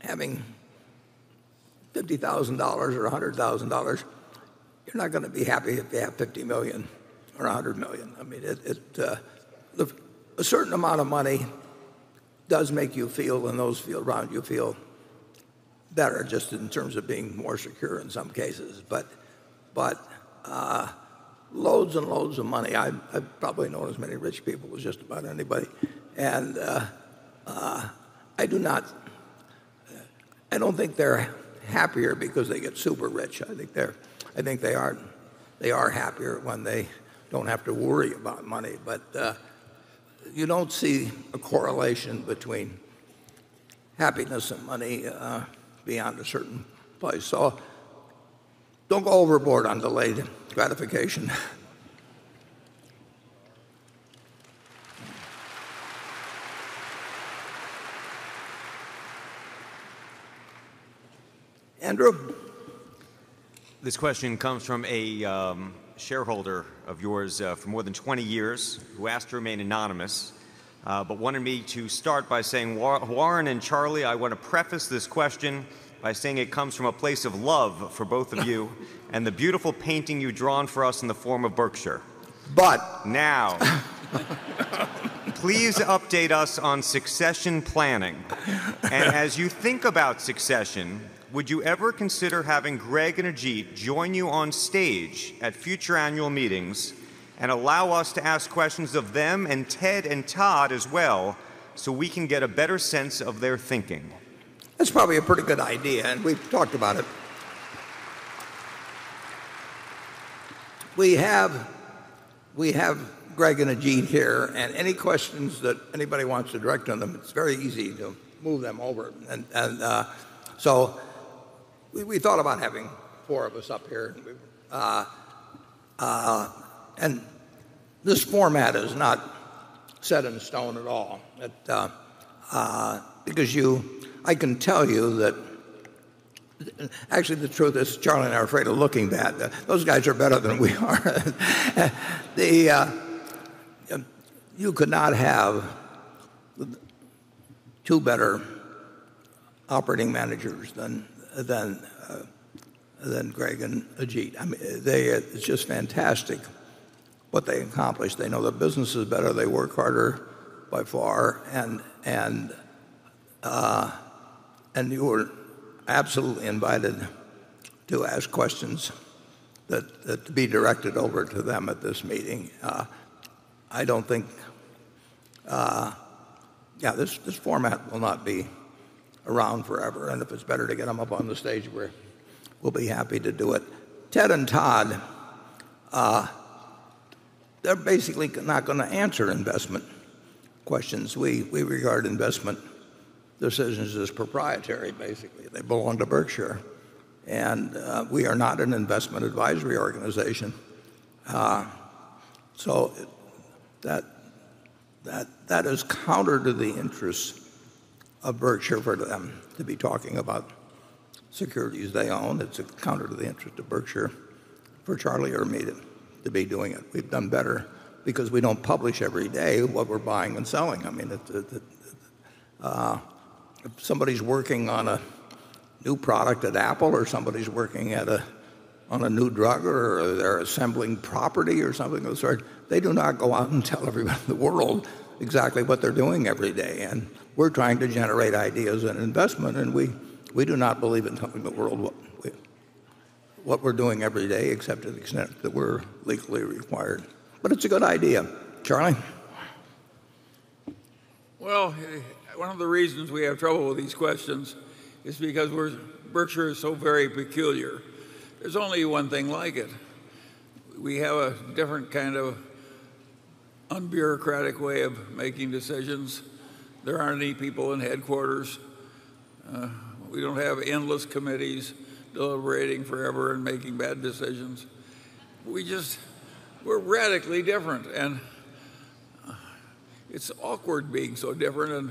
having $50,000 or $100,000, you're not going to be happy if you have $50 million or $100 million. A certain amount of money does make you feel, and those around you feel, better just in terms of being more secure in some cases. Loads and loads of money, I've probably known as many rich people as just about anybody, and I don't think they're happier because they get super rich. I think they are happier when they don't have to worry about money. You don't see a correlation between happiness and money beyond a certain place. Don't go overboard on delayed gratification. Andrew? This question comes from a shareholder of yours for more than 20 years, who asked to remain anonymous, wanted me to start by saying, "Warren and Charlie, I want to preface this question by saying it comes from a place of love for both of you and the beautiful painting you've drawn for us in the form of Berkshire. But- Please update us on succession planning. As you think about succession, would you ever consider having Gregg and Ajit join you on stage at future annual meetings and allow us to ask questions of them, and Ted and Todd as well, so we can get a better sense of their thinking? That's probably a pretty good idea, we've talked about it. We have Gregg and Ajit here, any questions that anybody wants to direct on them, it's very easy to move them over. We thought about having four of us up here, this format is not set in stone at all. Actually, the truth is Charlie and I are afraid of looking bad. Those guys are better than we are. You could not have two better operating managers than Gregg and Ajit. It's just fantastic what they accomplished. They know the businesses better, they work harder by far, you're absolutely invited to ask questions to be directed over to them at this meeting. This format will not be around forever, if it's better to get them up on the stage, we'll be happy to do it. Ted and Todd, they're basically not going to answer investment questions. We regard investment decisions as proprietary, basically. They belong to Berkshire, we are not an investment advisory organization. That is counter to the interests of Berkshire for them to be talking about securities they own. It's counter to the interest of Berkshire for Charlie or me to be doing it. We've done better because we don't publish every day what we're buying and selling. If somebody's working on a new product at Apple or somebody's working on a new drug or they're assembling property or something of the sort, they do not go out and tell everyone in the world exactly what they're doing every day. We're trying to generate ideas and investment, and we do not believe in telling the world what we're doing every day except to the extent that we're legally required. It's a good idea. Charlie? Well, one of the reasons we have trouble with these questions is because Berkshire is so very peculiar. There's only one thing like it. We have a different kind of un-bureaucratic way of making decisions. There aren't any people in headquarters. We don't have endless committees deliberating forever and making bad decisions. We're radically different, it's awkward being so different.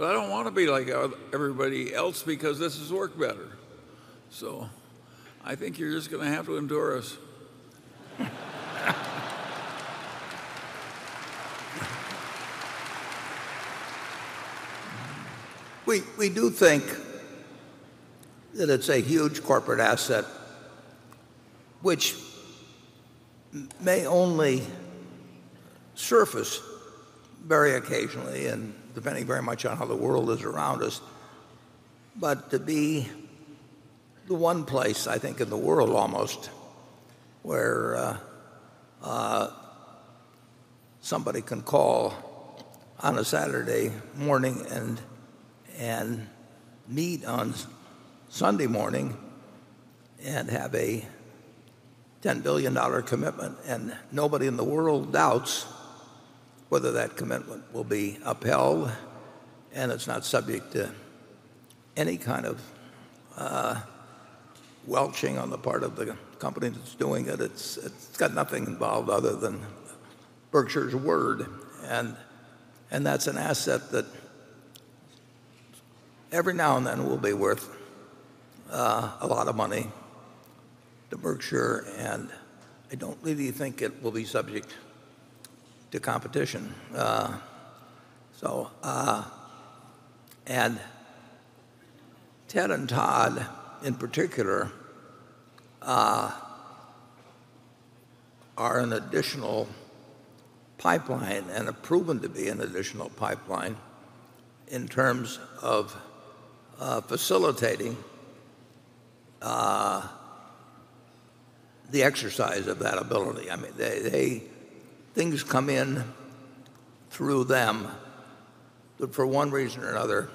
I don't want to be like everybody else because this has worked better. I think you're just going to have to endure us. We do think that it's a huge corporate asset which may only surface very occasionally and depending very much on how the world is around us. To be the one place, I think, in the world almost, where somebody can call on a Saturday morning and meet on Sunday morning and have a $10 billion commitment, nobody in the world doubts whether that commitment will be upheld, it's not subject to any kind of welching on the part of the company that's doing it. It's got nothing involved other than Berkshire's word, that's an asset that every now and then will be worth a lot of money to Berkshire, I don't really think it will be subject to competition. Ted and Todd, in particular, are an additional pipeline and have proven to be an additional pipeline in terms of facilitating the exercise of that ability. Things come in through them that for one reason or another,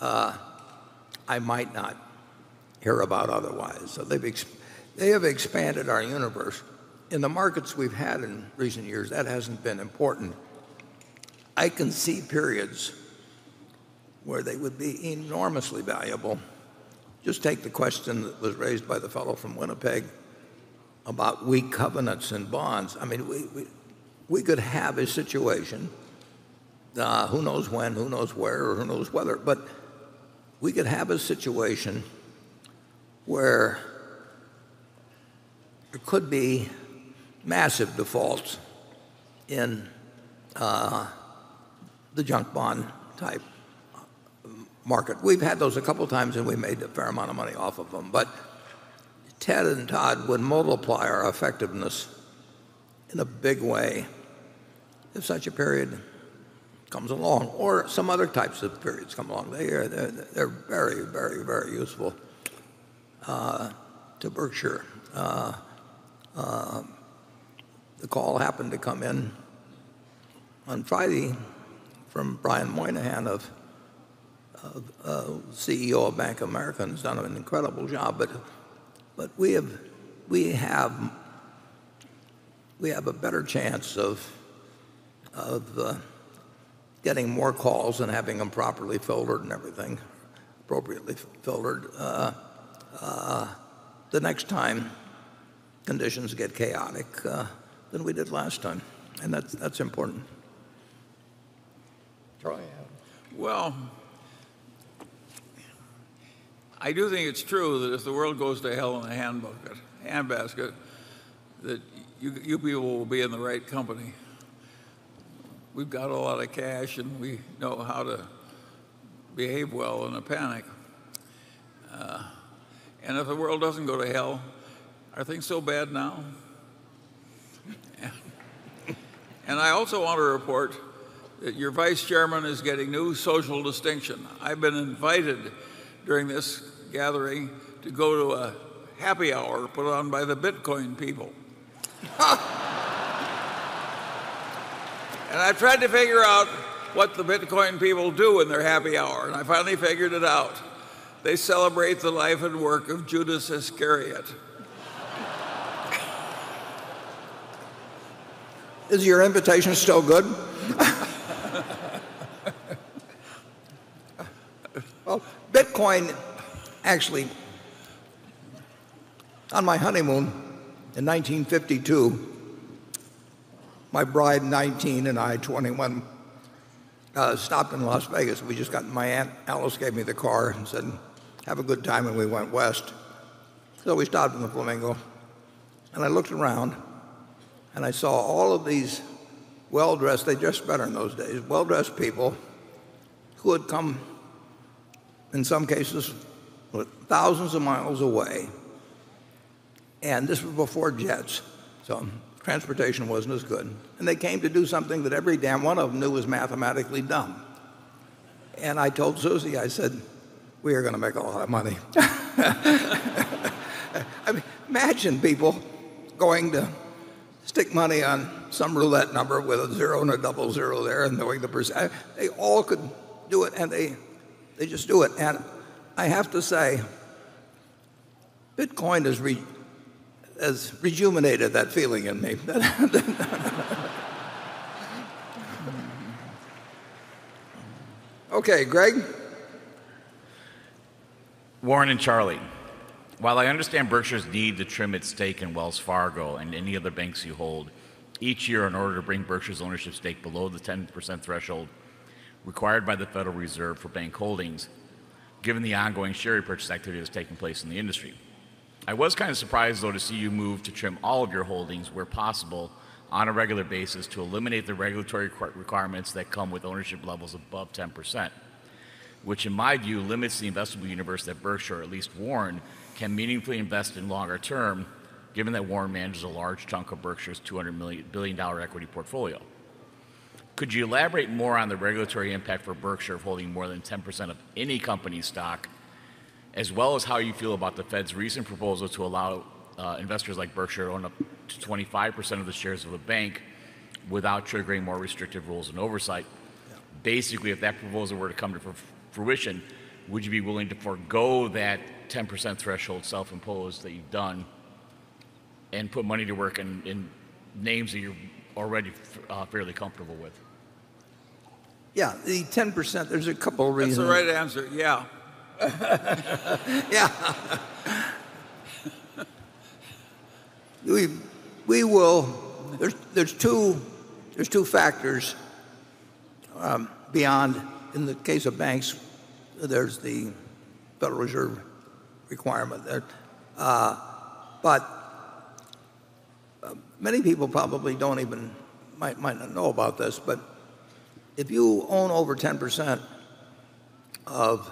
I might not hear about otherwise. They have expanded our universe. In the markets we've had in recent years, that hasn't been important. I can see periods where they would be enormously valuable. Just take the question that was raised by the fellow from Winnipeg about weak covenants and bonds. We could have a situation, who knows when, who knows where, who knows whether, but we could have a situation where there could be massive defaults in the junk bond type market. We've had those a couple times, and we made a fair amount of money off of them. Ted and Todd would multiply our effectiveness in a big way if such a period comes along or some other types of periods come along. They're very, very, very useful to Berkshire. The call happened to come in on Friday from Brian Moynihan, CEO of Bank of America, who's done an incredible job. We have a better chance of getting more calls and having them properly filtered and everything, appropriately filtered, the next time conditions get chaotic, than we did last time, and that's important. Charlie. Well, I do think it's true that if the world goes to hell in a handbasket, that you people will be in the right company. We've got a lot of cash, and we know how to behave well in a panic. If the world doesn't go to hell, are things so bad now? I also want to report that your Vice Chairman is getting new social distinction. I've been invited during this gathering to go to a happy hour put on by the Bitcoin people. I tried to figure out what the Bitcoin people do in their happy hour, and I finally figured it out. They celebrate the life and work of Judas Iscariot. Is your invitation still good? Well, Bitcoin, actually, on my honeymoon in 1952, my bride, 19, and I, 21, stopped in Las Vegas. My aunt Alice gave me the car and said, "Have a good time," and we went west. We stopped in the Flamingo, and I looked around, and I saw all of these well-dressed, they dressed better in those days, well-dressed people who had come, in some cases, thousands of miles away. This was before jets, so transportation wasn't as good. They came to do something that every damn one of them knew was mathematically dumb. I told Susie, I said, "We are going to make a lot of money." Imagine people going to stick money on some roulette number with a zero and a double zero there and knowing the percentage. They all could do it, and they just do it. I have to say, Bitcoin has rejuvenated that feeling in me. Okay, Gregg? Warren and Charlie, while I understand Berkshire's need to trim its stake in Wells Fargo and any other banks you hold each year in order to bring Berkshire's ownership stake below the 10% threshold required by the Federal Reserve for bank holdings, given the ongoing share repurchase activity that's taking place in the industryI was kind of surprised, though, to see you move to trim all of your holdings where possible on a regular basis to eliminate the regulatory requirements that come with ownership levels above 10%, which in my view limits the investable universe that Berkshire, or at least Warren, can meaningfully invest in longer term, given that Warren manages a large chunk of Berkshire's $200 billion equity portfolio. Could you elaborate more on the regulatory impact for Berkshire holding more than 10% of any company's stock, as well as how you feel about the Fed's recent proposal to allow investors like Berkshire to own up to 25% of the shares of a bank without triggering more restrictive rules and oversight? Yeah. Basically, if that proposal were to come to fruition, would you be willing to forgo that 10% threshold, self-imposed, that you've done and put money to work in names that you're already fairly comfortable with? Yeah, the 10%, there's a couple of reasons. That's the right answer, yeah. There's two factors beyond, in the case of banks, there's the Federal Reserve requirement there. Many people probably might not know about this, but if you own over 10% of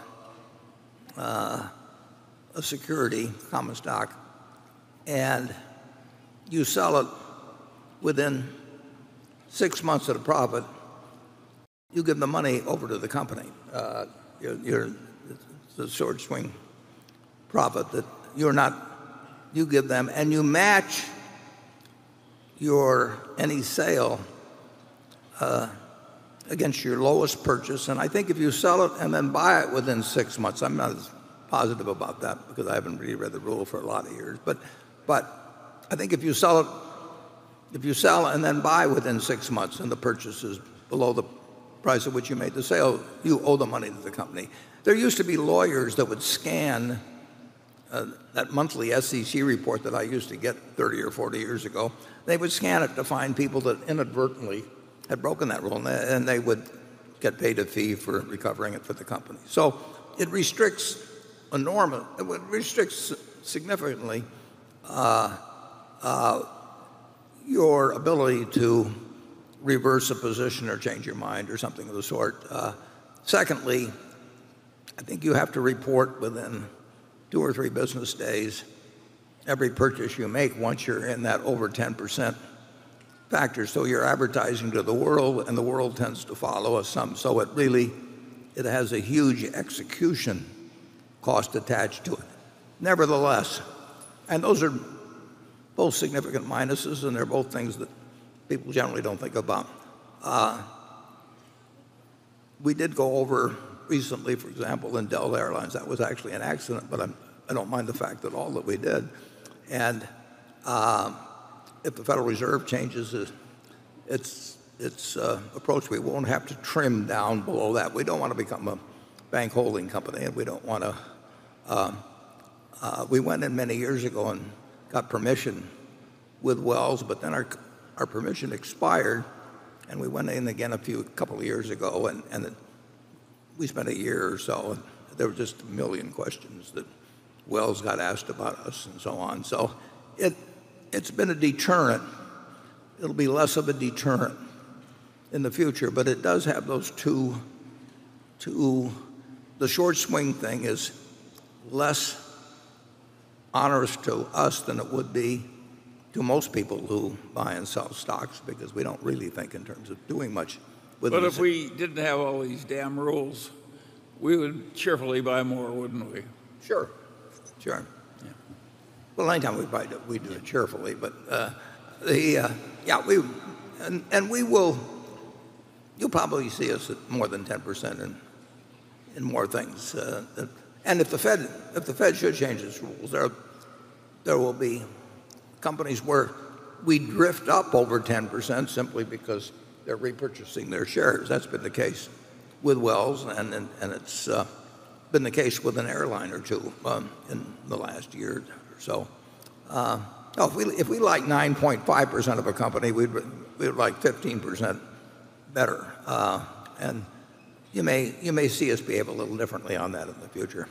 security, common stock, and you sell it within six months at a profit, you give the money over to the company. It's a short swing profit. You give them, and you match any sale against your lowest purchase, and I think if you sell it and then buy it within six months, I haven't really read the rule for a lot of years. I think if you sell and then buy within six months, and the purchase is below the price at which you made the sale, you owe the money to the company. There used to be lawyers that would scan that monthly SEC report that I used to get 30 or 40 years ago. They would scan it to find people that inadvertently had broken that rule, and they would get paid a fee for recovering it for the company. It restricts significantly your ability to reverse a position or change your mind, or something of the sort. Secondly, I think you have to report within two or three business days every purchase you make once you're in that over 10% factor. You're advertising to the world, and the world tends to follow some. It really has a huge execution cost attached to it. Nevertheless, those are both significant minuses, and they're both things that people generally don't think about. We did go over recently, for example, in Delta Air Lines. That was actually an accident, but I don't mind the fact at all that we did. If the Federal Reserve changes its approach, we won't have to trim down below that. We don't want to become a bank holding company. We went in many years ago and got permission with Wells, but then our permission expired, and we went in again a couple of years ago, and we spent a year or so, and there were just a million questions that Wells got asked about us, and so on. It's been a deterrent. It'll be less of a deterrent in the future, but it does have those two. The short swing thing is less onerous to us than it would be to most people who buy and sell stocks because we don't really think in terms of doing much with these. If we didn't have all these damn rules, we would cheerfully buy more, wouldn't we? Sure. Well, anytime we buy, we do it cheerfully. You'll probably see us at more than 10% in more things. If the Fed should change its rules, there will be companies where we drift up over 10% simply because they're repurchasing their shares. That's been the case with Wells, and it's been the case with an airline or two in the last year or so. If we like 9.5% of a company, we'd like 15% better. You may see us behave a little differently on that in the future.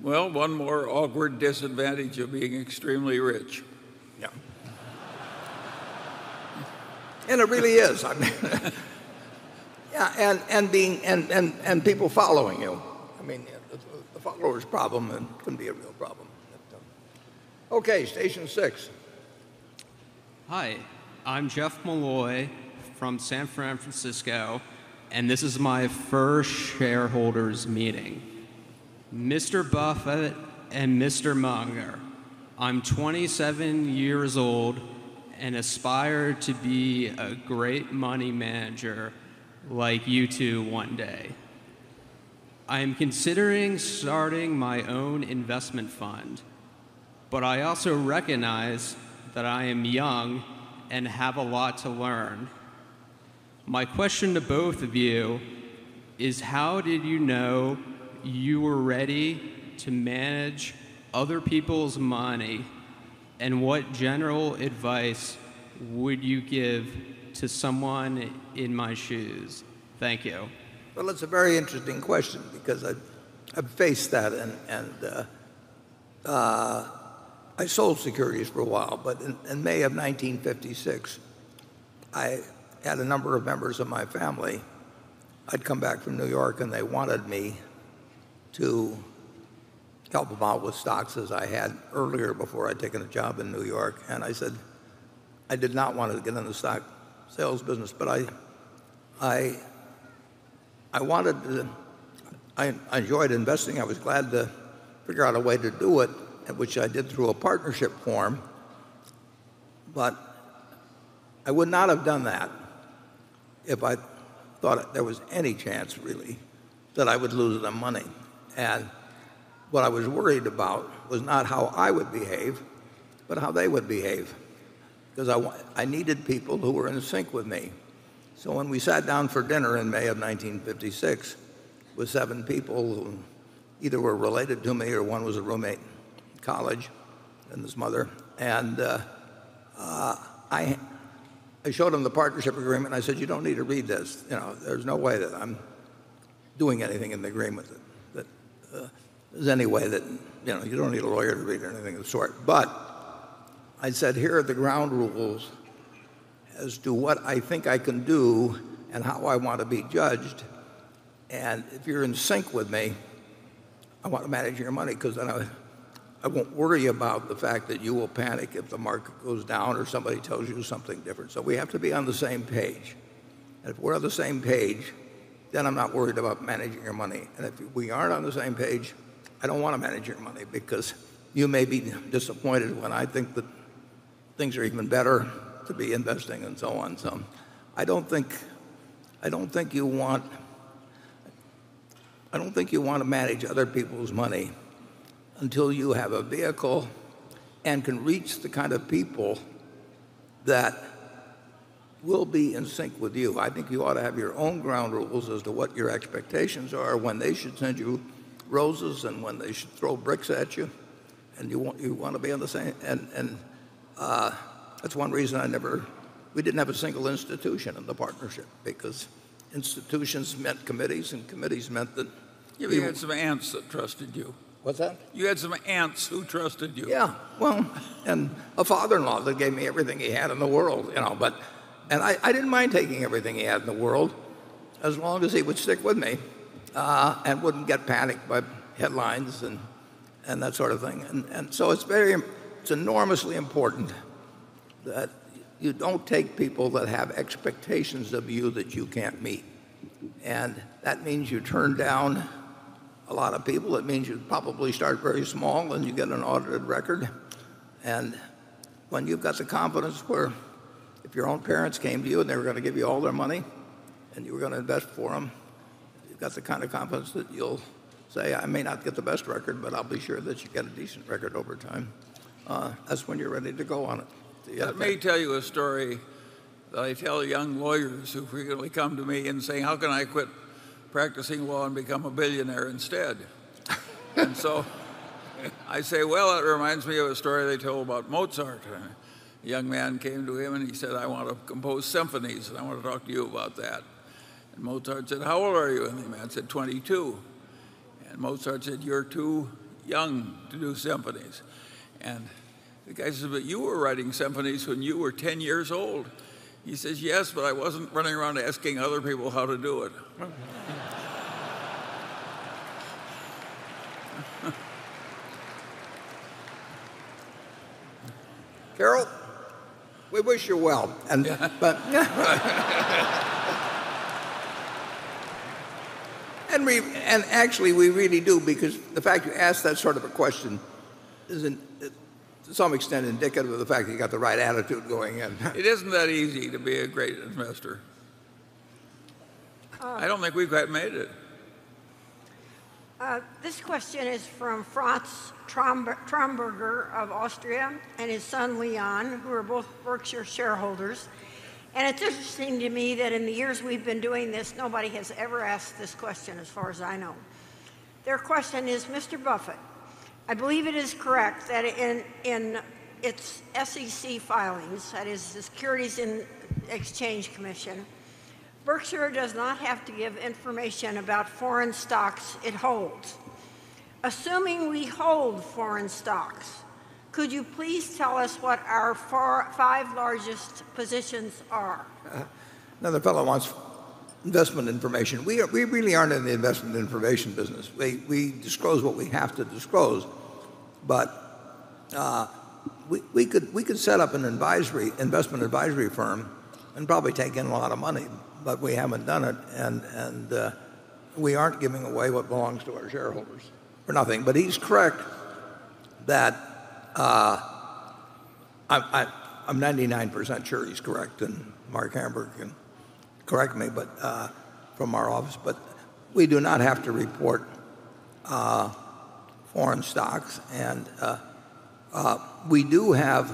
Well, one more awkward disadvantage of being extremely rich. It really is. People following you. I mean, the follower's problem can be a real problem. Okay, station six. Hi, I'm Jeff Malloy from San Francisco. This is my first shareholders meeting. Mr. Buffett and Mr. Munger, I'm 27 years old and aspire to be a great money manager like you two one day. I am considering starting my own investment fund. I also recognize that I am young and have a lot to learn. My question to both of you is how did you know you were ready to manage other people's money? What general advice would you give to someone in my shoes? Thank you. Well, it's a very interesting question because I've faced that. I sold securities for a while. In May of 1956, I had a number of members of my family. I'd come back from New York. They wanted me to help them out with stocks as I had earlier before I'd taken a job in New York. I said I did not want to get in the stock sales business. I enjoyed investing. I was glad to figure out a way to do it, which I did through a partnership form. I would not have done that if I thought there was any chance really that I would lose them money. What I was worried about was not how I would behave, but how they would behave because I needed people who were in sync with me. When we sat down for dinner in May of 1956 with seven people who either were related to me or one was a roommate in college and his mother. I showed them the partnership agreement. I said, "You don't need to read this. There's no way that I'm doing anything in the agreement with it. You don't need a lawyer to read or anything of the sort." I said, "Here are the ground rules as to what I think I can do and how I want to be judged. If you're in sync with me, I want to manage your money because then I won't worry about the fact that you will panic if the market goes down or somebody tells you something different. We have to be on the same page. If we're on the same page, I'm not worried about managing your money. If we aren't on the same page, I don't want to manage your money because you may be disappointed when I think that things are even better to be investing and so on." I don't think you want to manage other people's money until you have a vehicle and can reach the kind of people that will be in sync with you. I think you ought to have your own ground rules as to what your expectations are, when they should send you roses, and when they should throw bricks at you, and you want to be on the same. That's one reason we didn't have a single institution in the partnership because institutions meant committees, and committees meant that- You had some aunts that trusted you. What's that? You had some aunts who trusted you. Yeah. Well, a father-in-law that gave me everything he had in the world. I didn't mind taking everything he had in the world as long as he would stick with me and wouldn't get panicked by headlines and that sort of thing. So it's enormously important that you don't take people that have expectations of you that you can't meet. That means you turn down a lot of people. It means you probably start very small, and you get an audited record. When you've got the confidence where if your own parents came to you and they were going to give you all their money and you were going to invest for them, you've got the kind of confidence that you'll say, "I may not get the best record, but I'll be sure that you get a decent record over time." That's when you're ready to go on it. Let me tell you a story that I tell young lawyers who frequently come to me and say, "How can I quit practicing law and become a billionaire instead?" I say, "Well, it reminds me of a story they tell about Mozart. A young man came to him, and he said, 'I want to compose symphonies, and I want to talk to you about that.' Mozart said, 'How old are you?' The man said, '22.' Mozart said, 'You're too young to do symphonies.' The guy says, 'But you were writing symphonies when you were 10 years old.' He says, 'Yes, but I wasn't running around asking other people how to do it.' Carol, we wish you well. Yeah. Actually, we really do because the fact you asked that sort of a question is to some extent indicative of the fact that you got the right attitude going in. It isn't that easy to be a great investor. I don't think we've quite made it. This question is from Franz Tromberger of Austria and his son Leon, who are both Berkshire shareholders. It's interesting to me that in the years we've been doing this, nobody has ever asked this question as far as I know. Their question is, "Mr. Buffett, I believe it is correct that in its SEC filings, that is the Securities and Exchange Commission, Berkshire does not have to give information about foreign stocks it holds. Assuming we hold foreign stocks, could you please tell us what our five largest positions are? Another fellow wants investment information. We really aren't in the investment information business. We disclose what we have to disclose, but we could set up an investment advisory firm and probably take in a lot of money, but we haven't done it, and we aren't giving away what belongs to our shareholders for nothing. He's correct that I'm 99% sure he's correct, and Marc Hamburg can correct me from our office. We do not have to report foreign stocks, and we do have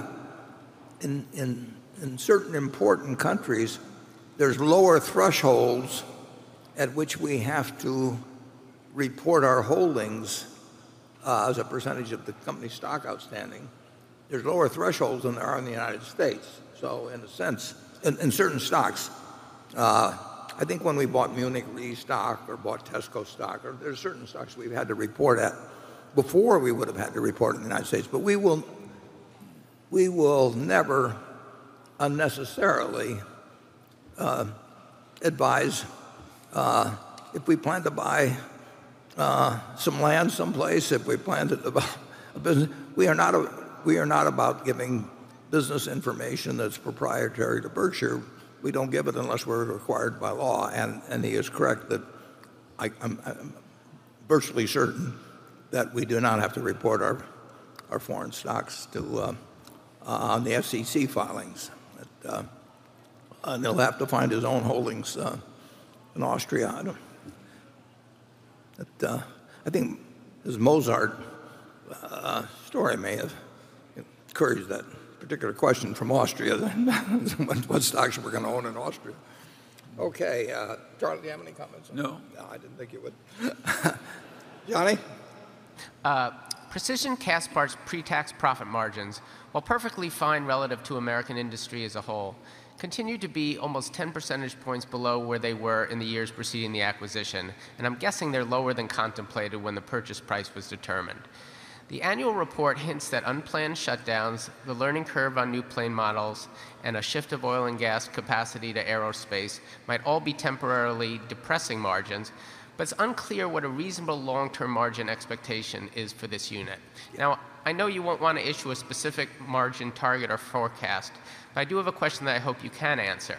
In certain important countries, there's lower thresholds at which we have to report our holdings as a percentage of the company stock outstanding. There's lower thresholds than there are in the United States. In a sense, in certain stocks, I think when we bought Munich Re stock or bought Tesco stock, or there's certain stocks we've had to report at before we would have had to report in the U.S. We will never unnecessarily advise if we plan to buy some land someplace, if we plan to buy a business. We are not about giving business information that's proprietary to Berkshire. We don't give it unless we're required by law, and he is correct that I'm virtually certain that we do not have to report our foreign stocks on the SEC filings. He'll have to find his own holdings in Austria. I think his Mozart story may have encouraged that particular question from Austria, what stocks we're going to own in Austria. Okay. Charlie, do you have any comments? No. No, I didn't think you would. Johnny? Precision Castparts' pre-tax profit margins, while perfectly fine relative to American industry as a whole, continue to be almost 10 percentage points below where they were in the years preceding the acquisition. I'm guessing they're lower than contemplated when the purchase price was determined. The annual report hints that unplanned shutdowns, the learning curve on new plane models, and a shift of oil and gas capacity to aerospace might all be temporarily depressing margins. It's unclear what a reasonable long-term margin expectation is for this unit. I know you won't want to issue a specific margin target or forecast, I do have a question that I hope you can answer.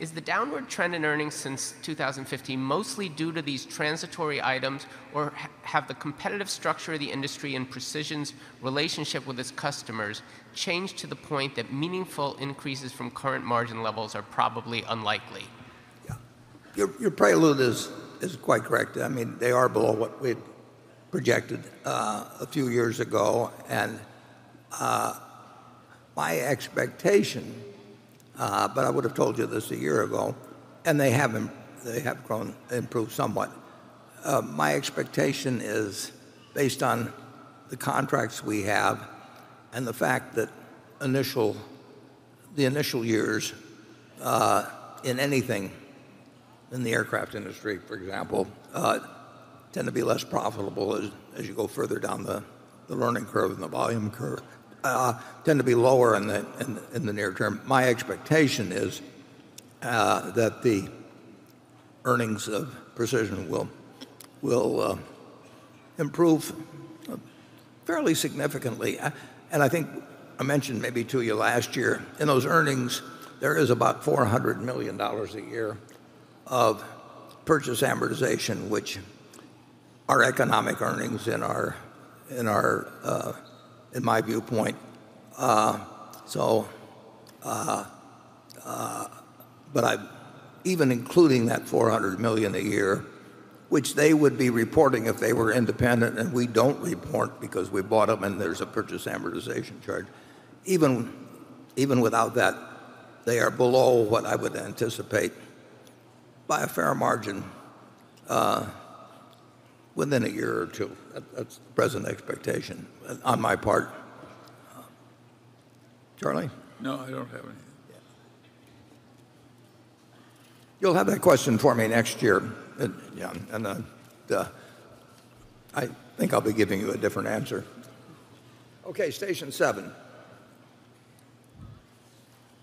Is the downward trend in earnings since 2015 mostly due to these transitory items, or have the competitive structure of the industry and Precision's relationship with its customers changed to the point that meaningful increases from current margin levels are probably unlikely? Yeah. Your prelude is quite correct. They are below what we had projected a few years ago. My expectation, but I would have told you this a year ago, and they have improved somewhat. My expectation is based on the contracts we have and the fact that the initial years in anything in the aircraft industry, for example, tend to be less profitable as you go further down the learning curve than the volume curve, tend to be lower in the near term. My expectation is that the earnings of Precision will improve fairly significantly. I think I mentioned maybe to you last year, in those earnings, there is about $400 million a year of purchase amortization, which are economic earnings in my viewpoint. Even including that $400 million a year, which they would be reporting if they were independent, and we don't report because we bought them, and there's a purchase amortization charge. Even without that, they are below what I would anticipate by a fair margin within a year or two. That's the present expectation on my part. Charlie? No, I don't have anything. Yeah. You'll have that question for me next year. Yeah. I think I'll be giving you a different answer. Okay. Station 7.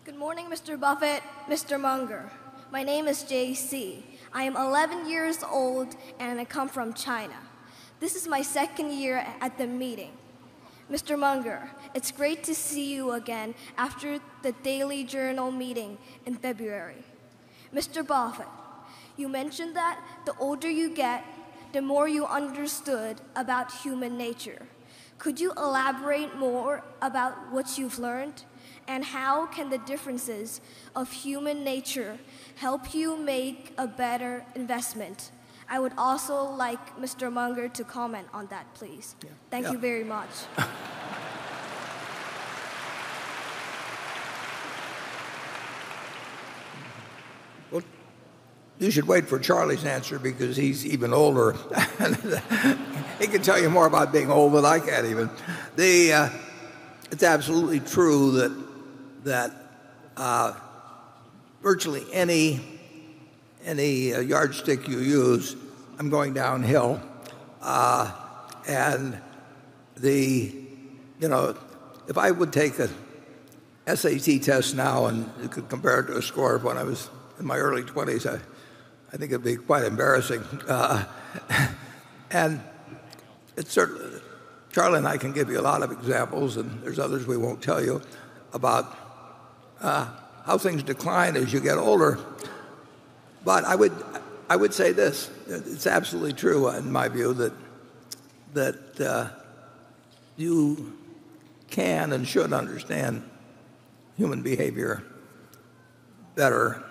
Good morning, Mr. Buffett, Mr. Munger. My name is JC. I am 11 years old, and I come from China. This is my second year at the meeting. Mr. Munger, it's great to see you again after the Daily Journal meeting in February. Mr. Buffett, you mentioned that the older you get, the more you understood about human nature. Could you elaborate more about what you've learned, and how can the differences of human nature help you make a better investment? I would also like Mr. Munger to comment on that, please. Yeah. Thank you very much. Well, you should wait for Charlie's answer because he's even older. He can tell you more about being old than I can even. It's absolutely true that virtually any yardstick you use, I'm going downhill. If I would take an SAT test now and compare it to a score of when I was in my early 20s, I think it'd be quite embarrassing. Charlie and I can give you a lot of examples, and there's others we won't tell you, about how things decline as you get older. I would say this, it's absolutely true in my view that you can and should understand human behavior better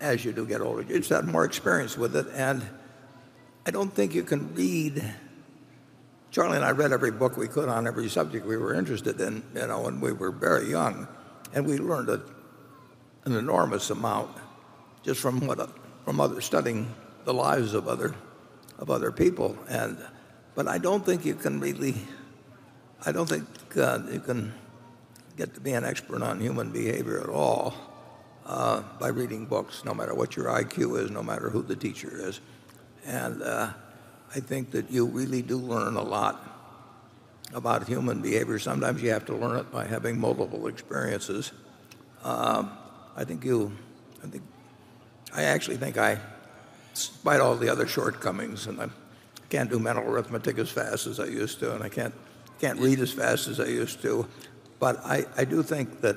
as you do get older. You just have more experience with it, and I don't think you can read Charlie and I read every book we could on every subject we were interested in when we were very young. We learned an enormous amount just from studying the lives of other people. I don't think you can get to be an expert on human behavior at all by reading books, no matter what your IQ is, no matter who the teacher is. I think that you really do learn a lot about human behavior. Sometimes you have to learn it by having multiple experiences. I actually think despite all the other shortcomings, and I can't do mental arithmetic as fast as I used to, and I can't read as fast as I used to, I do think that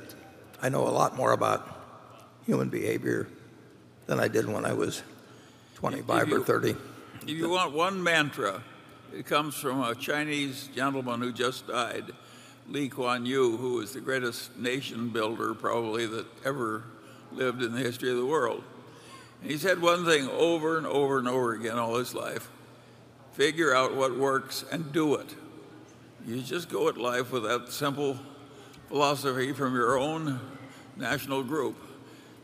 I know a lot more about human behavior than I did when I was 25 or 30. If you want one mantra, it comes from a Chinese gentleman who just died, Lee Kuan Yew, who was the greatest nation builder probably that ever lived in the history of the world. He said one thing over and over and over again all his life, "Figure out what works and do it." You just go at life with that simple philosophy from your own national group,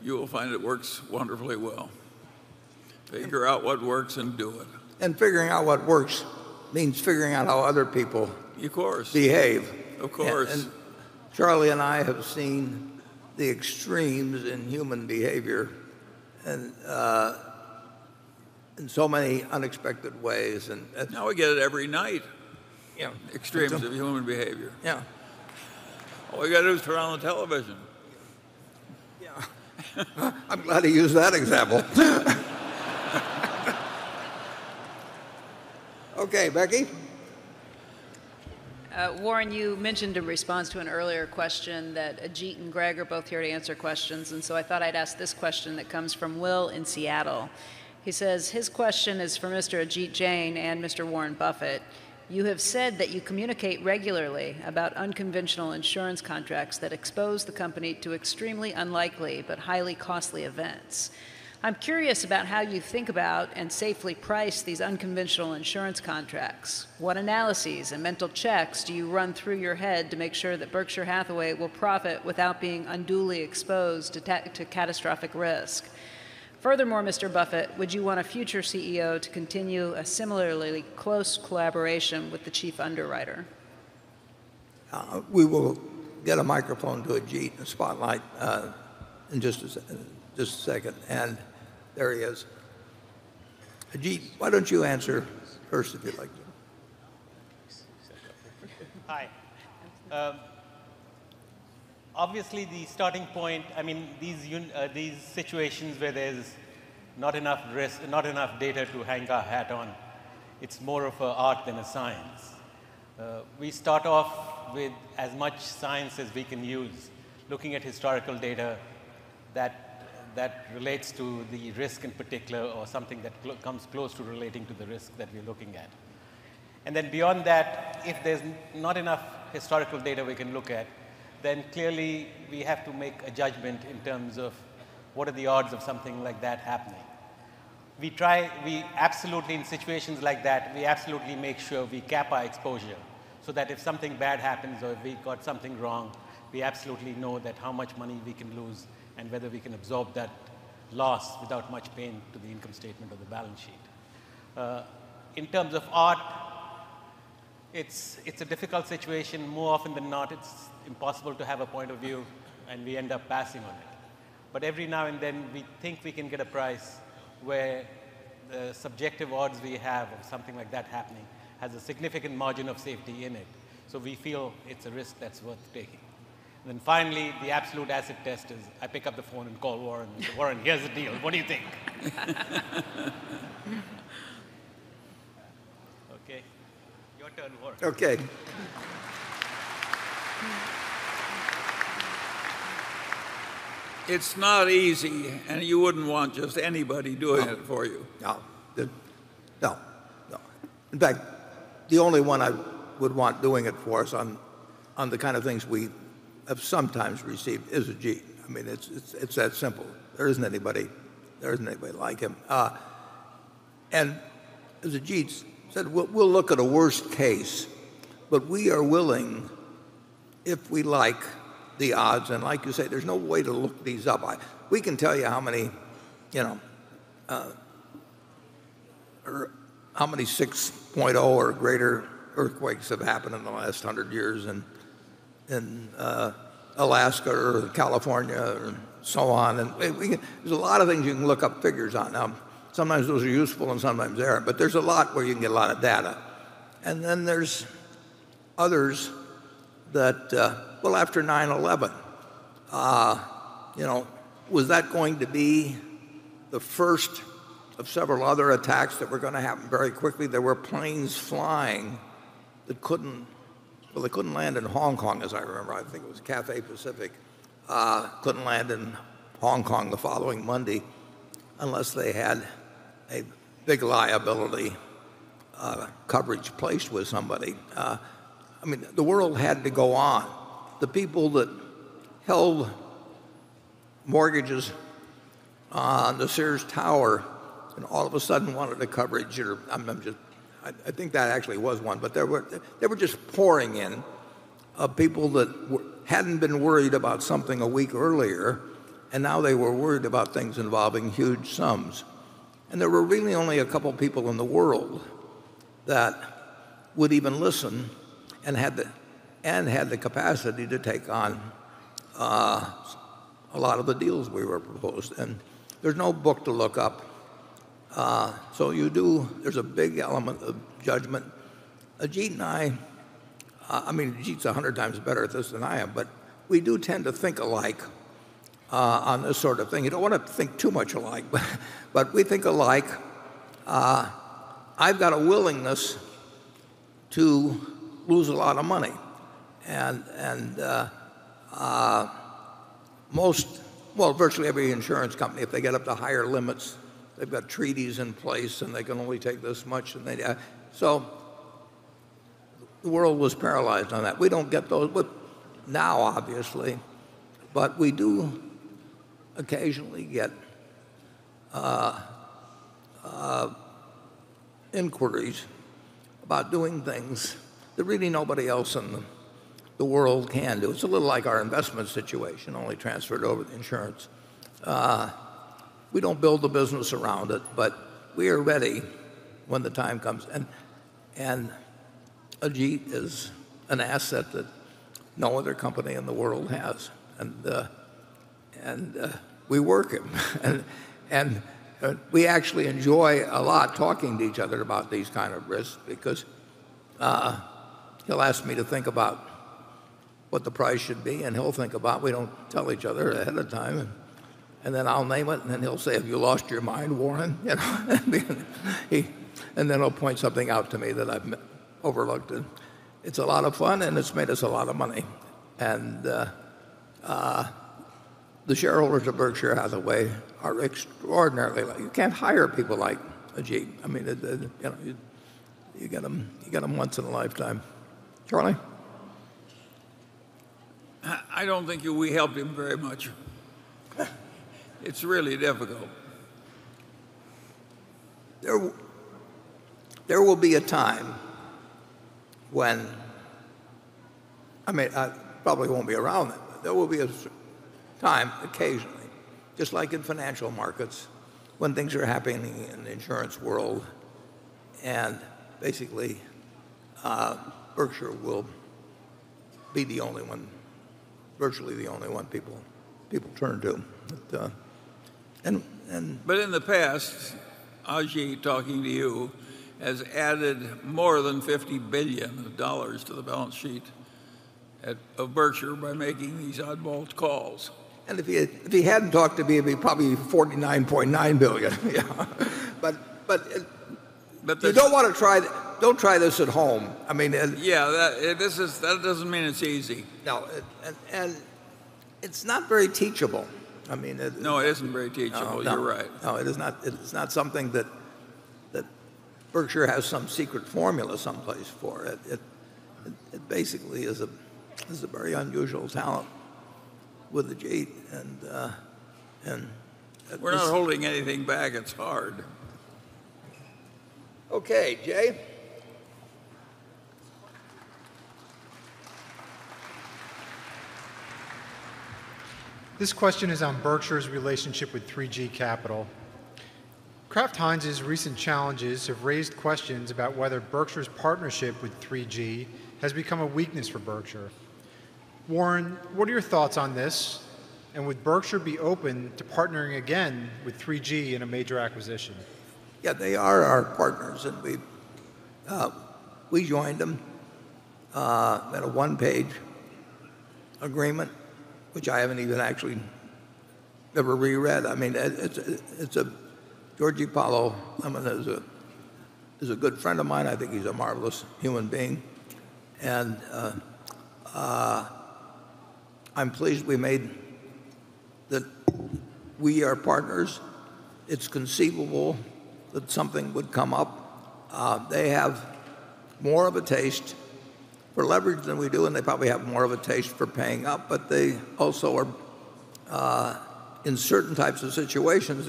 you will find it works wonderfully well. Figure out what works and do it. Figuring out what works means figuring out how other people- Of course behave. Of course. Charlie and I have seen the extremes in human behavior in so many unexpected ways. Now we get it every night. Yeah. Extremes of human behavior. Yeah. All you got to do is turn on the television. Yeah. I'm glad he used that example. Okay, Becky. Warren, you mentioned in response to an earlier question that Ajit and Gregg are both here to answer questions, I thought I'd ask this question that comes from Will in Seattle. He says his question is for Mr. Ajit Jain and Mr. Warren Buffett. You have said that you communicate regularly about unconventional insurance contracts that expose the company to extremely unlikely but highly costly events. I'm curious about how you think about and safely price these unconventional insurance contracts. What analyses and mental checks do you run through your head to make sure that Berkshire Hathaway will profit without being unduly exposed to catastrophic risk? Furthermore, Mr. Buffett, would you want a future CEO to continue a similarly close collaboration with the chief underwriter? We will get a microphone to Ajit and a spotlight in just a second. There he is. Ajit, why don't you answer first if you'd like to? Hi. Obviously, the starting point, these situations where there's not enough data to hang our hat on, it's more of a art than a science. We start off with as much science as we can use, looking at historical data that relates to the risk in particular or something that comes close to relating to the risk that we're looking at. Beyond that, if there's not enough historical data we can look at, clearly we have to make a judgment in terms of what are the odds of something like that happening. In situations like that, we absolutely make sure we cap our exposure so that if something bad happens or if we got something wrong, we absolutely know that how much money we can lose and whether we can absorb that loss without much pain to the income statement or the balance sheet. In terms of art, it's a difficult situation. More often than not, it's impossible to have a point of view, and we end up passing on it. Every now and then, we think we can get a price where the subjective odds we have of something like that happening has a significant margin of safety in it, so we feel it's a risk that's worth taking. Finally, the absolute acid test is I pick up the phone and call Warren and, "Warren, here's the deal. What do you think?" Okay. Your turn, Warren. Okay. It's not easy. You wouldn't want just anybody doing it for you. No. In fact, the only one I would want doing it for us on the kind of things we have sometimes received is Ajit. It's that simple. There isn't anybody like him. As Ajit said, we'll look at a worst case, but we are willing if we like the odds, and like you say, there's no way to look these up. We can tell you how many 6.0 or greater earthquakes have happened in the last 100 years in Alaska or California and so on. There's a lot of things you can look up figures on. Sometimes those are useful and sometimes they aren't, but there's a lot where you can get a lot of data. There's others that, well, after 9/11, was that going to be the first of several other attacks that were going to happen very quickly? There were planes flying, well, they couldn't land in Hong Kong, as I remember. I think it was Cathay Pacific couldn't land in Hong Kong the following Monday unless they had a big liability coverage placed with somebody. The world had to go on. The people that held mortgages on the Sears Tower and all of a sudden wanted a coverage, or I think that actually was one, but they were just pouring in, of people that hadn't been worried about something one week earlier, and now they were worried about things involving huge sums. There were really only a couple of people in the world that would even listen and had the capacity to take on a lot of the deals we were proposed. There's no book to look up. There's a big element of judgment. Ajit and I, Ajit's 100 times better at this than I am, we do tend to think alike on this sort of thing. You don't want to think too much alike, but we think alike. I've got a willingness to lose a lot of money. Well, virtually every insurance company, if they get up to higher limits, they've got treaties in place, and they can only take this much. The world was paralyzed on that. We don't get those now, obviously, but we do occasionally get inquiries about doing things that really nobody else in the world can do. It's a little like our investment situation, only transferred over to insurance. We don't build the business around it, but we are ready when the time comes. Ajit is an asset that no other company in the world has, and we work him. We actually enjoy a lot talking to each other about these kind of risks, because he'll ask me to think about what the price should be. We don't tell each other ahead of time. Then I'll name it, then he'll say, "Have you lost your mind, Warren?" Then he'll point something out to me that I've overlooked. It's a lot of fun, and it's made us a lot of money. The shareholders of Berkshire Hathaway are extraordinary. You can't hire people like Ajit. You get him once in a lifetime. Charlie? I don't think we helped him very much. It's really difficult. There will be a time when, I probably won't be around then, but there will be a time occasionally, just like in financial markets, when things are happening in the insurance world, basically, Berkshire will be the only one, virtually the only one people turn to. In the past, Ajit talking to you has added more than $50 billion to the balance sheet of Berkshire by making these oddball calls. If he hadn't talked to me, it'd probably be $49.9 billion. Yeah. But the- Don't try this at home. Yeah. That doesn't mean it's easy. No. It's not very teachable. No, it isn't very teachable. No. You're right. No, it is not something that Berkshire has some secret formula someplace for. It basically is a very unusual talent with Ajit. We're not holding anything back. It's hard. Okay. Jay? This question is on Berkshire's relationship with 3G Capital. Kraft Heinz's recent challenges have raised questions about whether Berkshire's partnership with 3G has become a weakness for Berkshire. Warren, what are your thoughts on this, and would Berkshire be open to partnering again with 3G in a major acquisition? Yeah, they are our partners. We joined them at a one-page agreement, which I haven't even actually ever reread. Jorge Paulo Lemann is a good friend of mine. I think he's a marvelous human being. I'm pleased that we are partners. It's conceivable that something would come up. They have more of a taste for leverage than we do, and they probably have more of a taste for paying up. They also are, in certain types of situations,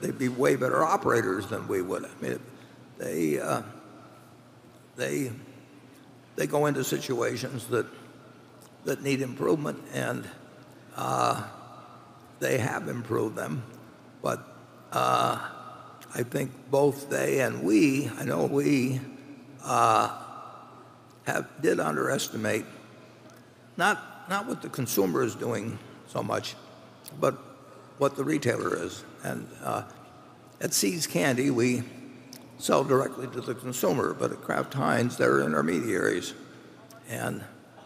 they'd be way better operators than we would. They go into situations that need improvement, and they have improved them. I think both they and we, I know we, did underestimate not what the consumer is doing so much, but what the retailer is. At See's Candies, we sell directly to the consumer, but at Kraft Heinz, there are intermediaries.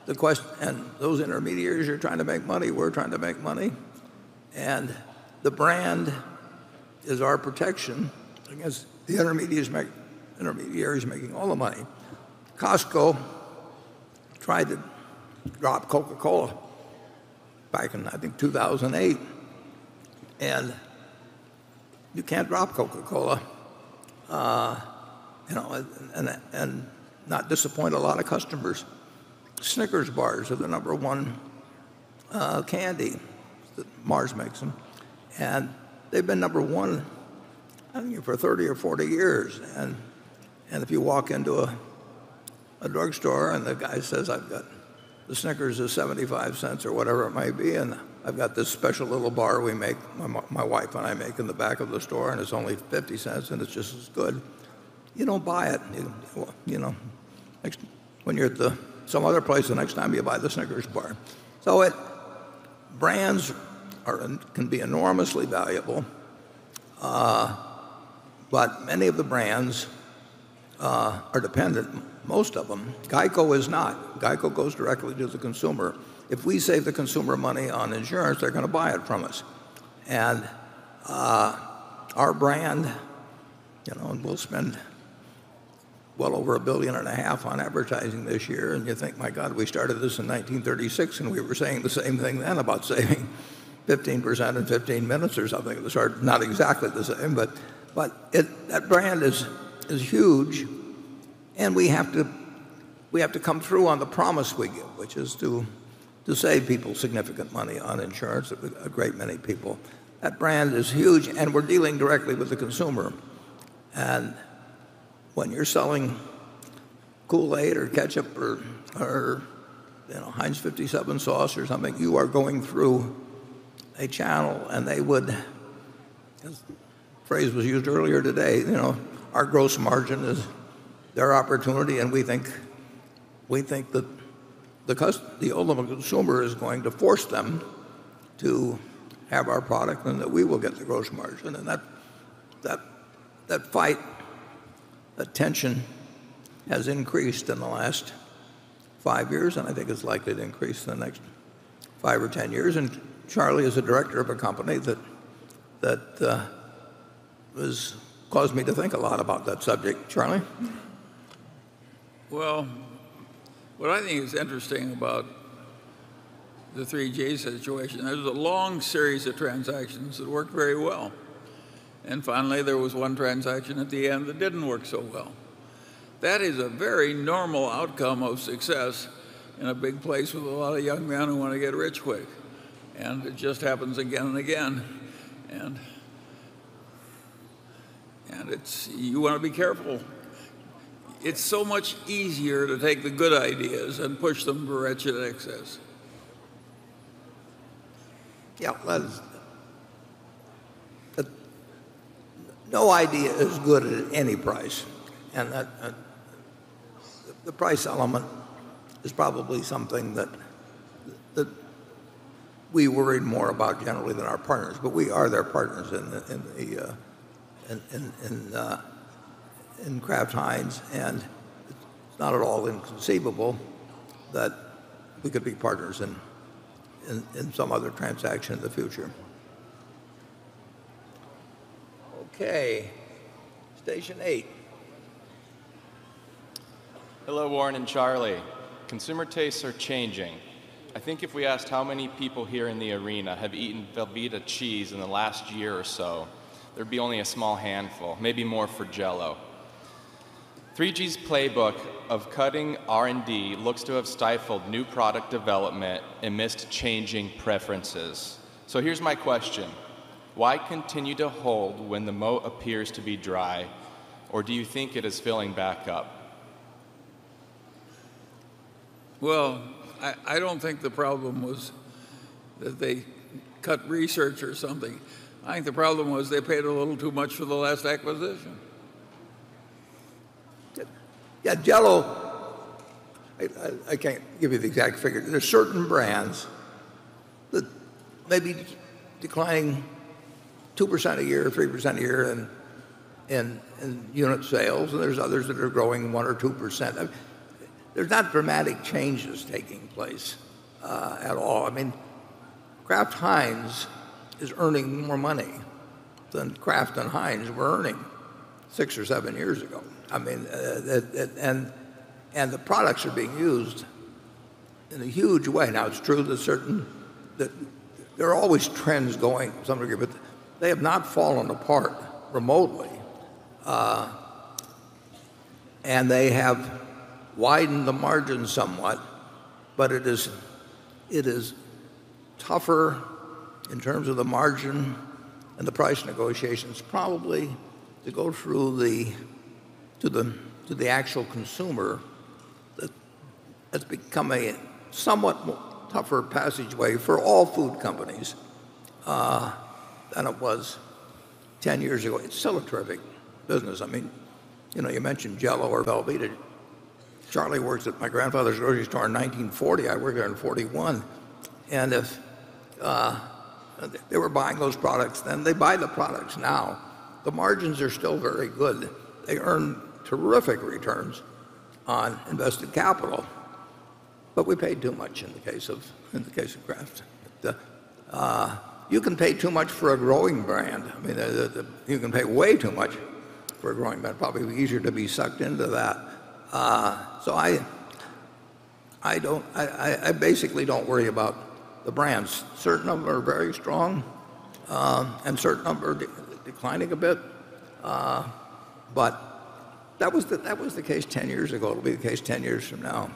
Those intermediaries are trying to make money, we're trying to make money. The brand is our protection against the intermediaries making all the money. Costco tried to drop Coca-Cola back in, I think, 2008. You can't drop Coca-Cola, and not disappoint a lot of customers. Snickers bars are the number one candy. Mars makes them, and they've been number one, I think, for 30 or 40 years. If you walk into a drugstore and the guy says, "I've got the Snickers, is $0.75," or whatever it might be, "I've got this special little bar my wife and I make in the back of the store, and it's only $0.50, and it's just as good," you don't buy it. When you're at some other place, the next time you buy the Snickers bar. Brands can be enormously valuable. Many of the brands are dependent, most of them. GEICO is not. GEICO goes directly to the consumer. If we save the consumer money on insurance, they're going to buy it from us. Our brand, and we'll spend well over $1.5 billion on advertising this year. You think, "My God, we started this in 1936, and we were saying the same thing then about saving 15% in 15 minutes" or something of the sort. Not exactly the same, but that brand is huge. We have to come through on the promise we give, which is to save people significant money on insurance, a great many people. That brand is huge. We're dealing directly with the consumer. When you're selling Kool-Aid or ketchup or Heinz 57 Sauce or something, you are going through a channel. They would, as the phrase was used earlier today, our gross margin is their opportunity. We think that the ultimate consumer is going to force them to have our product and that we will get the gross margin. That fight, that tension has increased in the last five years, and I think it's likely to increase in the next five or 10 years. Charlie is a director of a company that has caused me to think a lot about that subject. Charlie? Well, what I think is interesting about the 3G situation, there was a long series of transactions that worked very well. Finally, there was one transaction at the end that didn't work so well. That is a very normal outcome of success in a big place with a lot of young men who want to get rich quick. It just happens again and again. You want to be careful. It's so much easier to take the good ideas and push them to wretched excess. Yeah. No idea is good at any price. The price element is probably something that we worried more about generally than our partners, but we are their partners in Kraft Heinz, and it's not at all inconceivable that we could be partners in some other transaction in the future. Okay. Station eight. Hello, Warren and Charlie. Consumer tastes are changing. I think if we asked how many people here in the arena have eaten Velveeta cheese in the last year or so, there'd be only a small handful, maybe more for Jell-O. 3G's playbook of cutting R&D looks to have stifled new product development and missed changing preferences. Here's my question. Why continue to hold when the moat appears to be dry? Do you think it is filling back up? Well, I don't think the problem was that they cut research or something. I think the problem was they paid a little too much for the last acquisition. Yeah, Jell-O, I can't give you the exact figure. There are certain brands that may be declining 2% a year, 3% a year in unit sales, and there's others that are growing 1% or 2%. There's not dramatic changes taking place at all. The Kraft Heinz Company is earning more money than Kraft and Heinz were earning six or seven years ago. The products are being used in a huge way. Now, it's true that there are always trends going to some degree, but they have not fallen apart remotely. They have widened the margin somewhat, but it is tougher in terms of the margin and the price negotiations probably to go through to the actual consumer. That has become a somewhat tougher passageway for all food companies than it was 10 years ago. It's still a terrific business. You mentioned Jell-O or Velveeta. Charlie works at my grandfather's grocery store in 1940. I worked there in 1941. If they were buying those products then, they buy the products now. The margins are still very good. They earn terrific returns on invested capital. We paid too much in the case of Kraft. You can pay too much for a growing brand. You can pay way too much for a growing brand, probably easier to be sucked into that. I basically don't worry about the brands. Certain of them are very strong and certain of them are declining a bit. That was the case 10 years ago, it'll be the case 10 years from now.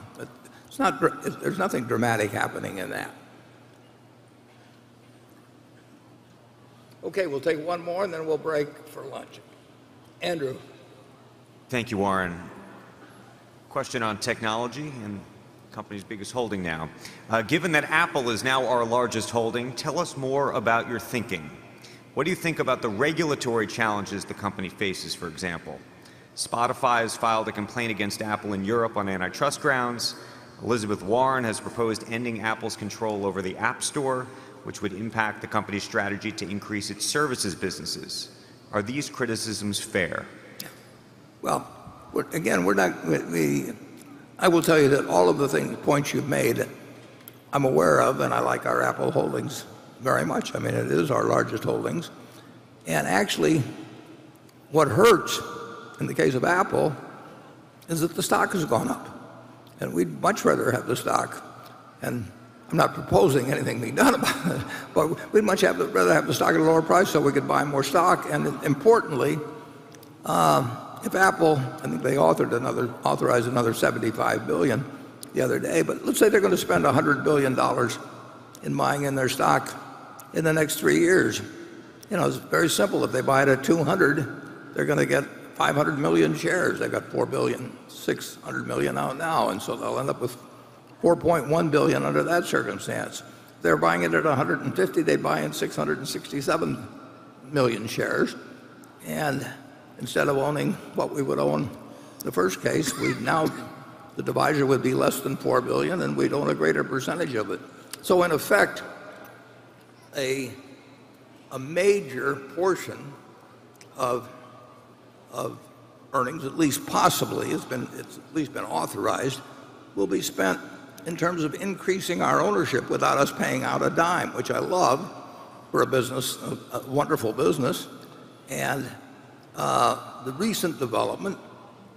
There's nothing dramatic happening in that. Okay, we'll take one more and then we'll break for lunch. Andrew. Thank you, Warren. Question on technology and company's biggest holding now. Given that Apple is now our largest holding, tell us more about your thinking. What do you think about the regulatory challenges the company faces, for example? Spotify has filed a complaint against Apple in Europe on antitrust grounds. Elizabeth Warren has proposed ending Apple's control over the App Store, which would impact the company's strategy to increase its services businesses. Are these criticisms fair? Well, again, I will tell you that all of the points you've made, I'm aware of, and I like our Apple holdings very much. It is our largest holdings. Actually, what hurts, in the case of Apple, is that the stock has gone up, and we'd much rather have the stock. I'm not proposing anything be done about it, but we'd much rather have the stock at a lower price so we could buy more stock. Importantly, if Apple, I think they authorized another $75 billion the other day, but let's say they're going to spend $100 billion in buying in their stock in the next three years. It's very simple. If they buy it at 200, they're going to get 500 million shares. They've got 4.6 billion out now, and so they'll end up with 4.1 billion under that circumstance. If they're buying it at 150, they'd buy in 667 million shares. Instead of owning what we would own the first case, now the divisor would be less than 4 billion, and we'd own a greater percentage of it. In effect, a major portion of earnings, at least possibly, it's at least been authorized, will be spent in terms of increasing our ownership without us paying out a dime, which I love for a business, a wonderful business. The recent development,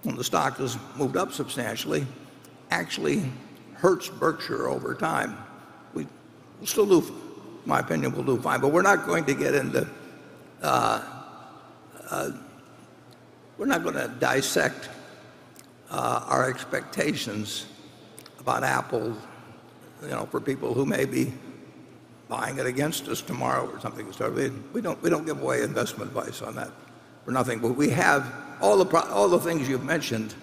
when the stock has moved up substantially, actually hurts Berkshire over time. We still, in my opinion, will do fine, but we're not going to dissect our expectations about Apple for people who may be buying it against us tomorrow or something. We don't give away investment advice on that for nothing. All the things you've mentioned,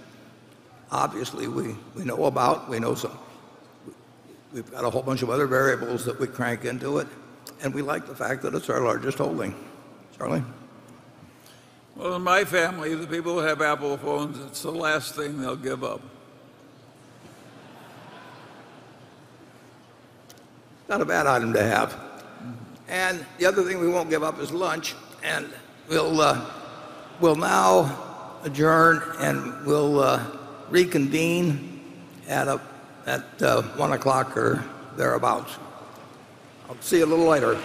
obviously, we know about. We've got a whole bunch of other variables that we crank into it. We like the fact that it's our largest holding. Charlie? Well, in my family, the people who have Apple phones, it's the last thing they'll give up. Not a bad item to have. The other thing we won't give up is lunch. We'll now adjourn. We'll reconvene at 1:00 P.M. or thereabout. I'll see you a little later.